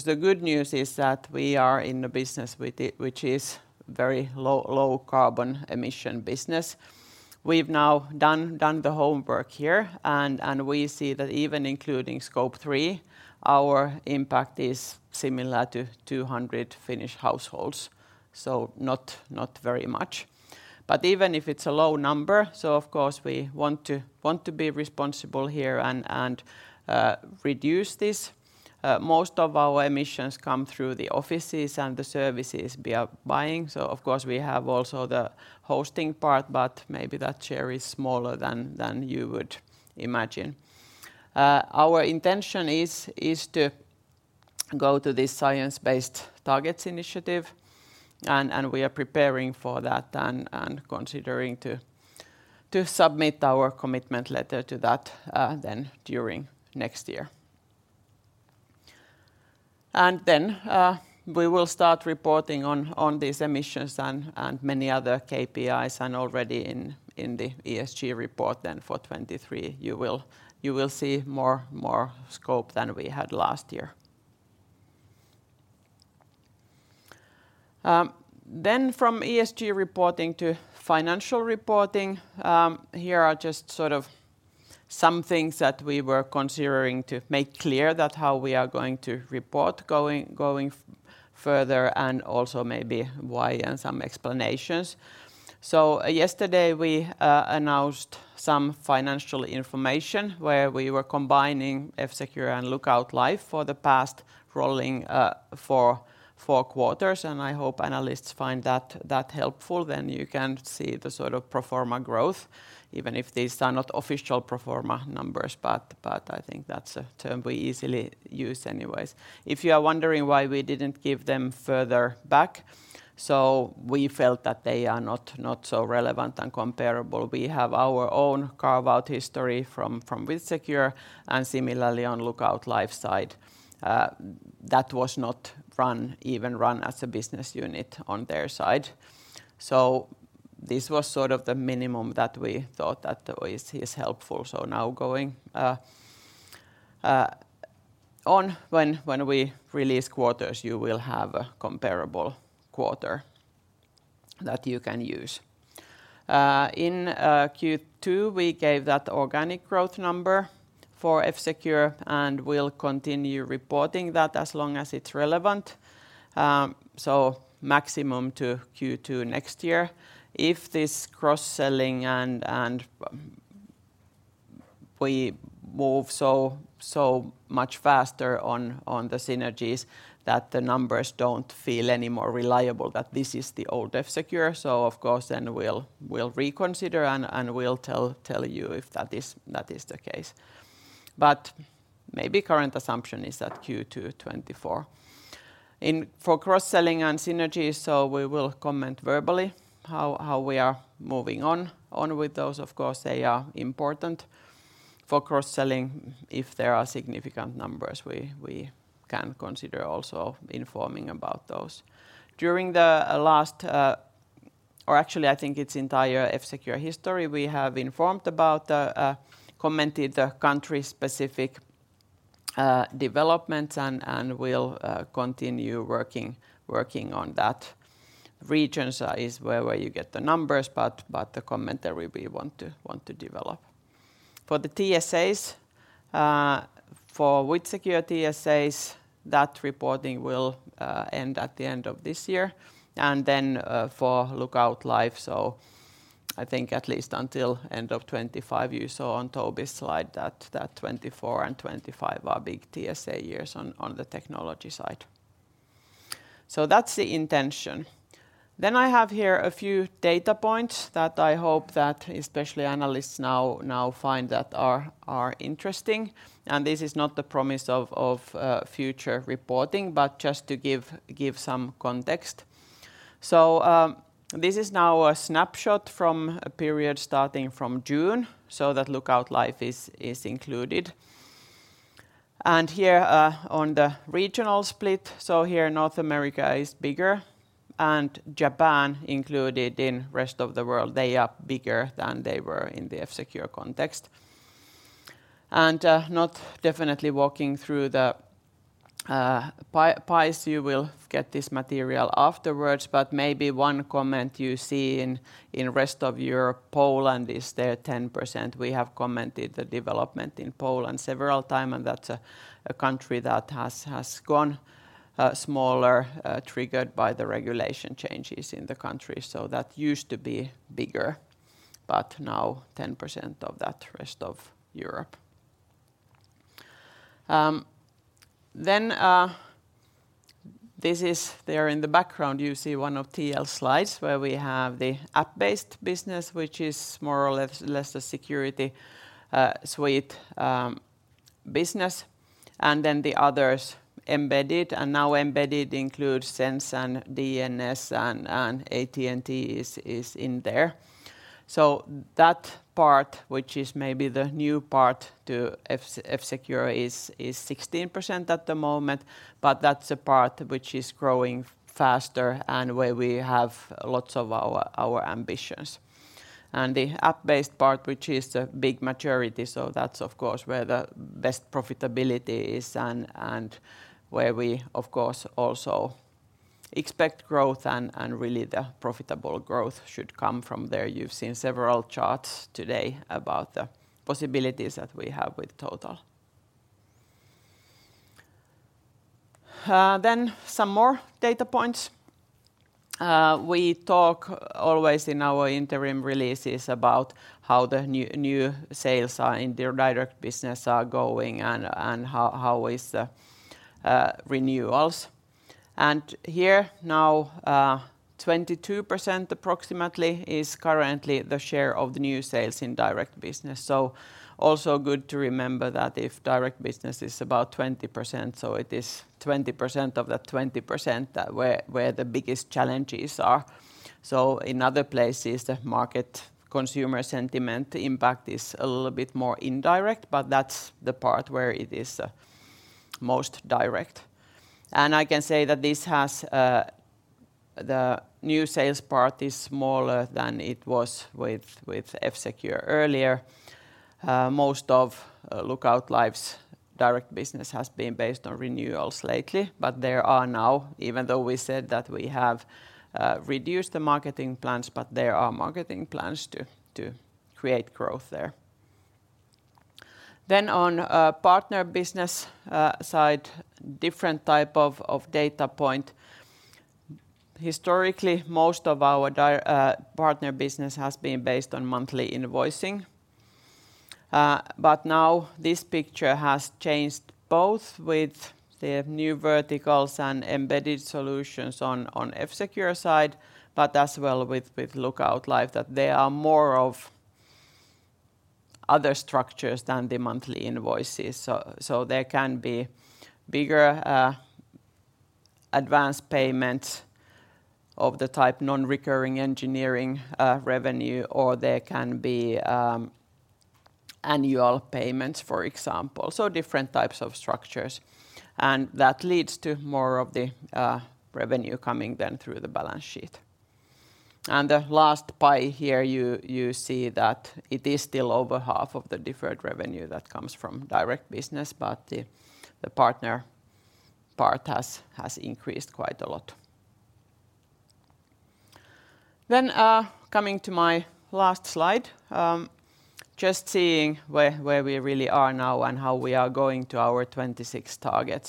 The good news is that we are in a business which is very low, low carbon emission business. We've now done the homework here, and we see that even including Scope 3, our impact is similar to 200 Finnish households, so not very much. Even if it's a low number, of course, we want to be responsible here and reduce this. Most of our emissions come through the offices and the services we are buying. Of course, we have also the hosting part, but maybe that share is smaller than you would imagine. Our intention is to go to this Science Based Targets initiative, and we are preparing for that and considering to submit our commitment letter to that during next year. We will start reporting on these emissions and many other KPIs, and already in the ESG report for 2023, you will see more scope than we had last year. From ESG reporting to financial reporting, here are just some things that we were considering to make clear that how we are going to report going further, and also maybe why and some explanations. So yesterday, we announced some financial information where we were combining F-Secure and Lookout Life for the past rolling four quarters, and I hope analysts find that helpful. Then you can see the sort of pro forma growth, even if these are not official pro forma numbers, but I think that's a term we easily use anyways. If you are wondering why we didn't give them further back, so we felt that they are not so relevant and comparable. We have our own carve-out history from WithSecure, and similarly, on Lookout Life side, that was not even run as a business unit on their side. So this was sort of the minimum that we thought that is helpful. So now going on when we release quarters, you will have a comparable quarter that you can use. In Q2, we gave that organic growth number for F-Secure, and we'll continue reporting that as long as it's relevant, so maximum to Q2 next year. If this cross-selling and we move so much faster on the synergies that the numbers don't feel any more reliable, that this is the old F-Secure. So of course, then we'll reconsider and we'll tell you if that is the case. But maybe current assumption is that Q2 2024. For cross-selling and synergies, so we will comment verbally how we are moving on with those. Of course, they are important for cross-selling. If there are significant numbers, we can consider also informing about those. During the last... Or actually, I think it's entire F-Secure history, we have informed about, commented the country-specific developments, and we'll continue working on that. Regions is where you get the numbers, but the commentary we want to develop. For the TSAs, for WithSecure TSAs, that reporting will end at the end of this year, and then, for Lookout Life, so I think at least until end of 2025. You saw on Toby's slide that 2024 and 2025 are big TSA years on the technology side. So that's the intention. Then I have here a few data points that I hope that especially analysts find that are interesting, and this is not the promise of future reporting, but just to give some context. So, this is now a snapshot from a period starting from June, so that Lookout Life is included. And here, on the regional split, so here North America is bigger, and Japan included in rest of the world, they are bigger than they were in the F-Secure context. And, not definitely walking through the pies, you will get this material afterwards, but maybe one comment you see in rest of Europe, Poland is there 10%. We have commented the development in Poland several time, and that's a country that has gone smaller, triggered by the regulation changes in the country. So that used to be bigger, but now 10% of that rest of Europe. Then, this is there in the background, you see one of T.L. slides, where we have the app-based business, which is more or less a security suite business, and then the others embedded, and now embedded includes Sense and DNS, and AT&T is in there. So that part, which is maybe the new part to F-Secure, is 16% at the moment, but that's the part which is growing faster and where we have lots of our ambitions. And the app-based part, which is the big majority, so that's of course where the best profitability is, and where we, of course, also expect growth, and really the profitable growth should come from there. You've seen several charts today about the possibilities that we have with Total. Then some more data points. We talk always in our interim releases about how the new sales are in their direct business are going and how is the renewals. Here, now, 22% approximately is currently the share of the new sales in direct business. So also good to remember that if direct business is about 20%, so it is 20% of the 20% that... where the biggest challenges are. So in other places, the market consumer sentiment impact is a little bit more indirect, but that's the part where it is most direct. And I can say that this has the new sales part is smaller than it was with F-Secure earlier. Most of Lookout Life's direct business has been based on renewals lately, but there are now, even though we said that we have reduced the marketing plans, but there are marketing plans to create growth there. Then on partner business side, different type of data point. Historically, most of our partner business has been based on monthly invoicing. But now this picture has changed both with the new verticals and embedded solutions on F-Secure side, but as well with Lookout Life, that they are more of other structures than the monthly invoices. So there can be bigger advanced payments of the type non-recurring engineering revenue, or there can be annual payments, for example. So different types of structures, and that leads to more of the revenue coming then through the balance sheet. The last pie here, you see that it is still over half of the deferred revenue that comes from direct business, but the partner part has increased quite a lot. Coming to my last slide, just seeing where we really are now and how we are going to our 2026 target.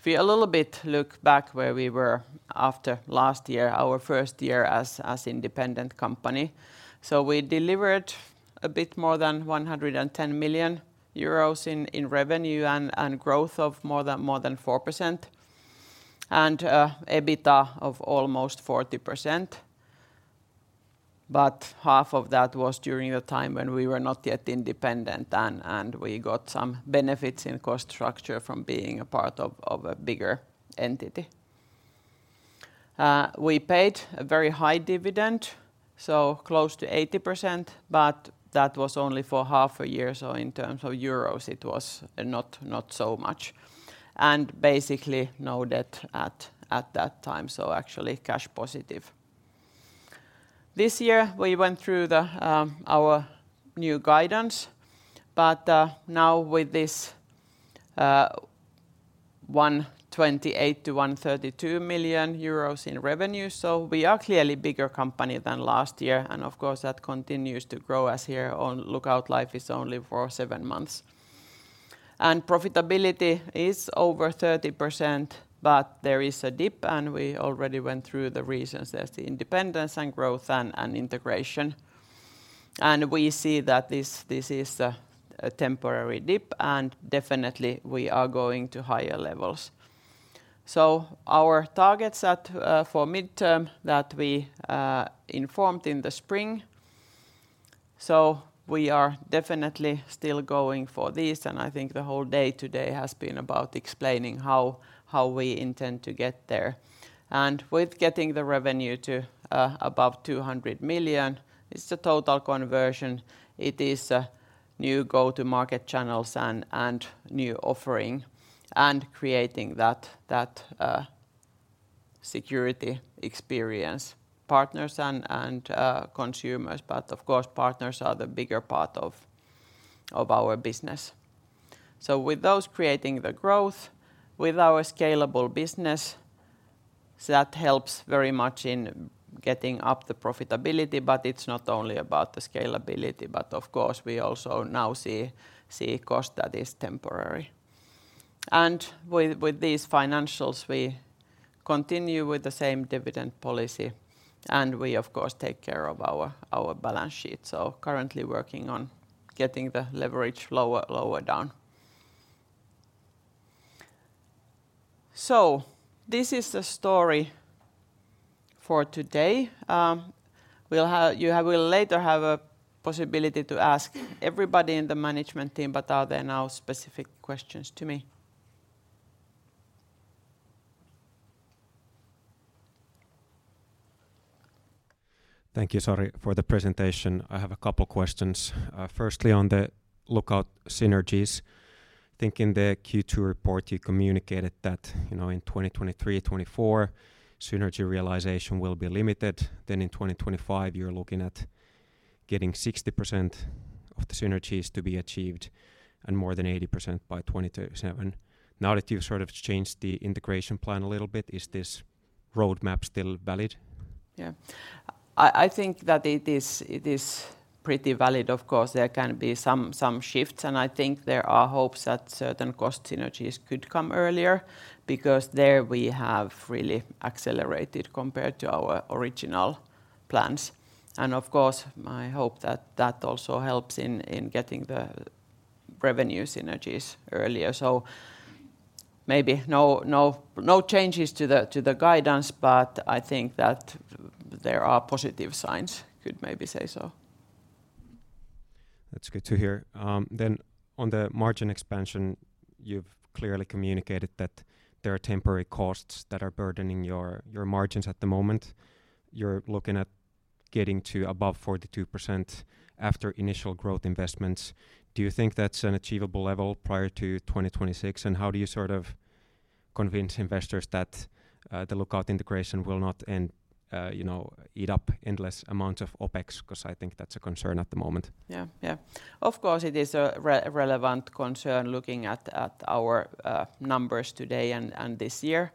If we a little bit look back where we were after last year, our first year as independent company, so we delivered a bit more than 110 million euros in revenue and growth of more than 4%, and EBITDA of almost 40%. But half of that was during the time when we were not yet independent, and we got some benefits in cost structure from being a part of a bigger entity. We paid a very high dividend, close to 80%, but that was only for half a year, so in terms of euros, it was not, not so much. Basically, no debt at that time, so actually cash positive. This year, we went through our new guidance, but now with this 128 million-132 million euros in revenue, we are clearly a bigger company than last year. Of course, that continues to grow as here on Lookout Life is only for seven months. Profitability is over 30%, but there is a dip, and we already went through the reasons. There's the independence, and growth, and integration. We see that this is a temporary dip, and definitely we are going to higher levels. Our targets for midterm that we informed in the spring, so we are definitely still going for this, and I think the whole day today has been about explaining how we intend to get there. With getting the revenue to above 200 million, it's a total conversion. It is a new go-to-market channels and new offering, and creating that security experience, partners and consumers. But of course, partners are the bigger part of our business. With those creating the growth, with our scalable business, that helps very much in getting up the profitability, but it's not only about the scalability, but of course, we also now see cost that is temporary. With these financials, we continue with the same dividend policy, and we, of course, take care of our balance sheet. Currently working on getting the leverage lower down. This is the story for today. You will later have a possibility to ask everybody in the management team, but are there now specific questions to me? Thank you, Sari, for the presentation. I have a couple questions. Firstly, on the Lookout synergies. I think in the Q2 report, you communicated that, you know, in 2023, 2024, synergy realization will be limited. Then in 2025, you're looking at getting 60% of the synergies to be achieved, and more than 80% by 2037. Now, that you've sort of changed the integration plan a little bit, is this roadmap still valid? Yeah. I think that it is pretty valid. Of course, there can be some shifts, and I think there are hopes that certain cost synergies could come earlier, because there we have really accelerated compared to our original plans. And of course, I hope that that also helps in getting the revenue synergies earlier. So maybe no changes to the guidance, but I think that there are positive signs, could maybe say so. That's good to hear. Then on the margin expansion, you've clearly communicated that there are temporary costs that are burdening your margins at the moment. You're looking at getting to above 42% after initial growth investments. Do you think that's an achievable level prior to 2026? And how do you sort of convince investors that the Lookout integration will not end, you know, eat up endless amounts of OpEx? 'Cause I think that's a concern at the moment. Yeah, yeah. Of course, it is a relevant concern looking at our numbers today and this year.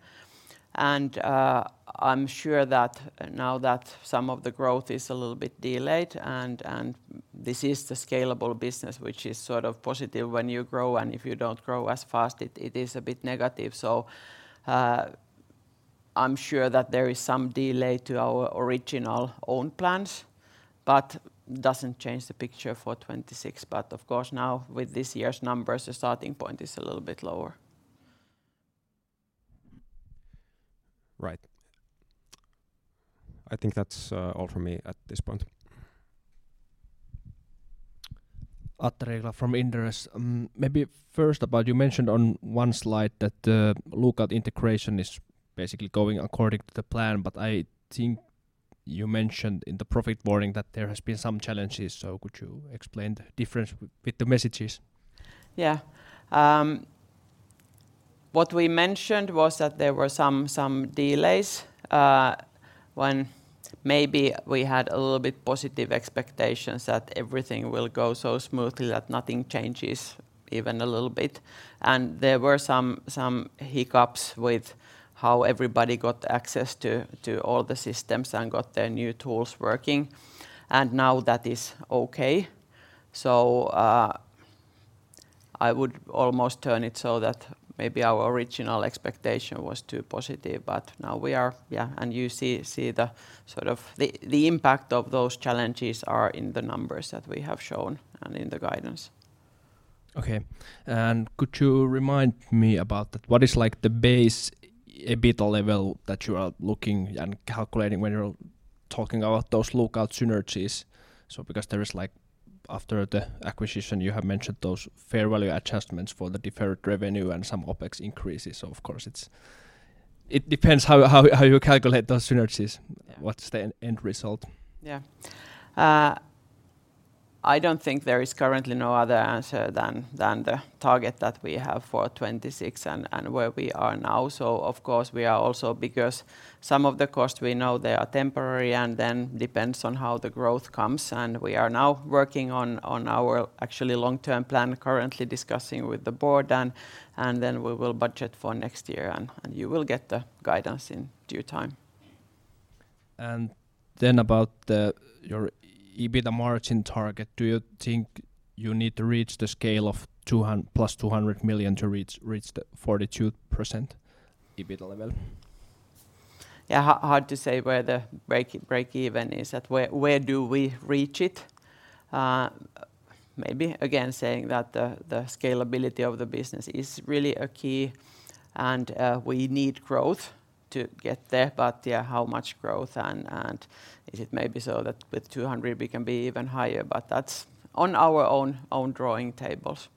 I'm sure that now that some of the growth is a little bit delayed, and this is the scalable business, which is sort of positive when you grow, and if you don't grow as fast, it is a bit negative. I'm sure that there is some delay to our original own plans, but doesn't change the picture for 2026. But of course, now, with this year's numbers, the starting point is a little bit lower. Right. I think that's all from me at this point. Atte Riikola from Inderes. Maybe first about, you mentioned on one slide that the Lookout integration is basically going according to the plan, but I think you mentioned in the profit warning that there has been some challenges. So could you explain the difference with the messages? Yeah. What we mentioned was that there were some delays when maybe we had a little bit positive expectations that everything will go so smoothly that nothing changes even a little bit. And there were some hiccups with how everybody got access to all the systems and got their new tools working, and now that is okay. So, I would almost turn it so that maybe our original expectation was too positive, but now we are... Yeah, and you see the sort of impact of those challenges are in the numbers that we have shown and in the guidance. Okay. Could you remind me about that? What is like the base, EBITDA level that you are looking and calculating when you're talking about those Lookout synergies? Because there is like, after the acquisition, you have mentioned those fair value adjustments for the deferred revenue and some OpEx increases. Of course, it depends how, how, how you calculate those synergies- Yeah What's the end result? Yeah. I don't think there is currently no other answer than the target that we have for 2026 and where we are now. So of course, we are also because some of the costs we know they are temporary, and then depends on how the growth comes, and we are now working on our actually long-term plan, currently discussing with the board, and then we will budget for next year, and you will get the guidance in due time. About your EBITDA margin target, do you think you need to reach the scale of 200 million+ to reach the 42% EBITDA level? Yeah, hard to say where the break even is at where do we reach it? Maybe again, saying that the scalability of the business is really a key, and we need growth to get there. But yeah, how much growth and it may be so that with 200, we can be even higher, but that's on our own drawing tables.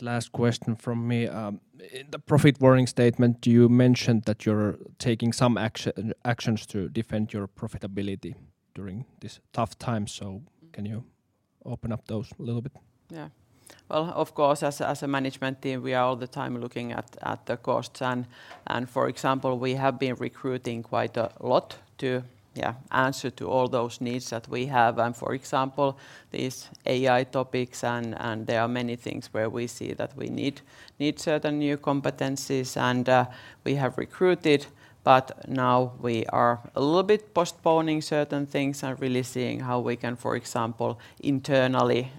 Last question from me. In the profit warning statement, you mentioned that you're taking some actions to defend your profitability during this tough time. So- Mm... can you open up those a little bit? Yeah. Well, of course, as a management team, we are all the time looking at the costs, and for example, we have been recruiting quite a lot to answer to all those needs that we have. And for example, these AI topics, and there are many things where we see that we need certain new competencies, and we have recruited, but now we are a little bit postponing certain things and really seeing how we can, for example, internally,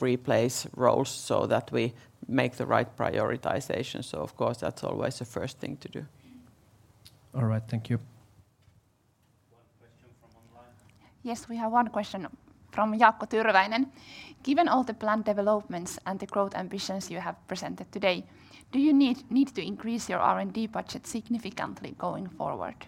replace roles so that we make the right prioritization. So of course, that's always the first thing to do. All right. Thank you. One question from online. Yes, we have one question from Jaakko Tyrväinen. Given all the planned developments and the growth ambitions you have presented today, do you need to increase your R&D budget significantly going forward?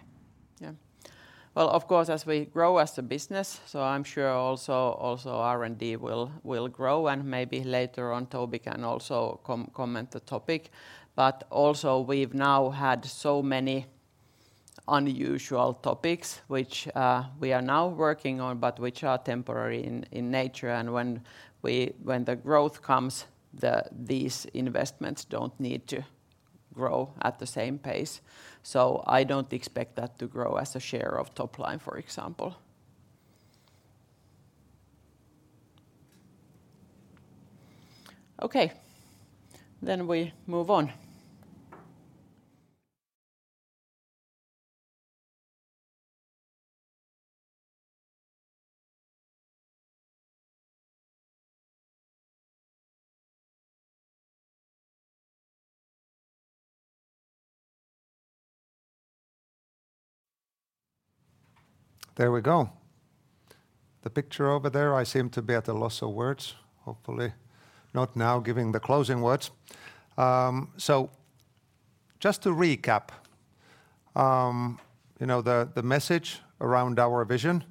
Yeah. Well, of course, as we grow as a business, so I'm sure also R&D will grow, and maybe later on, Toby can also comment on the topic. But also, we've now had so many unusual topics, which we are now working on, but which are temporary in nature, and when the growth comes, these investments don't need to grow at the same pace. So I don't expect that to grow as a share of top line, for example. Okay, then we move on. There we go. The picture over there, I seem to be at a loss of words. Hopefully, not now, giving the closing words. So just to recap, you know, the message around our vision: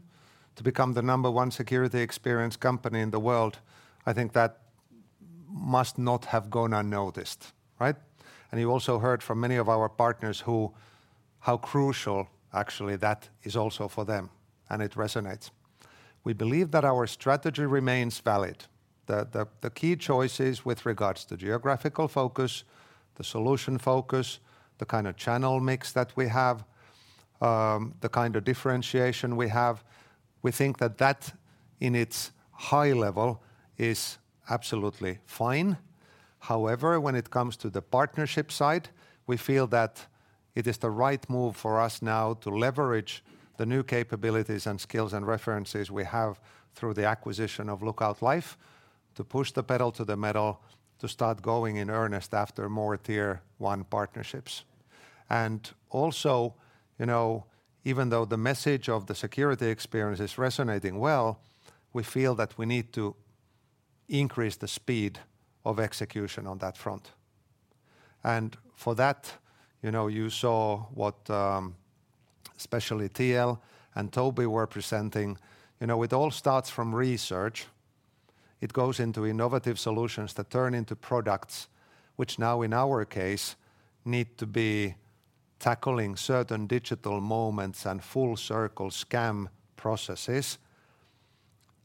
to become the number one security experience company in the world, I think that must not have gone unnoticed, right? And you also heard from many of our partners who, how crucial actually that is also for them, and it resonates. We believe that our strategy remains valid, that the key choices with regards to geographical focus, the solution focus, the kind of channel mix that we have, the kind of differentiation we have, we think that that, in its high level, is absolutely fine. However, when it comes to the partnership side, we feel that it is the right move for us now to leverage the new capabilities and skills and references we have through the acquisition of Lookout Life, to push the pedal to the metal, to start going in earnest after more Tier 1 partnerships. And also, you know, even though the message of the security experience is resonating well, we feel that we need to increase the speed of execution on that front. And for that, you know, you saw what, especially T.L. and Toby were presenting. You know, it all starts from research. It goes into innovative solutions that turn into products, which now, in our case, need to be tackling certain digital moments and full-circle scam processes.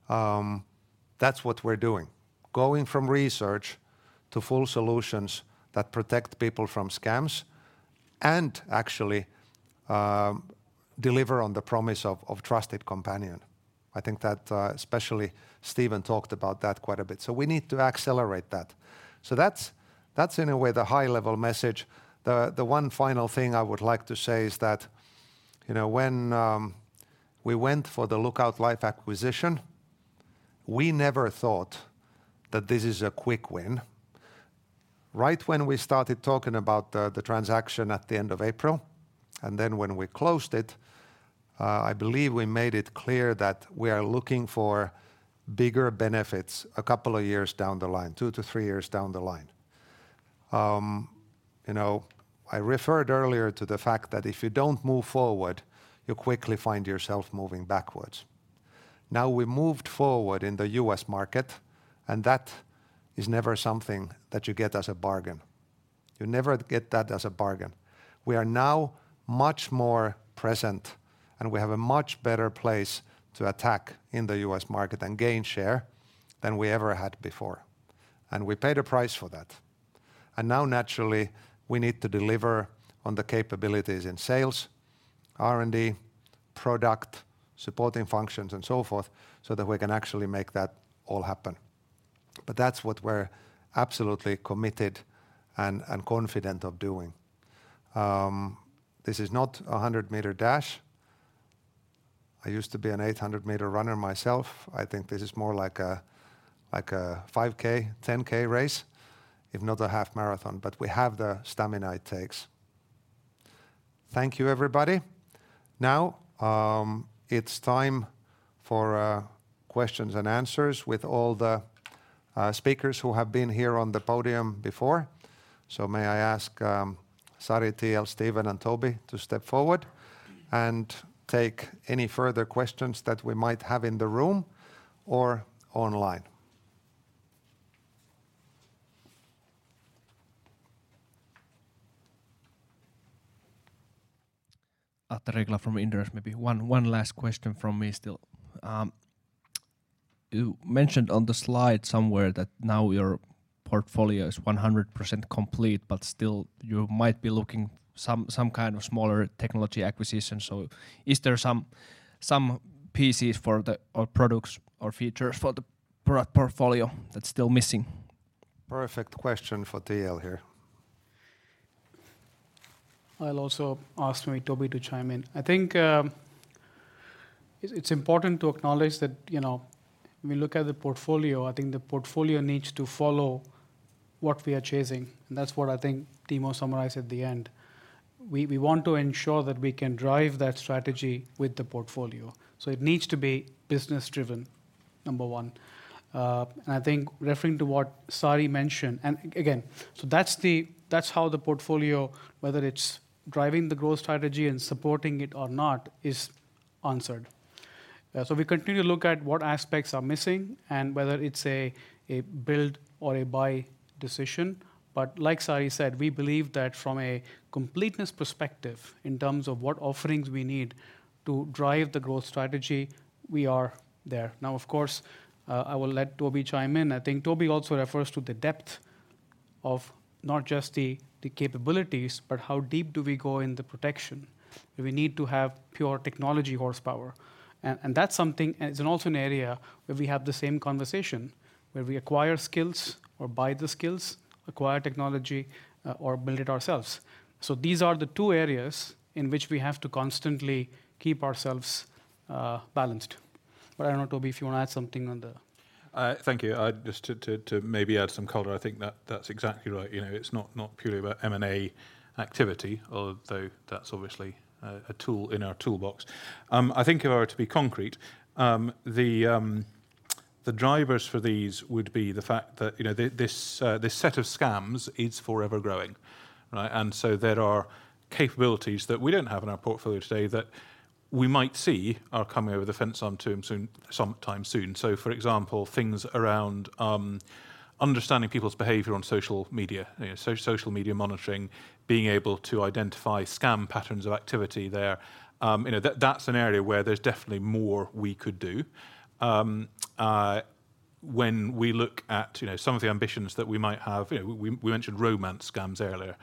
That's what we're doing, going from research to full solutions that protect people from scams and actually deliver on the promise of trusted companion. I think that especially Steven talked about that quite a bit. So we need to accelerate that. So that's in a way the high-level message. The one final thing I would like to say is that you know when we went for the Lookout Life acquisition, we never thought that this is a quick win. Right when we started talking about the transaction at the end of April, and then when we closed it, I believe we made it clear that we are looking for bigger benefits a couple of years down the line, two to three years down the line. You know, I referred earlier to the fact that if you don't move forward, you quickly find yourself moving backwards... Now we moved forward in the U.S. market, and that is never something that you get as a bargain. You never get that as a bargain. We are now much more present, and we have a much better place to attack in the U.S. market and gain share than we ever had before, and we paid a price for that. And now, naturally, we need to deliver on the capabilities in sales, R&D, product, supporting functions, and so forth, so that we can actually make that all happen. But that's what we're absolutely committed and, and confident of doing. This is not a 100-m dash. I used to be an 800-m runner myself. I think this is more like a, like a 5K, 10K race, if not a half marathon, but we have the stamina it takes. Thank you, everybody. Now, it's time for questions and answers with all the speakers who have been here on the podium before. So may I ask, Sari, T.L., Steven, and Toby to step forward and take any further questions that we might have in the room or online? Atte Riikola from Inderes. Maybe one last question from me still. You mentioned on the slide somewhere that now your portfolio is 100% complete, but still you might be looking some kind of smaller technology acquisition. So is there some pieces or products or features for the portfolio that's still missing? Perfect question for T.L. here. I'll also ask me Toby to chime in. I think, it's, it's important to acknowledge that, you know, when we look at the portfolio, I think the portfolio needs to follow what we are chasing, and that's what I think Timo summarized at the end. We, we want to ensure that we can drive that strategy with the portfolio, so it needs to be business driven, number one. And I think referring to what Sari mentioned. And again, so that's the - that's how the portfolio, whether it's driving the growth strategy and supporting it or not, is answered. So we continue to look at what aspects are missing and whether it's a, a build or a buy decision. But like Sari said, we believe that from a completeness perspective, in terms of what offerings we need to drive the growth strategy, we are there. Now, of course, I will let Toby chime in. I think Toby also refers to the depth of not just the capabilities, but how deep do we go in the protection. Do we need to have pure technology horsepower? That's something, and it's also an area where we have the same conversation, where we acquire skills or buy the skills, acquire technology, or build it ourselves. These are the two areas in which we have to constantly keep ourselves balanced. I don't know, Toby, if you want to add something on the- Thank you. Just to maybe add some color, I think that's exactly right. You know, it's not purely about M&A activity, although that's obviously a tool in our toolbox. I think if I were to be concrete, the drivers for these would be the fact that, you know, this set of scams is forever growing, right? And so there are capabilities that we don't have in our portfolio today that we might see are coming over the fence on to them soon, sometime soon. So for example, things around understanding people's behavior on social media, you know, so social media monitoring, being able to identify scam patterns of activity there, you know, that's an area where there's definitely more we could do. When we look at, you know, some of the ambitions that we might have, you know, we, we mentioned romance scams earlier.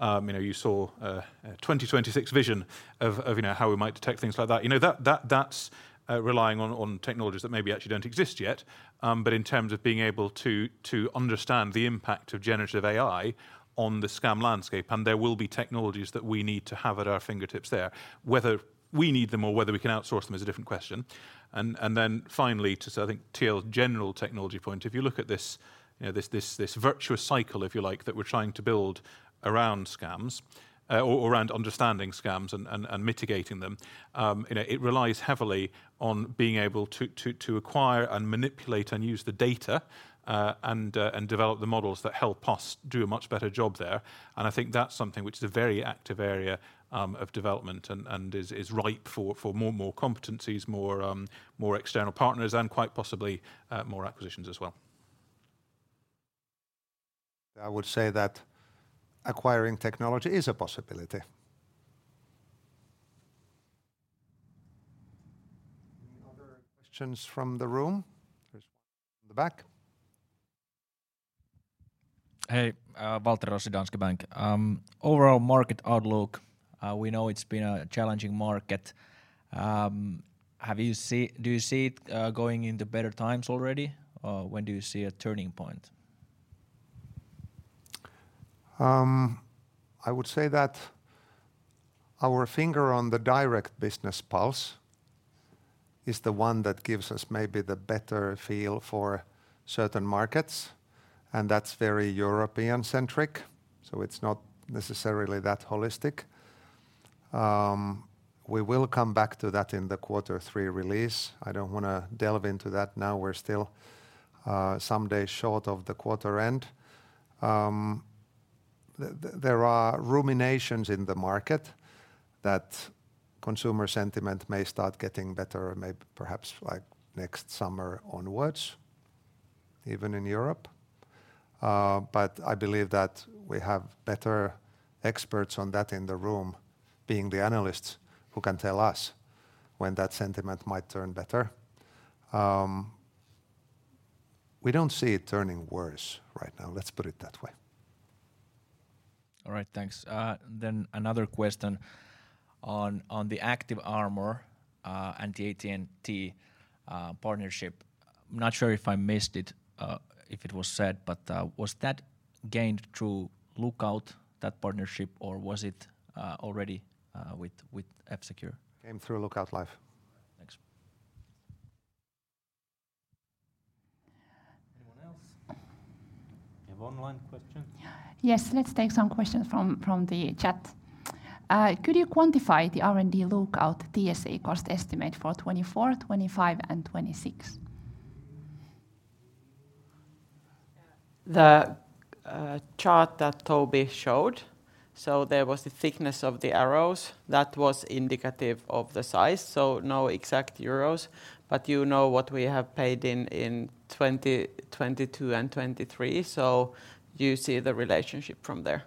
You know, you saw, a 2026 vision of, of, you know, how we might detect things like that. You know, that, that, that's, relying on, on technologies that maybe actually don't exist yet. But in terms of being able to, to understand the impact of generative AI on the scam landscape, and there will be technologies that we need to have at our fingertips there. Whether we need them or whether we can outsource them is a different question. I think T.L.'s general technology point, if you look at this, you know, this virtuous cycle, if you like, that we're trying to build around scams, or around understanding scams and mitigating them, you know, it relies heavily on being able to acquire and manipulate and use the data, and develop the models that help us do a much better job there. And I think that's something which is a very active area of development and is ripe for more competencies, more external partners, and quite possibly more acquisitions as well. I would say that acquiring technology is a possibility. Any other questions from the room? There's one from the back. Hey, Waltteri Rossi, Danske Bank. Overall market outlook, we know it's been a challenging market. Do you see it going into better times already? When do you see a turning point? I would say that our finger on the direct business pulse is the one that gives us maybe the better feel for certain markets, and that's very European-centric, so it's not necessarily that holistic. We will come back to that in the Quarter Three release. I don't wanna delve into that now. We're still some days short of the quarter end. There are ruminations in the market that consumer sentiment may start getting better, maybe perhaps like next summer onwards, even in Europe. But I believe that we have better experts on that in the room, being the analysts, who can tell us when that sentiment might turn better. We don't see it turning worse right now, let's put it that way. All right, thanks. Another question on the ActiveArmor and the AT&T partnership. I'm not sure if I missed it if it was said, but was that gained through Lookout, that partnership, or was it already with F-Secure? Came through Lookout Life. Thanks. Anyone else? We have online question. Yes, let's take some questions from, from the chat. Could you quantify the R&D Lookout TSA cost estimate for 2024, 2025, and 2026? The chart that Toby showed, so there was the thickness of the arrows, that was indicative of the size, so no exact euros. But you know what we have paid in, in 2022 and 2023, so you see the relationship from there.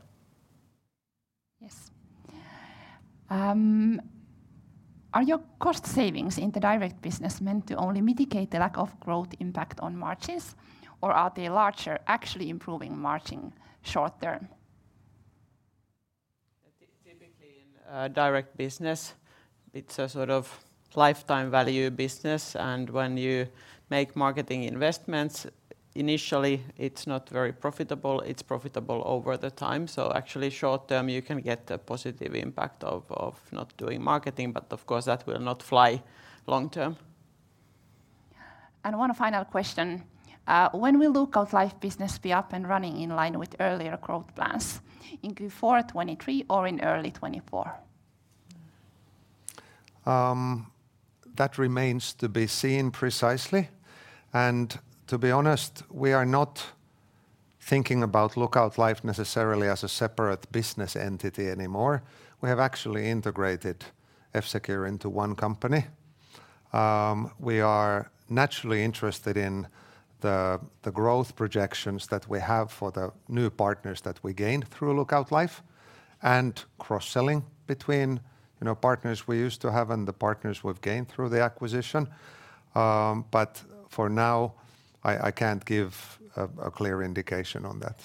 Yes. Are your cost savings in the direct business meant to only mitigate the lack of growth impact on margins, or are they larger, actually improving margin short term? Typically in direct business, it's a sort of lifetime value business, and when you make marketing investments, initially it's not very profitable. It's profitable over the time. So actually short term, you can get a positive impact of not doing marketing, but of course, that will not fly long term. One final question. When will Lookout Life business be up and running in line with earlier growth plans, in Q4 2023 or in early 2024? That remains to be seen precisely. And to be honest, we are not thinking about Lookout Life necessarily as a separate business entity anymore. We have actually integrated F-Secure into one company. We are naturally interested in the growth projections that we have for the new partners that we gained through Lookout Life, and cross-selling between, you know, partners we used to have and the partners we've gained through the acquisition. But for now, I can't give a clear indication on that.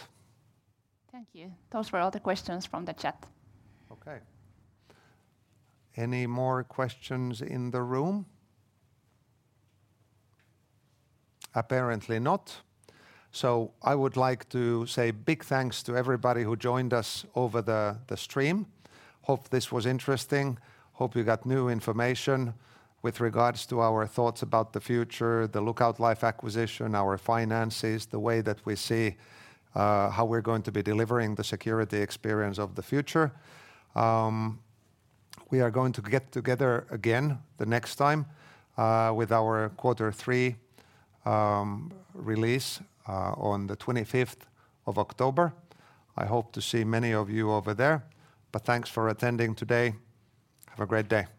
Thank you. Those were all the questions from the chat. Okay. Any more questions in the room? Apparently not. So I would like to say big thanks to everybody who joined us over the stream. Hope this was interesting, hope you got new information with regards to our thoughts about the future, the Lookout Life acquisition, our finances, the way that we see how we're going to be delivering the security experience of the future. We are going to get together again the next time with our Quarter Three release on the 25th of October. I hope to see many of you over there. But thanks for attending today. Have a great day!